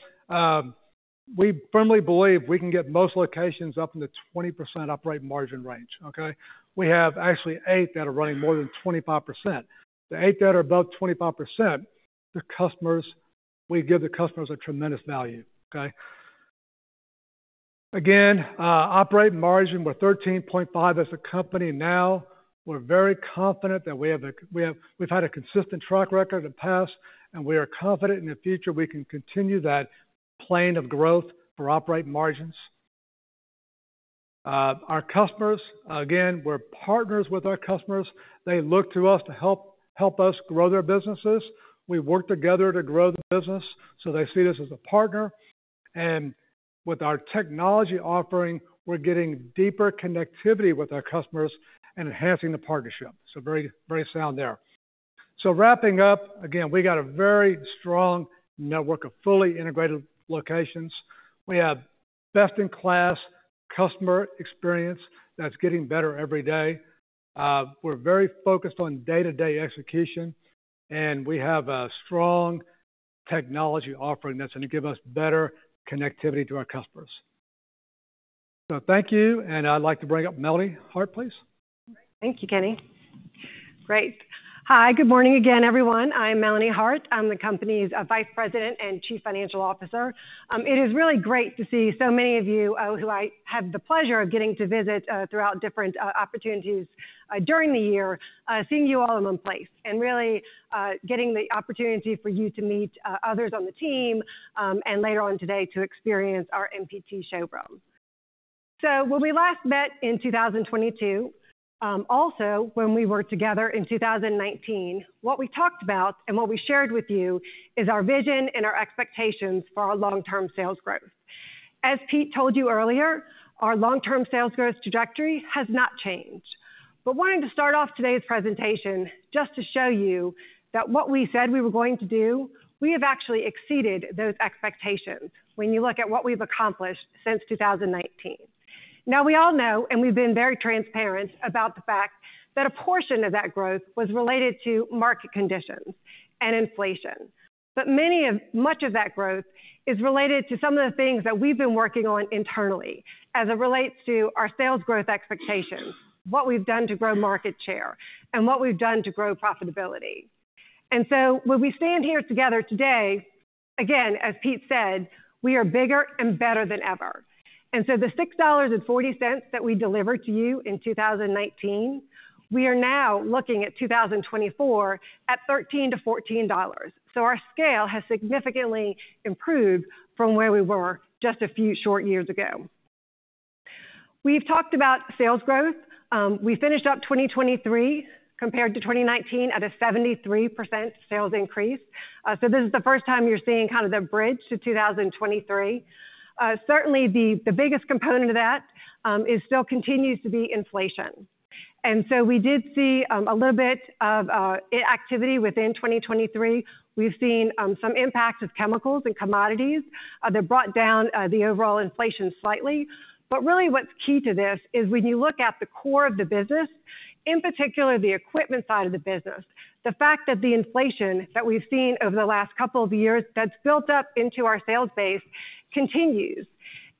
We firmly believe we can get most locations up in the 20% operating margin range, okay? We have actually 8 that are running more than 25%. The 8 that are above 25%, we give the customers a tremendous value, okay? Again, operating margin, we're 13.5 as a company now. We're very confident that we've had a consistent track record in the past, and we are confident in the future we can continue that plane of growth for operating margins. Our customers, again, we're partners with our customers. They look to us to help us grow their businesses. We work together to grow the business, so they see this as a partner. And with our technology offering, we're getting deeper connectivity with our customers and enhancing the partnership. So very, very sound there. So wrapping up, again, we got a very strong network of fully integrated locations. We have best-in-class customer experience that's getting better every day. We're very focused on day-to-day execution, and we have a strong technology offering that's going to give us better connectivity to our customers. So thank you. And I'd like to bring up Melanie Hart, please. Thank you, Kenny. Great. Hi. Good morning again, everyone. I'm Melanie Hart. I'm the company's Vice President and Chief Financial Officer. It is really great to see so many of you who I have the pleasure of getting to visit throughout different opportunities during the year, seeing you all in one place and really getting the opportunity for you to meet others on the team and later on today to experience our NPT showroom. So when we last met in 2022, also when we were together in 2019, what we talked about and what we shared with you is our vision and our expectations for our long-term sales growth. As Pete told you earlier, our long-term sales growth trajectory has not changed. But wanting to start off today's presentation just to show you that what we said we were going to do, we have actually exceeded those expectations when you look at what we've accomplished since 2019. Now, we all know, and we've been very transparent about the fact that a portion of that growth was related to market conditions and inflation. But much of that growth is related to some of the things that we've been working on internally as it relates to our sales growth expectations, what we've done to grow market share, and what we've done to grow profitability. And so when we stand here together today, again, as Pete said, we are bigger and better than ever. And so the $6.40 that we delivered to you in 2019, we are now looking at 2024 at $13-$14. So our scale has significantly improved from where we were just a few short years ago. We've talked about sales growth. We finished up 2023 compared to 2019 at a 73% sales increase. So this is the first time you're seeing kind of the bridge to 2023. Certainly, the biggest component of that is still continues to be inflation. And so we did see a little bit of activity within 2023. We've seen some impacts of chemicals and commodities that brought down the overall inflation slightly. But really, what's key to this is when you look at the core of the business, in particular, the equipment side of the business, the fact that the inflation that we've seen over the last couple of years that's built up into our sales base continues.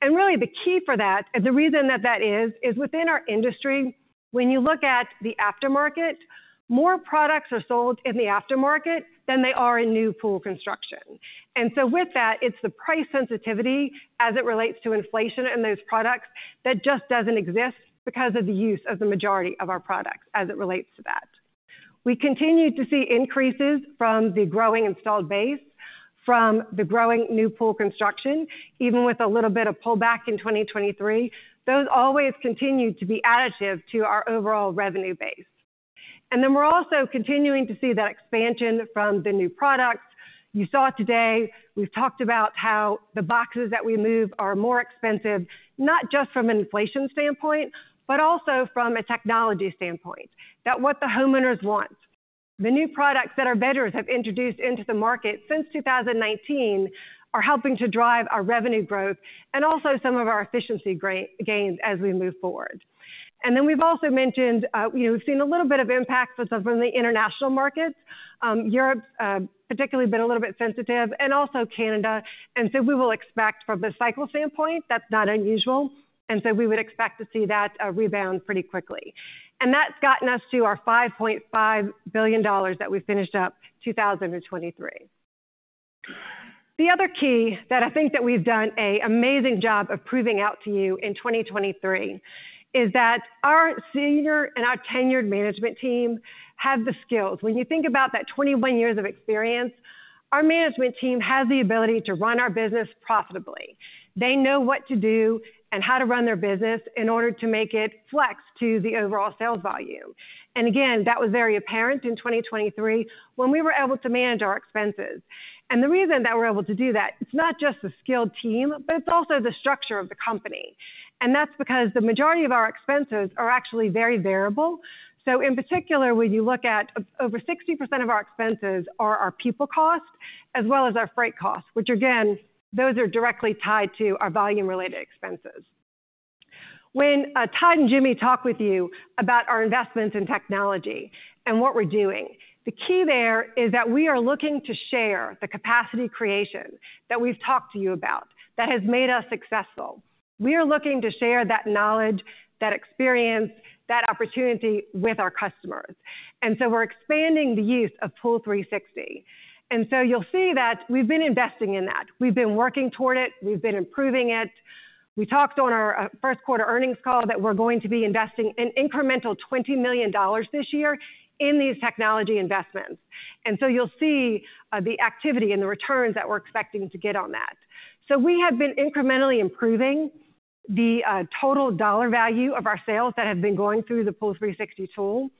And really, the key for that and the reason that that is is within our industry, when you look at the aftermarket, more products are sold in the aftermarket than they are in new pool construction. And so with that, it's the price sensitivity as it relates to inflation in those products that just doesn't exist because of the use of the majority of our products as it relates to that. We continued to see increases from the growing installed base, from the growing new pool construction, even with a little bit of pullback in 2023. Those always continue to be additive to our overall revenue base. And then we're also continuing to see that expansion from the new products. You saw today, we've talked about how the boxes that we move are more expensive, not just from an inflation standpoint, but also from a technology standpoint, that what the homeowners want. The new products that our vendors have introduced into the market since 2019 are helping to drive our revenue growth and also some of our efficiency gains as we move forward. And then we've also mentioned we've seen a little bit of impact from the international markets. Europe's particularly been a little bit sensitive, and also Canada. And so we will expect from the cycle standpoint, that's not unusual. And so we would expect to see that rebound pretty quickly. And that's gotten us to our $5.5 billion that we finished up 2023. The other key that I think that we've done an amazing job of proving out to you in 2023 is that our senior and our tenured management team have the skills. When you think about that 21 years of experience, our management team has the ability to run our business profitably. They know what to do and how to run their business in order to make it flex to the overall sales volume. And again, that was very apparent in 2023 when we were able to manage our expenses. And the reason that we're able to do that, it's not just the skilled team, but it's also the structure of the company. And that's because the majority of our expenses are actually very variable. So in particular, when you look at over 60% of our expenses are our people cost as well as our freight costs, which again, those are directly tied to our volume-related expenses. When Todd and Jimmy talk with you about our investments in technology and what we're doing, the key there is that we are looking to share the capacity creation that we've talked to you about that has made us successful. We are looking to share that knowledge, that experience, that opportunity with our customers. And so we're expanding the use of POOL360. And so you'll see that we've been investing in that. We've been working toward it. We've been improving it. We talked on our first quarter earnings call that we're going to be investing an incremental $20 million this year in these technology investments. And so you'll see the activity and the returns that we're expecting to get on that. So we have been incrementally improving the total dollar value of our sales that have been going through the POOL360 tool.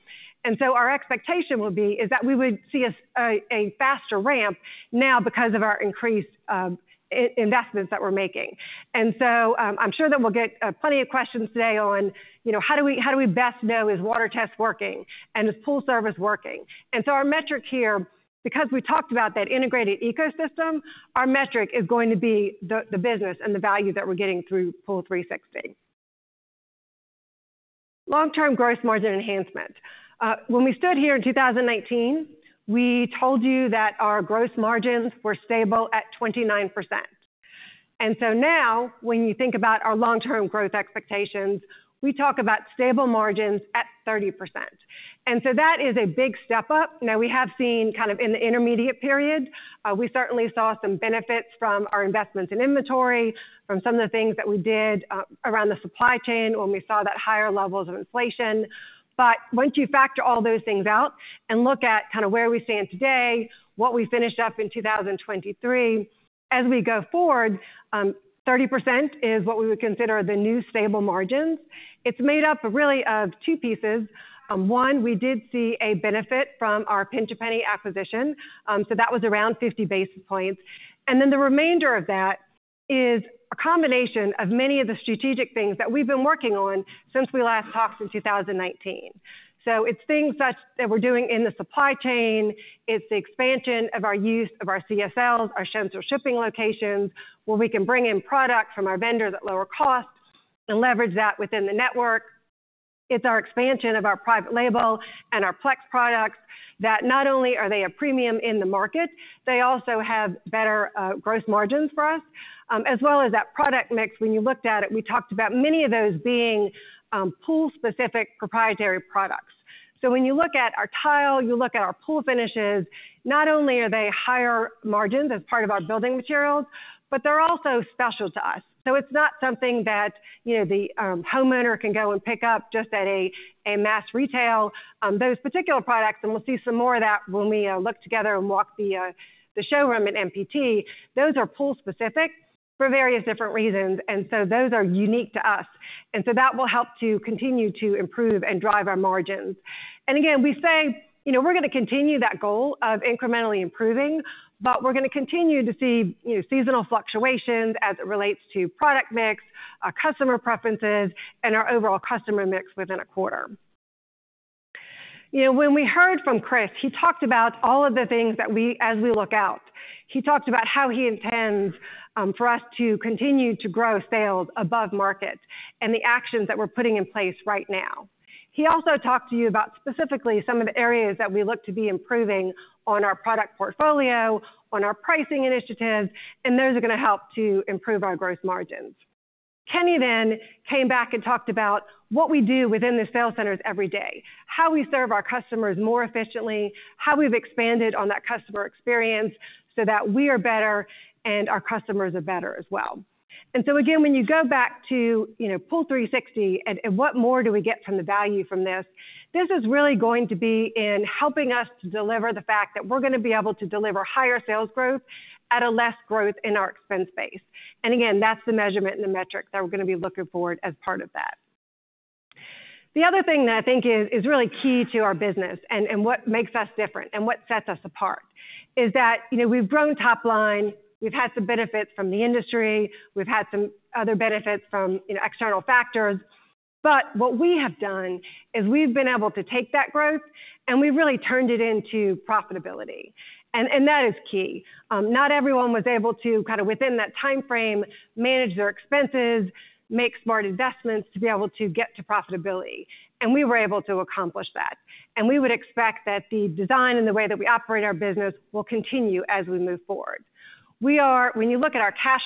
And so our expectation will be is that we would see a faster ramp now because of our increased investments that we're making. And so I'm sure that we'll get plenty of questions today on how do we best know, is water test working and is pool service working? And so our metric here, because we talked about that integrated ecosystem, our metric is going to be the business and the value that we're getting through POOL360. Long-term growth margin enhancement. When we stood here in 2019, we told you that our gross margins were stable at 29%. Now, when you think about our long-term growth expectations, we talk about stable margins at 30%. That is a big step up. Now, we have seen kind of in the intermediate period, we certainly saw some benefits from our investments in inventory, from some of the things that we did around the supply chain when we saw that higher levels of inflation. But once you factor all those things out and look at kind of where we stand today, what we finished up in 2023, as we go forward, 30% is what we would consider the new stable margins. It's made up really of two pieces. One, we did see a benefit from our Pinch A Penny acquisition. So that was around 50 basis points. And then the remainder of that is a combination of many of the strategic things that we've been working on since we last talked in 2019. So it's things such that we're doing in the supply chain. It's the expansion of our use of our CSLs, our ships or shipping locations, where we can bring in product from our vendors at lower cost and leverage that within the network. It's our expansion of our private label and our Plex products that not only are they a premium in the market, they also have better gross margins for us, as well as that product mix. When you looked at it, we talked about many of those being pool-specific proprietary products. So when you look at our tile, you look at our pool finishes, not only are they higher margins as part of our building materials, but they're also special to us. So it's not something that the homeowner can go and pick up just at a mass retail, those particular products. And we'll see some more of that when we look together and walk the showroom at NPT. Those are pool-specific for various different reasons. And so those are unique to us. And so that will help to continue to improve and drive our margins. And again, we say we're going to continue that goal of incrementally improving, but we're going to continue to see seasonal fluctuations as it relates to product mix, our customer preferences, and our overall customer mix within a quarter. When we heard from Chris, he talked about all of the things that we, as we look out, he talked about how he intends for us to continue to grow sales above market and the actions that we're putting in place right now. He also talked to you about specifically some of the areas that we look to be improving on our product portfolio, on our pricing initiatives, and those are going to help to improve our gross margins. Kenny then came back and talked about what we do within the sales centers every day, how we serve our customers more efficiently, how we've expanded on that customer experience so that we are better and our customers are better as well. And so again, when you go back to POOL360 and what more do we get from the value from this, this is really going to be in helping us to deliver the fact that we're going to be able to deliver higher sales growth at a less growth in our expense base. And again, that's the measurement and the metrics that we're going to be looking forward as part of that. The other thing that I think is really key to our business and what makes us different and what sets us apart is that we've grown top line. We've had some benefits from the industry. We've had some other benefits from external factors. But what we have done is we've been able to take that growth and we've really turned it into profitability. And that is key. Not everyone was able to kind of within that time frame manage their expenses, make smart investments to be able to get to profitability. And we were able to accomplish that. And we would expect that the design and the way that we operate our business will continue as we move forward. When you look at our cash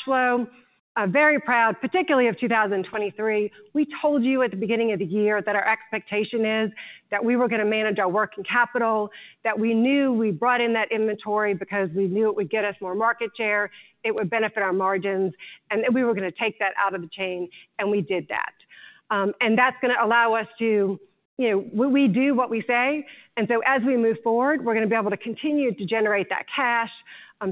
flow, very proud, particularly of 2023, we told you at the beginning of the year that our expectation is that we were going to manage our working capital, that we knew we brought in that inventory because we knew it would get us more market share, it would benefit our margins, and that we were going to take that out of the chain. We did that. That's going to allow us to we do what we say. So as we move forward, we're going to be able to continue to generate that cash.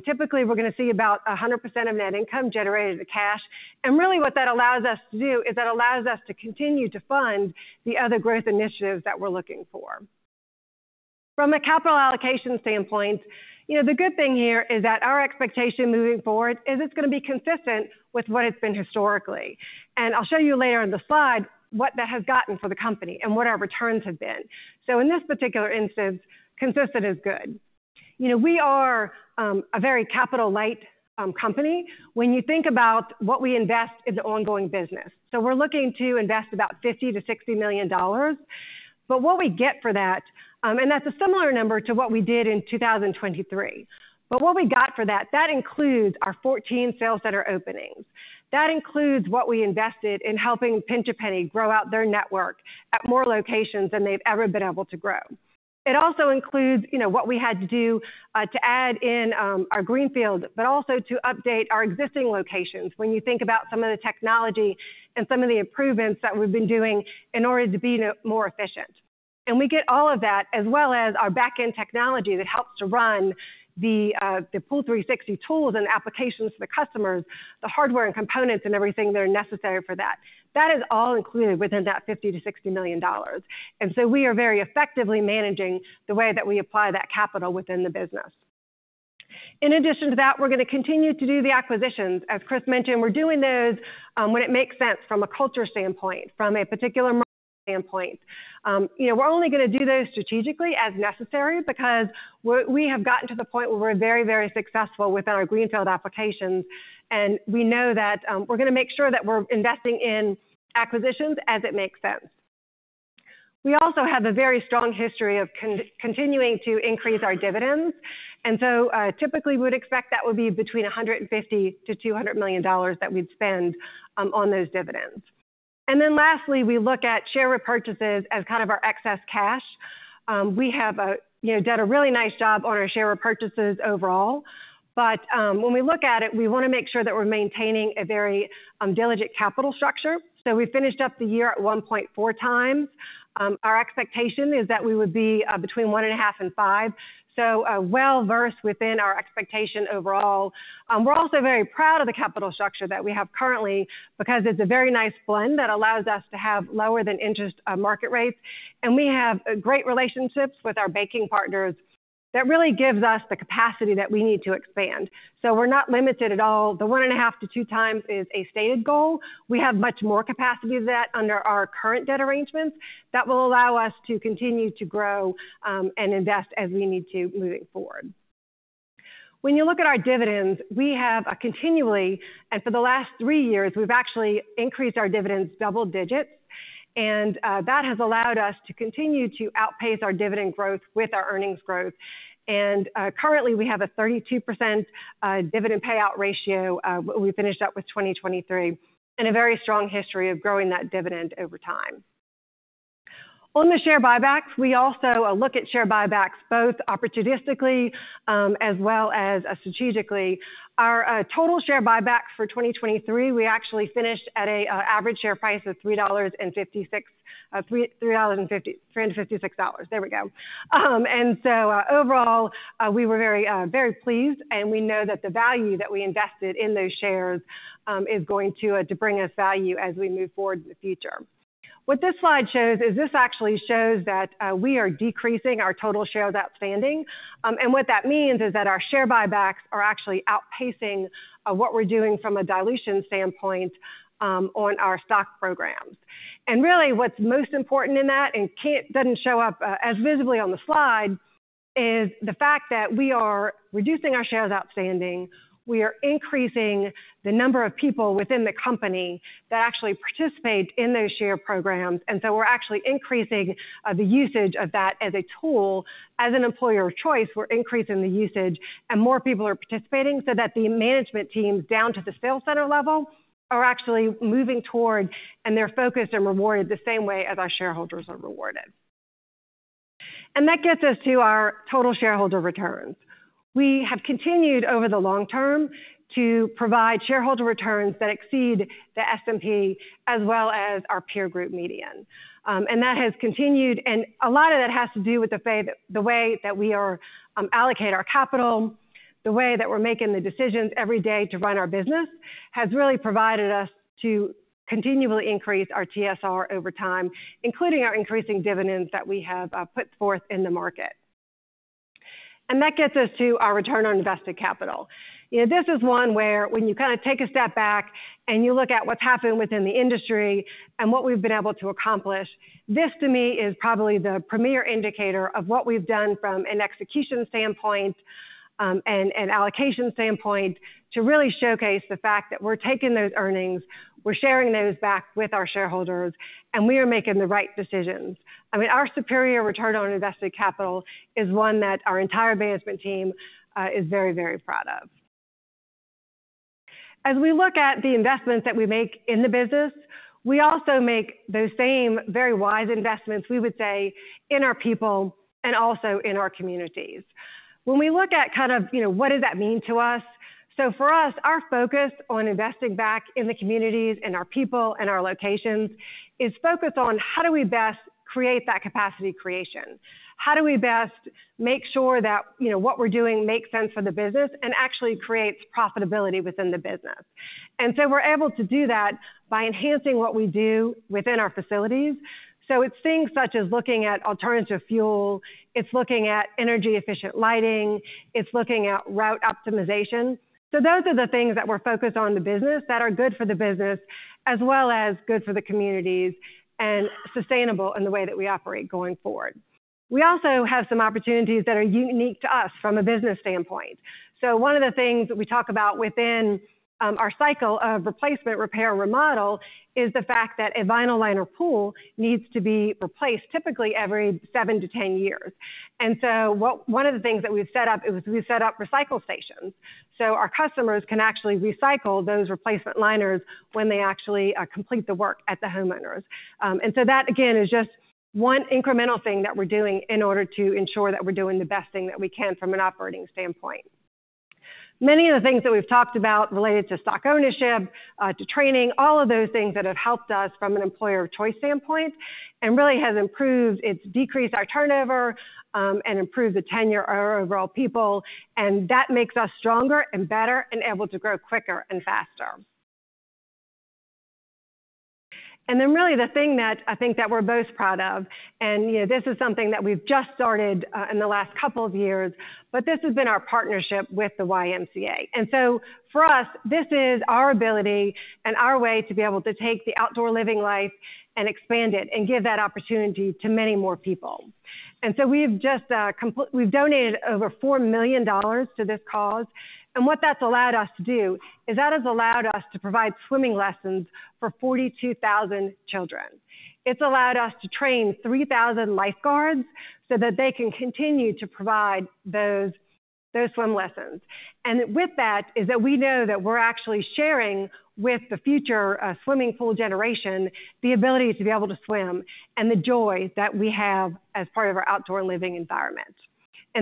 Typically, we're going to see about 100% of net income generated in cash. Really, what that allows us to do is that allows us to continue to fund the other growth initiatives that we're looking for. From a capital allocation standpoint, the good thing here is that our expectation moving forward is it's going to be consistent with what it's been historically. I'll show you later in the slide what that has gotten for the company and what our returns have been. In this particular instance, consistent is good. We are a very capital-light company. When you think about what we invest in the ongoing business, so we're looking to invest about $50-$60 million. But what we get for that, and that's a similar number to what we did in 2023, but what we got for that, that includes our 14 sales center openings. That includes what we invested in helping Pinch A Penny grow out their network at more locations than they've ever been able to grow. It also includes what we had to do to add in our greenfield, but also to update our existing locations when you think about some of the technology and some of the improvements that we've been doing in order to be more efficient. We get all of that as well as our backend technology that helps to run the POOL360 tools and applications for the customers, the hardware and components and everything that are necessary for that. That is all included within that $50-$60 million. And so we are very effectively managing the way that we apply that capital within the business. In addition to that, we're going to continue to do the acquisitions. As Chris mentioned, we're doing those when it makes sense from a culture standpoint, from a particular market standpoint. We're only going to do those strategically as necessary because we have gotten to the point where we're very, very successful within our greenfield applications. We know that we're going to make sure that we're investing in acquisitions as it makes sense. We also have a very strong history of continuing to increase our dividends. So typically, we would expect that would be between $150 million-$200 million that we'd spend on those dividends. Then lastly, we look at share repurchases as kind of our excess cash. We have done a really nice job on our share repurchases overall. But when we look at it, we want to make sure that we're maintaining a very diligent capital structure. So we finished up the year at 1.4 times. Our expectation is that we would be between 1.5-5, so well versed within our expectation overall. We're also very proud of the capital structure that we have currently because it's a very nice blend that allows us to have lower than interest market rates. We have great relationships with our banking partners. That really gives us the capacity that we need to expand. We're not limited at all. The 1.5-2 times is a stated goal. We have much more capacity than that under our current debt arrangements that will allow us to continue to grow and invest as we need to moving forward. When you look at our dividends, we have continually, and for the last three years, we've actually increased our dividends double digits. That has allowed us to continue to outpace our dividend growth with our earnings growth. Currently, we have a 32% dividend payout ratio when we finished up with 2023 and a very strong history of growing that dividend over time. On the share buybacks, we also look at share buybacks both opportunistically as well as strategically. Our total share buyback for 2023, we actually finished at an average share price of $3.56. $3.56. There we go. And so overall, we were very, very pleased. And we know that the value that we invested in those shares is going to bring us value as we move forward in the future. What this slide shows is this actually shows that we are decreasing our total shares outstanding. What that means is that our share buybacks are actually outpacing what we're doing from a dilution standpoint on our stock programs. And really, what's most important in that and doesn't show up as visibly on the slide is the fact that we are reducing our shares outstanding. We are increasing the number of people within the company that actually participate in those share programs. And so we're actually increasing the usage of that as a tool. As an employer of choice, we're increasing the usage and more people are participating so that the management teams down to the sales center level are actually moving toward and they're focused and rewarded the same way as our shareholders are rewarded. And that gets us to our total shareholder returns. We have continued over the long term to provide shareholder returns that exceed the S&P as well as our peer group median. And that has continued. A lot of that has to do with the way that we allocate our capital, the way that we're making the decisions every day to run our business has really provided us to continually increase our TSR over time, including our increasing dividends that we have put forth in the market. That gets us to our return on invested capital. This is one where when you kind of take a step back and you look at what's happened within the industry and what we've been able to accomplish, this to me is probably the premier indicator of what we've done from an execution standpoint and an allocation standpoint to really showcase the fact that we're taking those earnings, we're sharing those back with our shareholders, and we are making the right decisions. I mean, our superior return on invested capital is one that our entire management team is very, very proud of. As we look at the investments that we make in the business, we also make those same very wise investments, we would say, in our people and also in our communities. When we look at kind of what does that mean to us? So for us, our focus on investing back in the communities and our people and our locations is focused on how do we best create that capacity creation? How do we best make sure that what we're doing makes sense for the business and actually creates profitability within the business? And so we're able to do that by enhancing what we do within our facilities. So it's things such as looking at alternative fuel, it's looking at energy-efficient lighting, it's looking at route optimization. So those are the things that we're focused on in the business that are good for the business as well as good for the communities and sustainable in the way that we operate going forward. We also have some opportunities that are unique to us from a business standpoint. One of the things that we talk about within our cycle of replacement, repair, remodel is the fact that a vinyl liner pool needs to be replaced typically every 7-10 years. One of the things that we've set up is we've set up recycle stations. Our customers can actually recycle those replacement liners when they actually complete the work at the homeowners. That, again, is just one incremental thing that we're doing in order to ensure that we're doing the best thing that we can from an operating standpoint. Many of the things that we've talked about related to stock ownership, to training, all of those things that have helped us from an employer of choice standpoint and really has improved. It's decreased our turnover and improved the tenure of our overall people. That makes us stronger and better and able to grow quicker and faster. Then really the thing that I think that we're both proud of, and this is something that we've just started in the last couple of years, but this has been our partnership with the YMCA. So for us, this is our ability and our way to be able to take the outdoor living life and expand it and give that opportunity to many more people. So we've donated over $4 million to this cause. What that's allowed us to do is that has allowed us to provide swimming lessons for 42,000 children. It's allowed us to train 3,000 lifeguards so that they can continue to provide those swim lessons. With that is that we know that we're actually sharing with the future swimming pool generation the ability to be able to swim and the joy that we have as part of our outdoor living environment.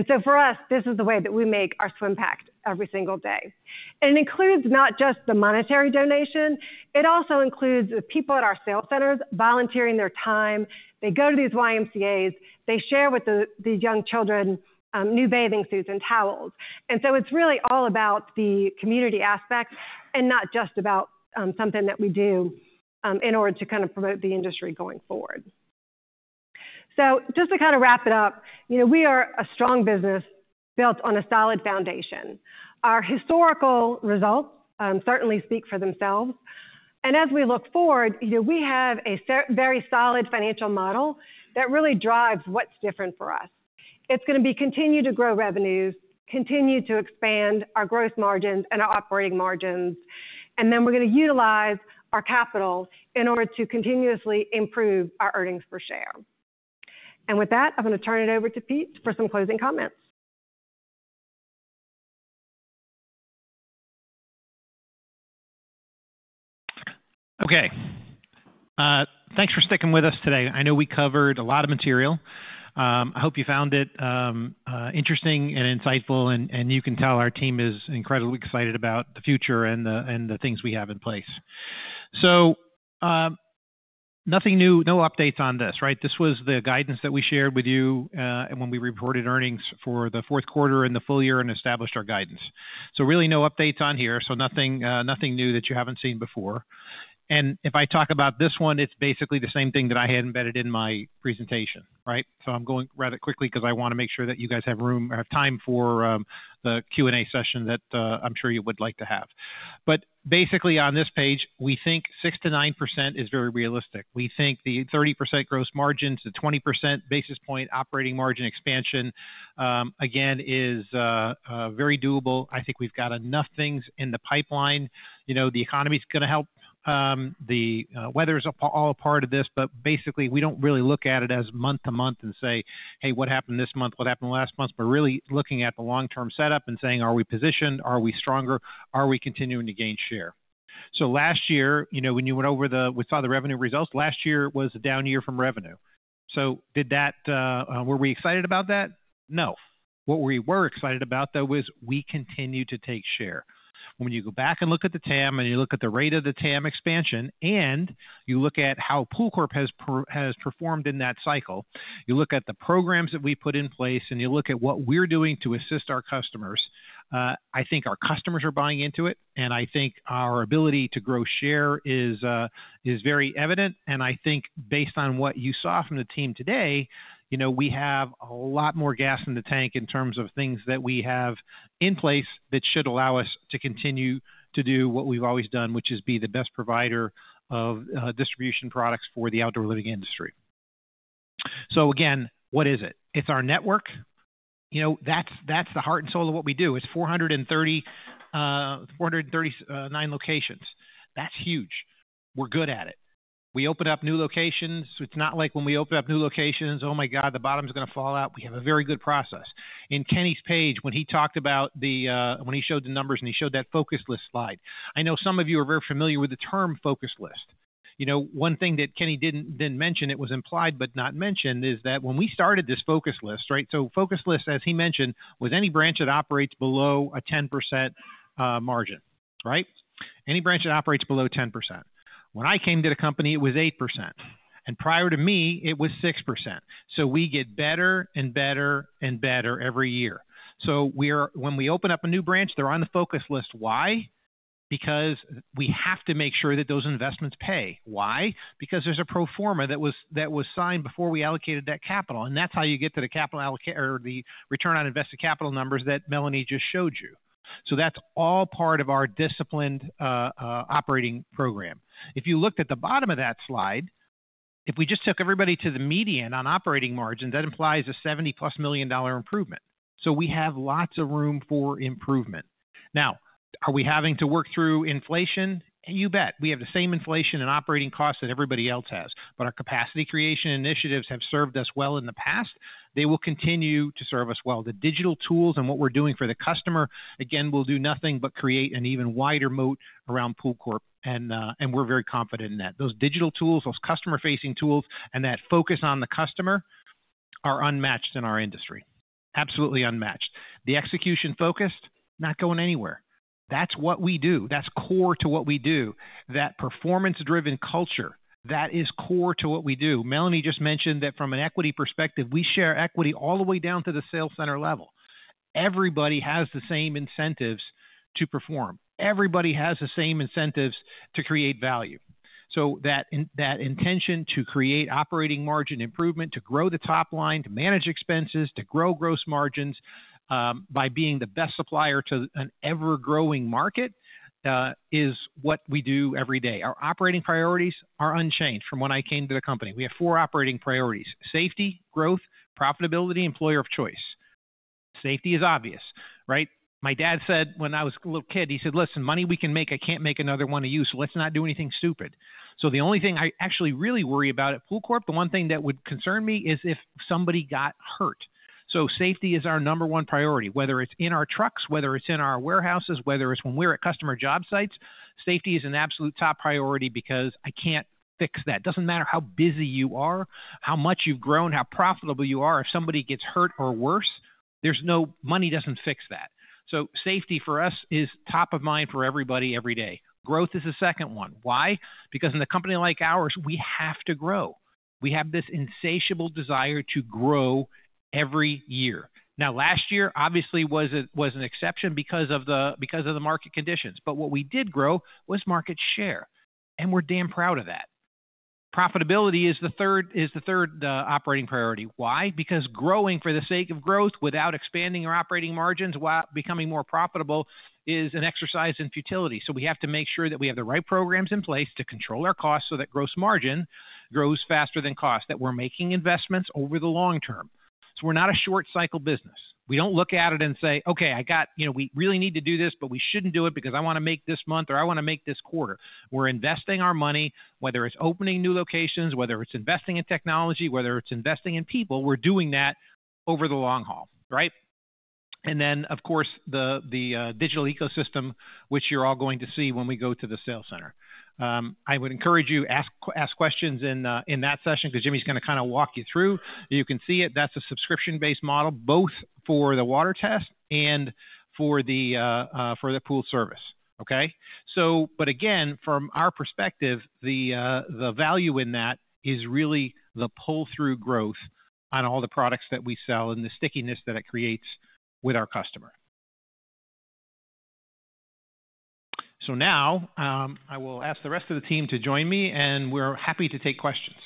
So for us, this is the way that we make our swim packed every single day. It includes not just the monetary donation, it also includes the people at our sales centers volunteering their time. They go to these YMCAs, they share with these young children new bathing suits and towels. So it's really all about the community aspects and not just about something that we do in order to kind of promote the industry going forward. So just to kind of wrap it up, we are a strong business built on a solid foundation. Our historical results certainly speak for themselves. As we look forward, we have a very solid financial model that really drives what's different for us. It's going to be continue to grow revenues, continue to expand our gross margins and our operating margins. Then we're going to utilize our capital in order to continuously improve our earnings per share. With that, I'm going to turn it over to Pete for some closing comments. Okay. Thanks for sticking with us today. I know we covered a lot of material. I hope you found it interesting and insightful. You can tell our team is incredibly excited about the future and the things we have in place. So nothing new, no updates on this, right? This was the guidance that we shared with you when we reported earnings for the fourth quarter and the full year and established our guidance. So really no updates on here. So nothing new that you haven't seen before. And if I talk about this one, it's basically the same thing that I had embedded in my presentation, right? So I'm going rather quickly because I want to make sure that you guys have room or have time for the Q&A session that I'm sure you would like to have. But basically, on this page, we think 6%-9% is very realistic. We think the 30% gross margins, the 20 percentage point operating margin expansion, again, is very doable. I think we've got enough things in the pipeline. The economy's going to help. The weather's all a part of this. But basically, we don't really look at it as month to month and say, "Hey, what happened this month? What happened last month?" But really looking at the long-term setup and saying, "Are we positioned? Are we stronger? Are we continuing to gain share?" So last year, when you went over, we saw the revenue results. Last year was a down year from revenue. So were we excited about that? No. What we were excited about, though, was we continue to take share. When you go back and look at the TAM and you look at the rate of the TAM expansion and you look at how PoolCorp has performed in that cycle, you look at the programs that we put in place and you look at what we're doing to assist our customers, I think our customers are buying into it. And I think our ability to grow share is very evident. And I think based on what you saw from the team today, we have a lot more gas in the tank in terms of things that we have in place that should allow us to continue to do what we've always done, which is be the best provider of distribution products for the outdoor living industry. So again, what is it? It's our network. That's the heart and soul of what we do. It's 439 locations. That's huge. We're good at it. We open up new locations. It's not like when we open up new locations, "Oh my God, the bottom's going to fall out." We have a very good process. In Kenny's page, when he talked about when he showed the numbers and he showed that focus list slide, I know some of you are very familiar with the term focus list. One thing that Kenny didn't mention, it was implied but not mentioned, is that when we started this focus list, right? So focus list, as he mentioned, was any branch that operates below a 10% margin, right? Any branch that operates below 10%. When I came to the company, it was 8%. And prior to me, it was 6%. So we get better and better and better every year. So when we open up a new branch, they're on the focus list. Why? Because we have to make sure that those investments pay. Why? Because there's a pro forma that was signed before we allocated that capital. And that's how you get to the capital allocation or the return on invested capital numbers that Melanie just showed you. So that's all part of our disciplined operating program. If you looked at the bottom of that slide, if we just took everybody to the median on operating margins, that implies a $70+ million improvement. So we have lots of room for improvement. Now, are we having to work through inflation? You bet. We have the same inflation and operating costs that everybody else has. But our capacity creation initiatives have served us well in the past. They will continue to serve us well. The digital tools and what we're doing for the customer, again, will do nothing but create an even wider moat around PoolCorp. We're very confident in that. Those digital tools, those customer-facing tools, and that focus on the customer are unmatched in our industry. Absolutely unmatched. The execution focused, not going anywhere. That's what we do. That's core to what we do. That performance-driven culture, that is core to what we do. Melanie just mentioned that from an equity perspective, we share equity all the way down to the sales center level. Everybody has the same incentives to perform. Everybody has the same incentives to create value. That intention to create operating margin improvement, to grow the top line, to manage expenses, to grow gross margins by being the best supplier to an ever-growing market is what we do every day. Our operating priorities are unchanged from when I came to the company. We have four operating priorities: safety, growth, profitability, employer of choice. Safety is obvious, right? My dad said when I was a little kid, he said, "Listen, money we can make. I can't make another one of you. So let's not do anything stupid." So the only thing I actually really worry about at PoolCorp, the one thing that would concern me is if somebody got hurt. So safety is our number one priority, whether it's in our trucks, whether it's in our warehouses, whether it's when we're at customer job sites. Safety is an absolute top priority because I can't fix that. It doesn't matter how busy you are, how much you've grown, how profitable you are. If somebody gets hurt or worse, there's no money that doesn't fix that. So safety for us is top of mind for everybody every day. Growth is the second one. Why? Because in a company like ours, we have to grow. We have this insatiable desire to grow every year. Now, last year, obviously, was an exception because of the market conditions. But what we did grow was market share. And we're damn proud of that. Profitability is the third operating priority. Why? Because growing for the sake of growth without expanding our operating margins, becoming more profitable, is an exercise in futility. So we have to make sure that we have the right programs in place to control our costs so that gross margin grows faster than cost, that we're making investments over the long term. So we're not a short-cycle business. We don't look at it and say, "Okay, we really need to do this, but we shouldn't do it because I want to make this month or I want to make this quarter." We're investing our money, whether it's opening new locations, whether it's investing in technology, whether it's investing in people, we're doing that over the long haul, right? Then, of course, the digital ecosystem, which you're all going to see when we go to the sales center. I would encourage you to ask questions in that session because Jimmy's going to kind of walk you through. You can see it. That's a subscription-based model, both for the water test and for the pool service, okay? But again, from our perspective, the value in that is really the pull-through growth on all the products that we sell and the stickiness that it creates with our customer. Now, I will ask the rest of the team to join me. We're happy to take questions.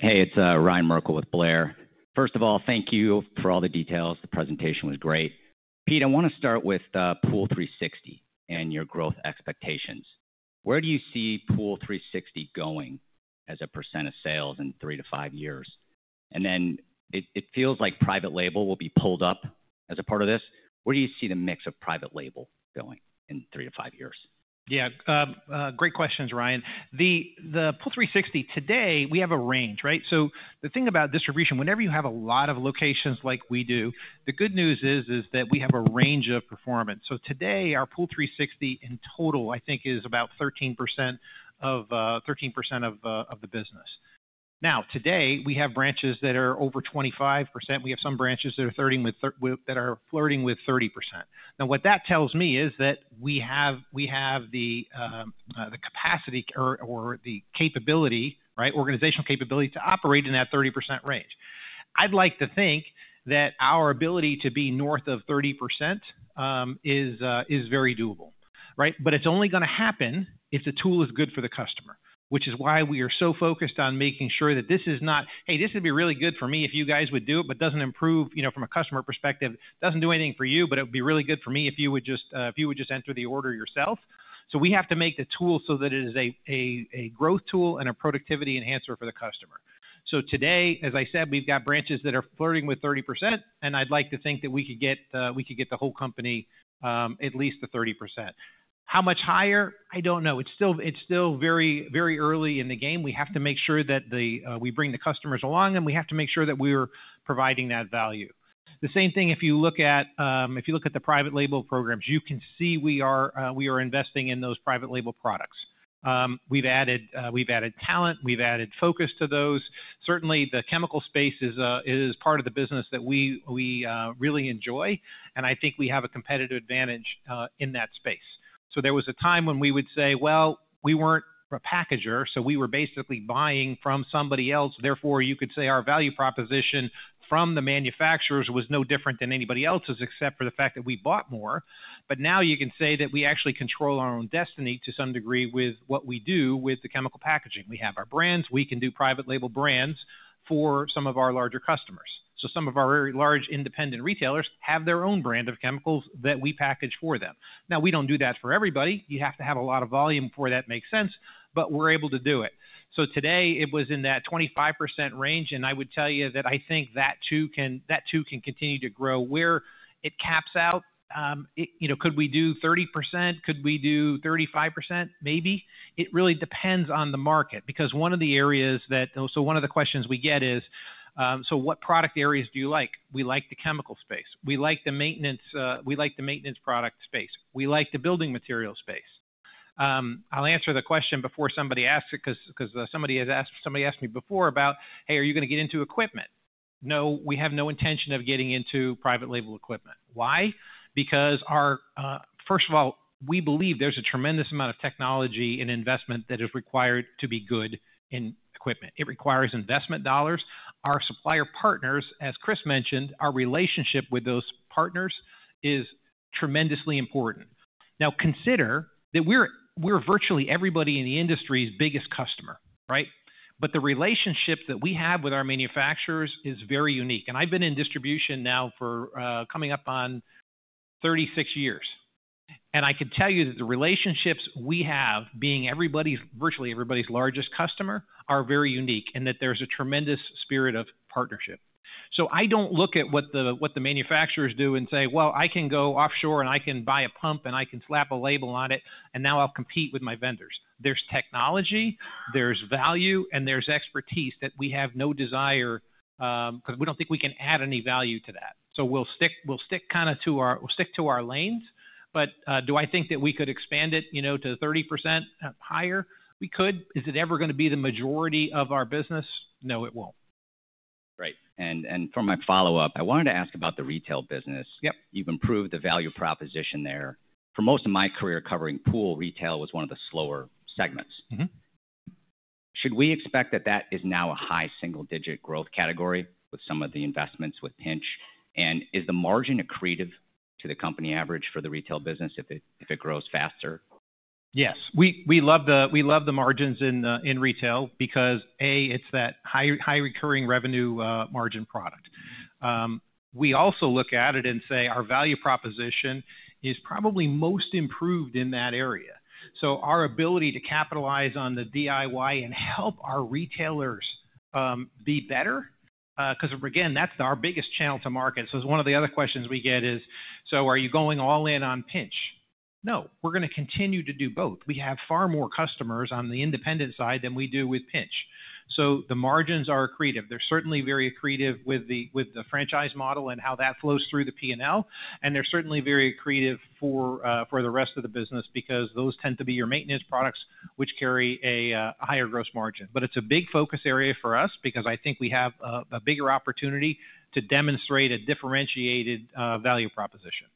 Hey, it's Ryan Merkel with Blair. First of all, thank you for all the details. The presentation was great. Pete, I want to start with POOL360 and your growth expectations. Where do you see POOL360 going as a % of sales in 3-5 years? And then it feels like private label will be pulled up as a part of this. Where do you see the mix of private label going in 3-5 years? Yeah. Great questions, Ryan. The POOL360 today, we have a range, right? So the thing about distribution, whenever you have a lot of locations like we do, the good news is that we have a range of performance. So today, our POOL360 in total, I think, is about 13% of the business. Now, today, we have branches that are over 25%. We have some branches that are flirting with 30%. Now, what that tells me is that we have the capacity or the capability, right, organizational capability to operate in that 30% range. I'd like to think that our ability to be north of 30% is very doable, right? But it's only going to happen if the tool is good for the customer, which is why we are so focused on making sure that this is not, "Hey, this would be really good for me if you guys would do it, but doesn't improve from a customer perspective. Doesn't do anything for you, but it would be really good for me if you would just enter the order yourself." So we have to make the tool so that it is a growth tool and a productivity enhancer for the customer. So today, as I said, we've got branches that are flirting with 30%. And I'd like to think that we could get the whole company at least to 30%. How much higher? I don't know. It's still very early in the game. We have to make sure that we bring the customers along. We have to make sure that we're providing that value. The same thing, if you look at the private label programs, you can see we are investing in those private label products. We've added talent. We've added focus to those. Certainly, the chemical space is part of the business that we really enjoy. And I think we have a competitive advantage in that space. So there was a time when we would say, "Well, we weren't a packager. So we were basically buying from somebody else. Therefore, you could say our value proposition from the manufacturers was no different than anybody else's except for the fact that we bought more." But now, you can say that we actually control our own destiny to some degree with what we do with the chemical packaging. We have our brands. We can do private label brands for some of our larger customers. So some of our very large independent retailers have their own brand of chemicals that we package for them. Now, we don't do that for everybody. You have to have a lot of volume for that to make sense. But we're able to do it. So today, it was in that 25% range. And I would tell you that I think that too can continue to grow. Where it caps out, could we do 30%? Could we do 35%? Maybe. It really depends on the market because one of the areas one of the questions we get is, "So what product areas do you like?" We like the chemical space. We like the maintenance product space. We like the building materials space. I'll answer the question before somebody asks it because somebody asked me before about, "Hey, are you going to get into equipment?" No, we have no intention of getting into private label equipment. Why? Because, first of all, we believe there's a tremendous amount of technology and investment that is required to be good in equipment. It requires investment dollars. Our supplier partners, as Chris mentioned, our relationship with those partners is tremendously important. Now, consider that we're virtually everybody in the industry's biggest customer, right? But the relationship that we have with our manufacturers is very unique. And I've been in distribution now for coming up on 36 years. And I can tell you that the relationships we have, being virtually everybody's largest customer, are very unique and that there's a tremendous spirit of partnership. So I don't look at what the manufacturers do and say, "Well, I can go offshore. And I can buy a pump. And I can slap a label on it. And now, I'll compete with my vendors." There's technology. There's value. And there's expertise that we have no desire because we don't think we can add any value to that. So we'll stick kind of to our lanes. But do I think that we could expand it to 30% higher? We could. Is it ever going to be the majority of our business? No, it won't. Right. And for my follow-up, I wanted to ask about the retail business. You've improved the value proposition there. For most of my career covering pool, retail was one of the slower segments. Should we expect that that is now a high single-digit growth category with some of the investments with Pinch? And is the margin accretive to the company average for the retail business if it grows faster? Yes. We love the margins in retail because, A, it's that high-recurring revenue margin product. We also look at it and say our value proposition is probably most improved in that area. So our ability to capitalize on the DIY and help our retailers be better because, again, that's our biggest channel to market. So one of the other questions we get is, "So are you going all in on Pinch?" No, we're going to continue to do both. We have far more customers on the independent side than we do with Pinch. So the margins are accretive. They're certainly very accretive with the franchise model and how that flows through the P&L. And they're certainly very accretive for the rest of the business because those tend to be your maintenance products, which carry a higher gross margin. It's a big focus area for us because I think we have a bigger opportunity to demonstrate a differentiated value proposition.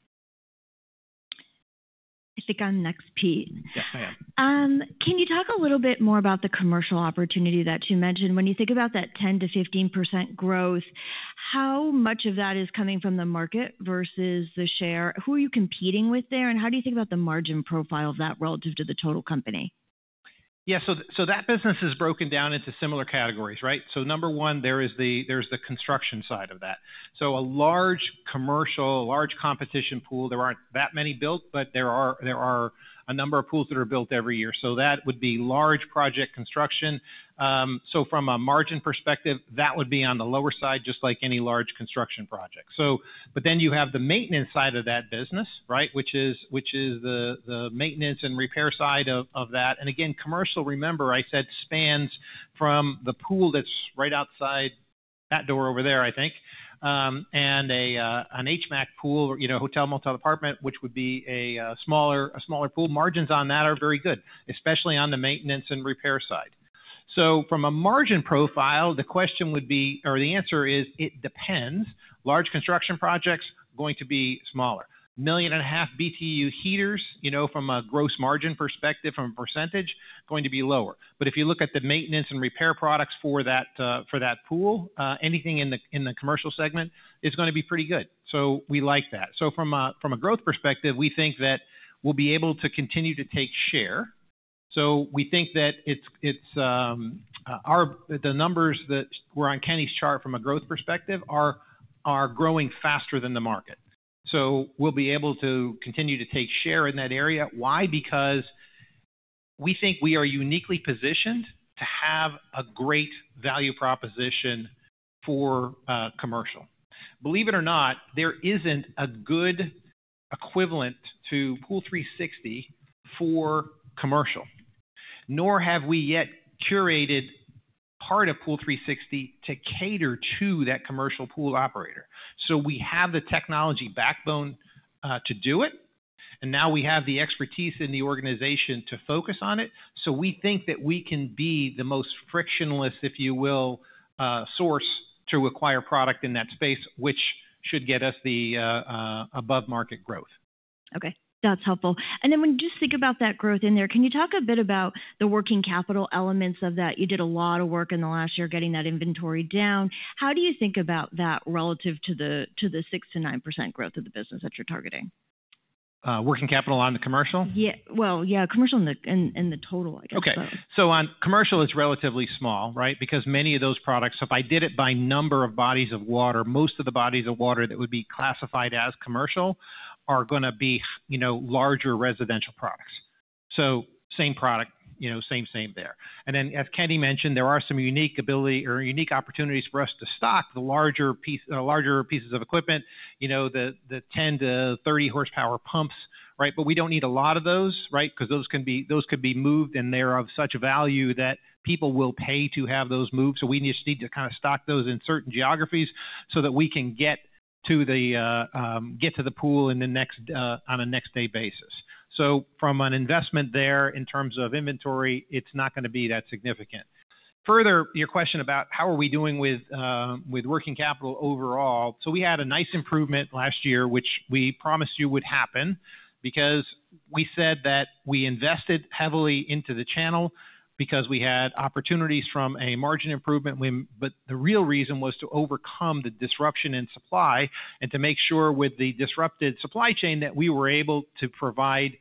I think I'm next, Pete. Yes, I am. Can you talk a little bit more about the commercial opportunity that you mentioned? When you think about that 10%-15% growth, how much of that is coming from the market versus the share? Who are you competing with there? And how do you think about the margin profile of that relative to the total company? Yeah. So that business is broken down into similar categories, right? So number one, there's the construction side of that. So a large commercial, a large competition pool, there aren't that many built. But there are a number of pools that are built every year. So that would be large project construction. So from a margin perspective, that would be on the lower side just like any large construction project. But then you have the maintenance side of that business, right, which is the maintenance and repair side of that. And again, commercial, remember, I said, spans from the pool that's right outside that door over there, I think, and an HMAC pool, hotel, motel, apartment, which would be a smaller pool. Margins on that are very good, especially on the maintenance and repair side. So from a margin profile, the question would be or the answer is, it depends. Large construction projects are going to be smaller. 1.5 million BTU heaters, from a gross margin perspective, from a percentage, going to be lower. But if you look at the maintenance and repair products for that pool, anything in the commercial segment is going to be pretty good. So we like that. So from a growth perspective, we think that we'll be able to continue to take share. So we think that the numbers that were on Kenny's chart from a growth perspective are growing faster than the market. So we'll be able to continue to take share in that area. Why? Because we think we are uniquely positioned to have a great value proposition for commercial. Believe it or not, there isn't a good equivalent to POOL360 for commercial, nor have we yet curated part of POOL360 to cater to that commercial pool operator. So we have the technology backbone to do it. And now, we have the expertise in the organization to focus on it. So we think that we can be the most frictionless, if you will, source to acquire product in that space, which should get us the above-market growth. Okay. That's helpful. And then when you just think about that growth in there, can you talk a bit about the working capital elements of that? You did a lot of work in the last year getting that inventory down. How do you think about that relative to the 6%-9% growth of the business that you're targeting? Working capital on the commercial? Well, yeah, commercial in the total, I guess, both. Okay. So on commercial, it's relatively small, right, because many of those products, if I did it by number of bodies of water, most of the bodies of water that would be classified as commercial are going to be larger residential products. So same product, same there. And then, as Kenny mentioned, there are some unique ability or unique opportunities for us to stock the larger pieces of equipment, the 10-30 horsepower pumps, right? But we don't need a lot of those, right, because those could be moved. And they're of such value that people will pay to have those moved. So we just need to kind of stock those in certain geographies so that we can get to the pool on a next-day basis. So from an investment there in terms of inventory, it's not going to be that significant. Further, your question about how are we doing with working capital overall? So we had a nice improvement last year, which we promised you would happen because we said that we invested heavily into the channel because we had opportunities from a margin improvement. But the real reason was to overcome the disruption in supply and to make sure with the disrupted supply chain that we were able to provide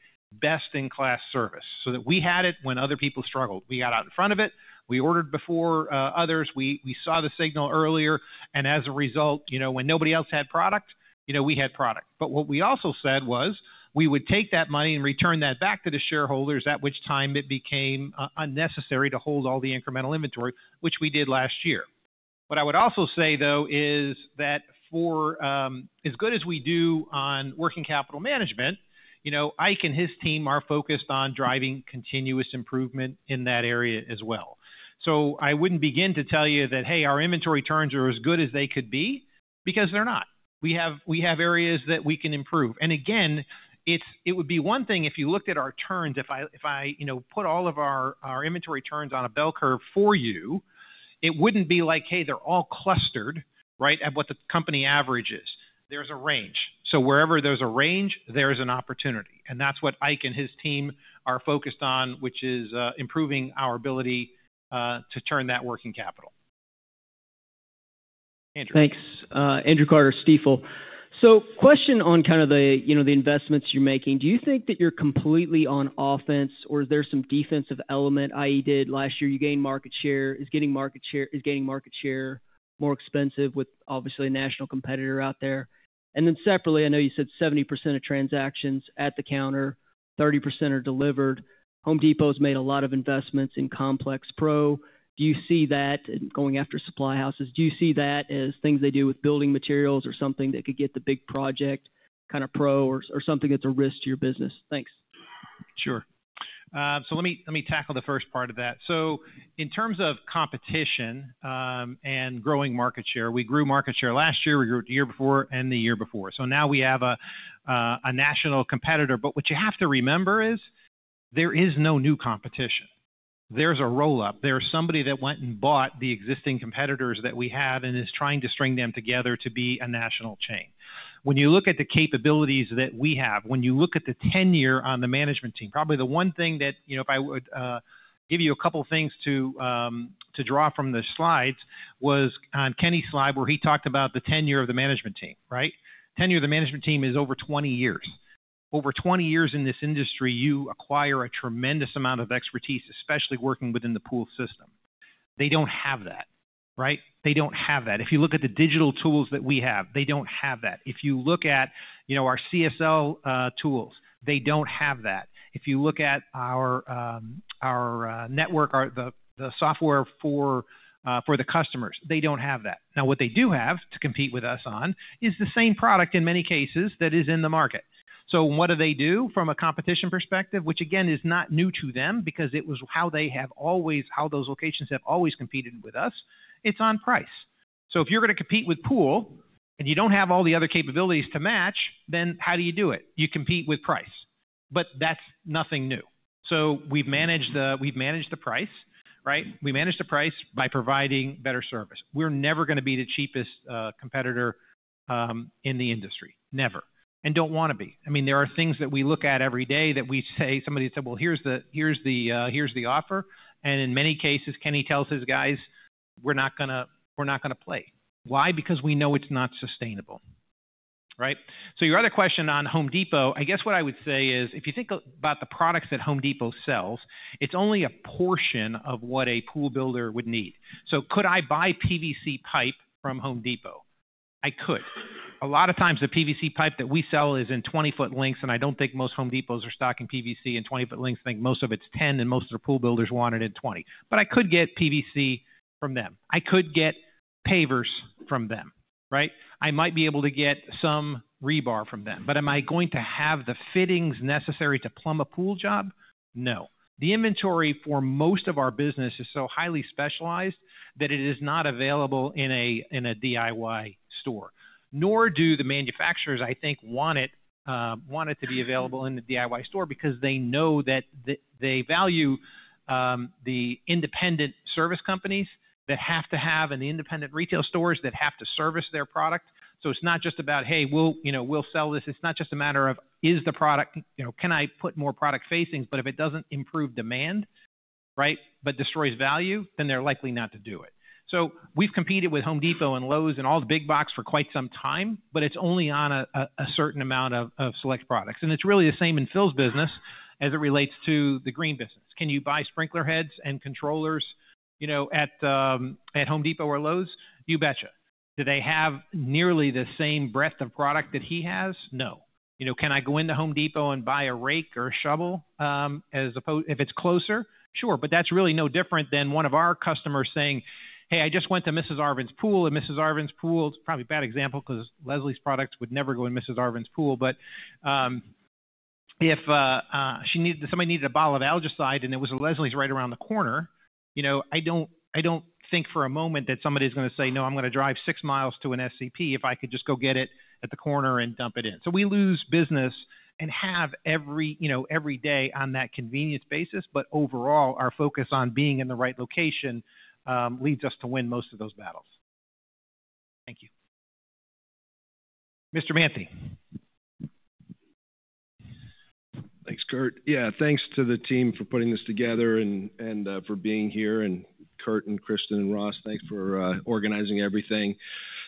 best-in-class service so that we had it when other people struggled. We got out in front of it. We ordered before others. We saw the signal earlier. And as a result, when nobody else had product, we had product. But what we also said was we would take that money and return that back to the shareholders, at which time it became unnecessary to hold all the incremental inventory, which we did last year. What I would also say, though, is that as good as we do on working capital management, Ike and his team are focused on driving continuous improvement in that area as well. So I wouldn't begin to tell you that, "Hey, our inventory turns are as good as they could be," because they're not. We have areas that we can improve. And again, it would be one thing if you looked at our turns. If I put all of our inventory turns on a bell curve for you, it wouldn't be like, "Hey, they're all clustered," right, at what the company average is. There's a range. So wherever there's a range, there's an opportunity. And that's what Ike and his team are focused on, which is improving our ability to turn that working capital. Andrew. Thanks. Andrew Carter, Stifel. So question on kind of the investments you're making. Do you think that you're completely on offense? Or is there some defensive element, i.e., did last year? You gained market share. Is gaining market share more expensive with, obviously, a national competitor out there? And then separately, I know you said 70% of transactions at the counter, 30% are delivered. Home Depot has made a lot of investments in Pro Xtra. Do you see that going after supply houses? Do you see that as things they do with building materials or something that could get the big project kind of pro or something that's a risk to your business? Thanks. Sure. So let me tackle the first part of that. So in terms of competition and growing market share, we grew market share last year. We grew it the year before and the year before. So now, we have a national competitor. But what you have to remember is there is no new competition. There's a roll-up. There's somebody that went and bought the existing competitors that we have and is trying to string them together to be a national chain. When you look at the capabilities that we have, when you look at the tenure on the management team, probably the one thing that if I would give you a couple of things to draw from the slides was on Kenny's slide where he talked about the tenure of the management team, right? Tenure of the management team is over 20 years. Over 20 years in this industry, you acquire a tremendous amount of expertise, especially working within the Pool system. They don't have that, right? They don't have that. If you look at the digital tools that we have, they don't have that. If you look at our CSL tools, they don't have that. If you look at our network, the software for the customers, they don't have that. Now, what they do have to compete with us on is the same product, in many cases, that is in the market. So what do they do from a competition perspective, which, again, is not new to them because it was how they have always those locations have always competed with us? It's on price. So if you're going to compete with Pool and you don't have all the other capabilities to match, then how do you do it? You compete with price. But that's nothing new. So we've managed the price, right? We managed the price by providing better service. We're never going to be the cheapest competitor in the industry, never, and don't want to be. I mean, there are things that we look at every day that we say somebody said, "Well, here's the offer." And in many cases, Kenny tells his guys, "We're not going to play." Why? Because we know it's not sustainable, right? So your other question on Home Depot, I guess what I would say is if you think about the products that Home Depot sells, it's only a portion of what a pool builder would need. So could I buy PVC pipe from Home Depot? I could. A lot of times, the PVC pipe that we sell is in 20-foot lengths. I don't think most Home Depots are stocking PVC in 20-foot lengths. I think most of it's 10. Most of the pool builders want it in 20. But I could get PVC from them. I could get pavers from them, right? I might be able to get some rebar from them. But am I going to have the fittings necessary to plumb a pool job? No. The inventory for most of our business is so highly specialized that it is not available in a DIY store, nor do the manufacturers, I think, want it to be available in the DIY store because they know that they value the independent service companies that have to have and the independent retail stores that have to service their product. So it's not just about, "Hey, we'll sell this." It's not just a matter of, "Is the product can I put more product facings?" But if it doesn't improve demand, right, but destroys value, then they're likely not to do it. So we've competed with Home Depot and Lowe's and all the big box for quite some time. But it's only on a certain amount of select products. And it's really the same in Phil's business as it relates to the green business. Can you buy sprinkler heads and controllers at Home Depot or Lowe's? You betcha. Do they have nearly the same breadth of product that he has? No. Can I go into Home Depot and buy a rake or a shovel as opposed if it's closer? Sure. But that's really no different than one of our customers saying, "Hey, I just went to Mrs. Arvan's pool." And Mrs. Arvan's pool, it's probably a bad example because Leslie's products would never go in Mrs. Arvan's pool. But if somebody needed a bottle of algaecide, and it was a Leslie's right around the corner, I don't think for a moment that somebody is going to say, "No, I'm going to drive six miles to an SCP if I could just go get it at the corner and dump it in." So we lose business and have every day on that convenience basis. But overall, our focus on being in the right location leads us to win most of those battles. Thank you. Mr. Manthey. Thanks, Kurt. Yeah, thanks to the team for putting this together and for being here. And Kurt, and Kristen, and Ross, thanks for organizing everything.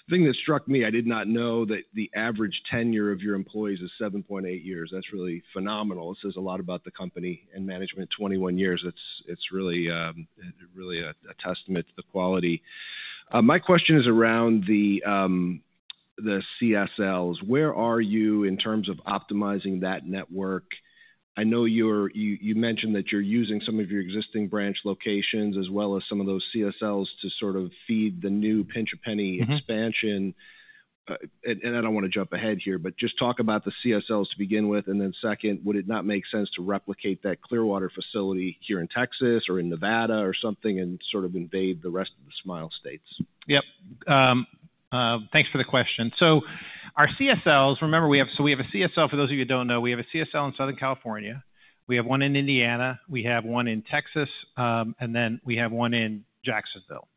The thing that struck me, I did not know that the average tenure of your employees is 7.8 years. That's really phenomenal. It says a lot about the company and management. 21 years, it's really a testament to the quality. My question is around the CSLs. Where are you in terms of optimizing that network? I know you mentioned that you're using some of your existing branch locations as well as some of those CSLs to sort of feed the new Pinch A Penny expansion. And I don't want to jump ahead here. But just talk about the CSLs to begin with. Then second, would it not make sense to replicate that Clearwater facility here in Texas or in Nevada or something and sort of invade the rest of the Sunbelt States? Yep. Thanks for the question. So our CSLs, remember, so we have a CSL for those of you who don't know, we have a CSL in Southern California. We have one in Indiana. We have one in Texas. And then we have one in Jacksonville.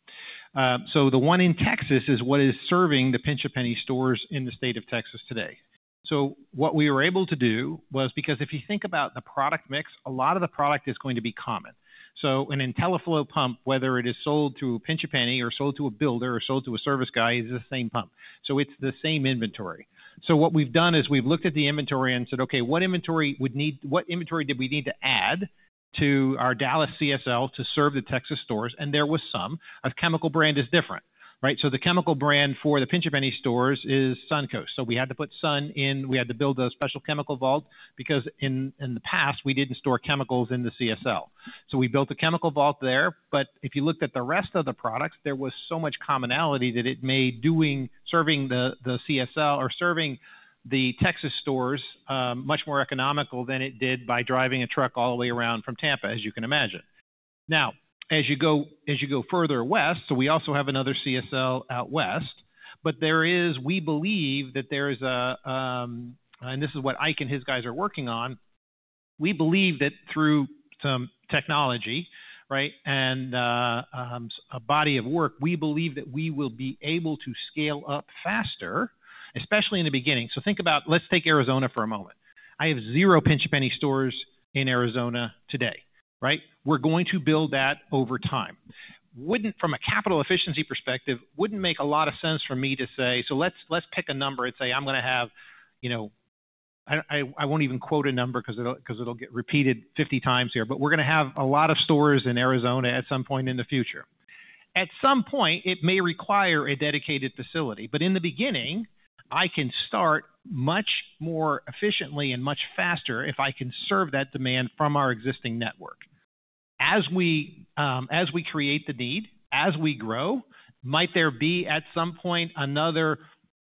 So the one in Texas is what is serving the Pinch A Penny stores in the state of Texas today. So what we were able to do was because if you think about the product mix, a lot of the product is going to be common. So an IntelliFlo pump, whether it is sold to a Pinch A Penny or sold to a builder or sold to a service guy, is the same pump. So it's the same inventory. So what we've done is we've looked at the inventory and said, "Okay, what inventory would need what inventory did we need to add to our Dallas CSL to serve the Texas stores?" And there was some. A chemical brand is different, right? So the chemical brand for the Pinch A Penny stores is Suncoast. So we had to put Sun in. We had to build a special chemical vault because in the past, we didn't store chemicals in the CSL. So we built a chemical vault there. But if you looked at the rest of the products, there was so much commonality that it made serving the CSL or serving the Texas stores much more economical than it did by driving a truck all the way around from Tampa, as you can imagine. Now, as you go further west, so we also have another CSL out west. But we believe that there is a, and this is what Ike and his guys are working on. We believe that through some technology, right, and a body of work, we believe that we will be able to scale up faster, especially in the beginning. So think about, let's take Arizona for a moment. I have zero Pinch A Penny stores in Arizona today, right? We're going to build that over time. From a capital efficiency perspective, it wouldn't make a lot of sense for me to say, so let's pick a number and say, "I'm going to have, I won't even quote a number because it'll get repeated 50 times here. But we're going to have a lot of stores in Arizona at some point in the future." At some point, it may require a dedicated facility. But in the beginning, I can start much more efficiently and much faster if I can serve that demand from our existing network. As we create the need, as we grow, might there be at some point another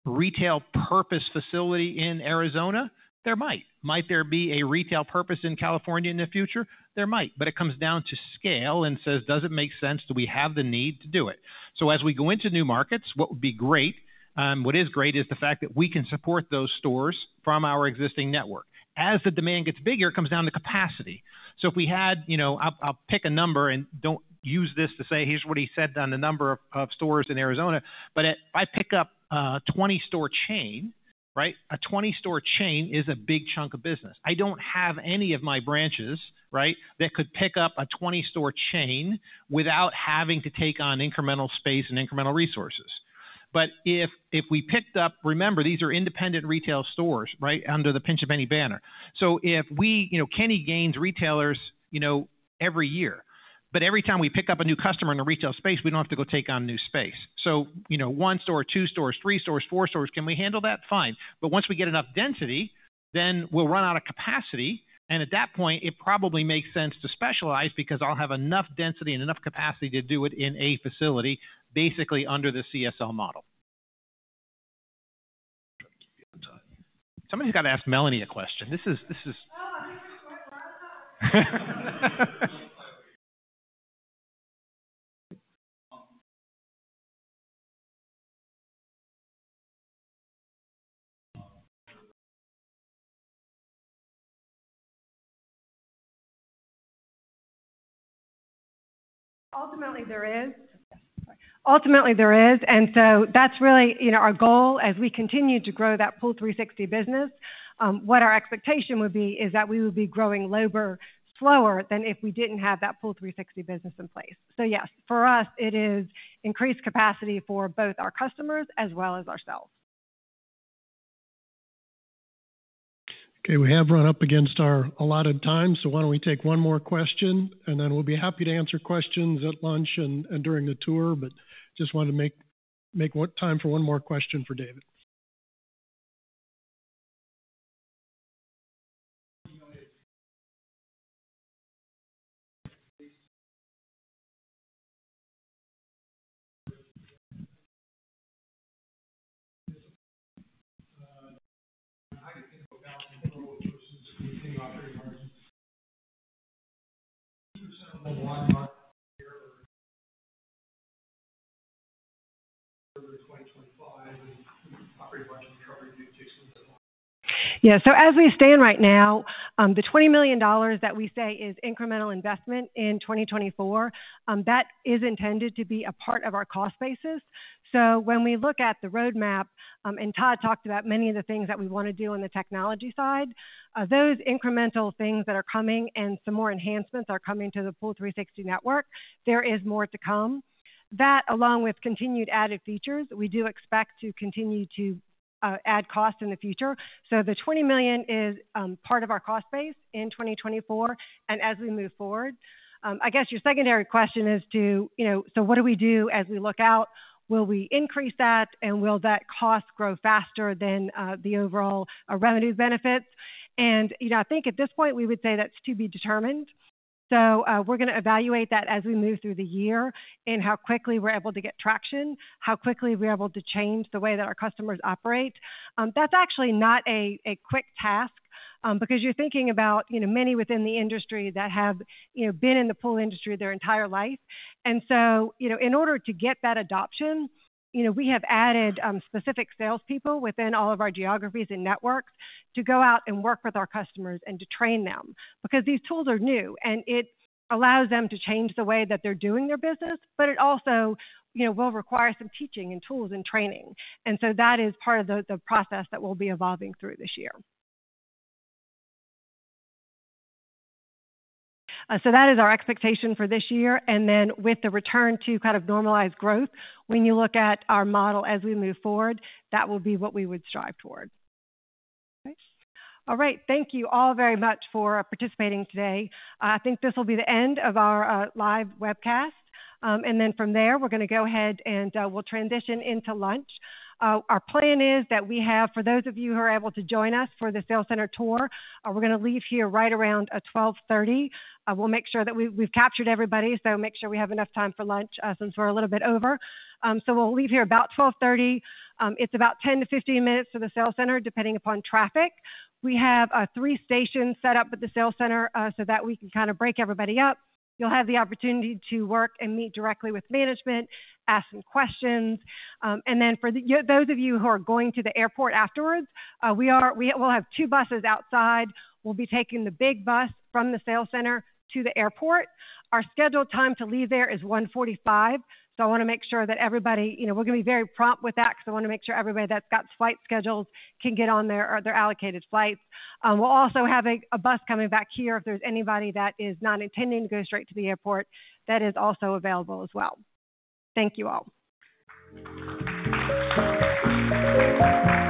retail-purpose facility in Arizona? There might. Might there be a retail-purpose in California in the future? There might. But it comes down to scale and says, "Does it make sense? Do we have the need to do it?" So as we go into new markets, what is great is the fact that we can support those stores from our existing network. As the demand gets bigger, it comes down to capacity. So if we had I'll pick a number. Don't use this to say, "Here's what he said on the number of stores in Arizona." But if I pick up a 20-store chain, right, a 20-store chain is a big chunk of business. I don't have any of my branches, right, that could pick up a 20-store chain without having to take on incremental space and incremental resources. But if we picked up, remember, these are independent retail stores, right, under the Pinch A Penny banner. So Kenny gains retailers every year. But every time we pick up a new customer in a retail space, we don't have to go take on new space. So one store, two stores, three stores, four stores, can we handle that? Fine. But once we get enough density, then we'll run out of capacity. At that point, it probably makes sense to specialize because I'll have enough density and enough capacity to do it in a facility, basically, under the CSL model. Somebody's got to ask Melanie a question. This is. Ultimately, there is. Ultimately, there is. And so that's really our goal as we continue to grow that POOL360 business. What our expectation would be is that we would be growing slower than if we didn't have that POOL360 business in place. So yes, for us, it is increased capacity for both our customers as well as ourselves. Okay. We have run up against our allotted time. So why don't we take one more question? And then we'll be happy to answer questions at lunch and during the tour. But just wanted to make time for one more question for David. Yeah. So as we stand right now, the $20 million that we say is incremental investment in 2024. That is intended to be a part of our cost basis. So when we look at the roadmap and Todd talked about many of the things that we want to do on the technology side, those incremental things that are coming and some more enhancements are coming to the POOL360 network, there is more to come. That, along with continued added features, we do expect to continue to add costs in the future. So the $20 million is part of our cost base in 2024 and as we move forward. I guess your secondary question is to so what do we do as we look out? Will we increase that? And will that cost grow faster than the overall revenue benefits? I think at this point, we would say that's to be determined. We're going to evaluate that as we move through the year and how quickly we're able to get traction, how quickly we're able to change the way that our customers operate. That's actually not a quick task because you're thinking about many within the industry that have been in the pool industry their entire life. So in order to get that adoption, we have added specific salespeople within all of our geographies and networks to go out and work with our customers and to train them because these tools are new. And it allows them to change the way that they're doing their business. But it also will require some teaching and tools and training. So that is part of the process that we'll be evolving through this year. That is our expectation for this year. And then with the return to kind of normalized growth, when you look at our model as we move forward, that will be what we would strive toward. All right. Thank you all very much for participating today. I think this will be the end of our live webcast. And then from there, we're going to go ahead, and we'll transition into lunch. Our plan is that we have, for those of you who are able to join us for the sales center tour, we're going to leave here right around 12:30. We'll make sure that we've captured everybody. So make sure we have enough time for lunch since we're a little bit over. So we'll leave here about 12:30. It's about 10-15 minutes to the sales center, depending upon traffic. We have three stations set up at the sales center so that we can kind of break everybody up. You'll have the opportunity to work and meet directly with management, ask some questions. And then for those of you who are going to the airport afterwards, we'll have two buses outside. We'll be taking the big bus from the sales center to the airport. Our scheduled time to leave there is 1:45 P.M. So I want to make sure that everybody, we're going to be very prompt with that because I want to make sure everybody that's got flight schedules can get on their allocated flights. We'll also have a bus coming back here. If there's anybody that is not intending to go straight to the airport, that is also available as well. Thank you all.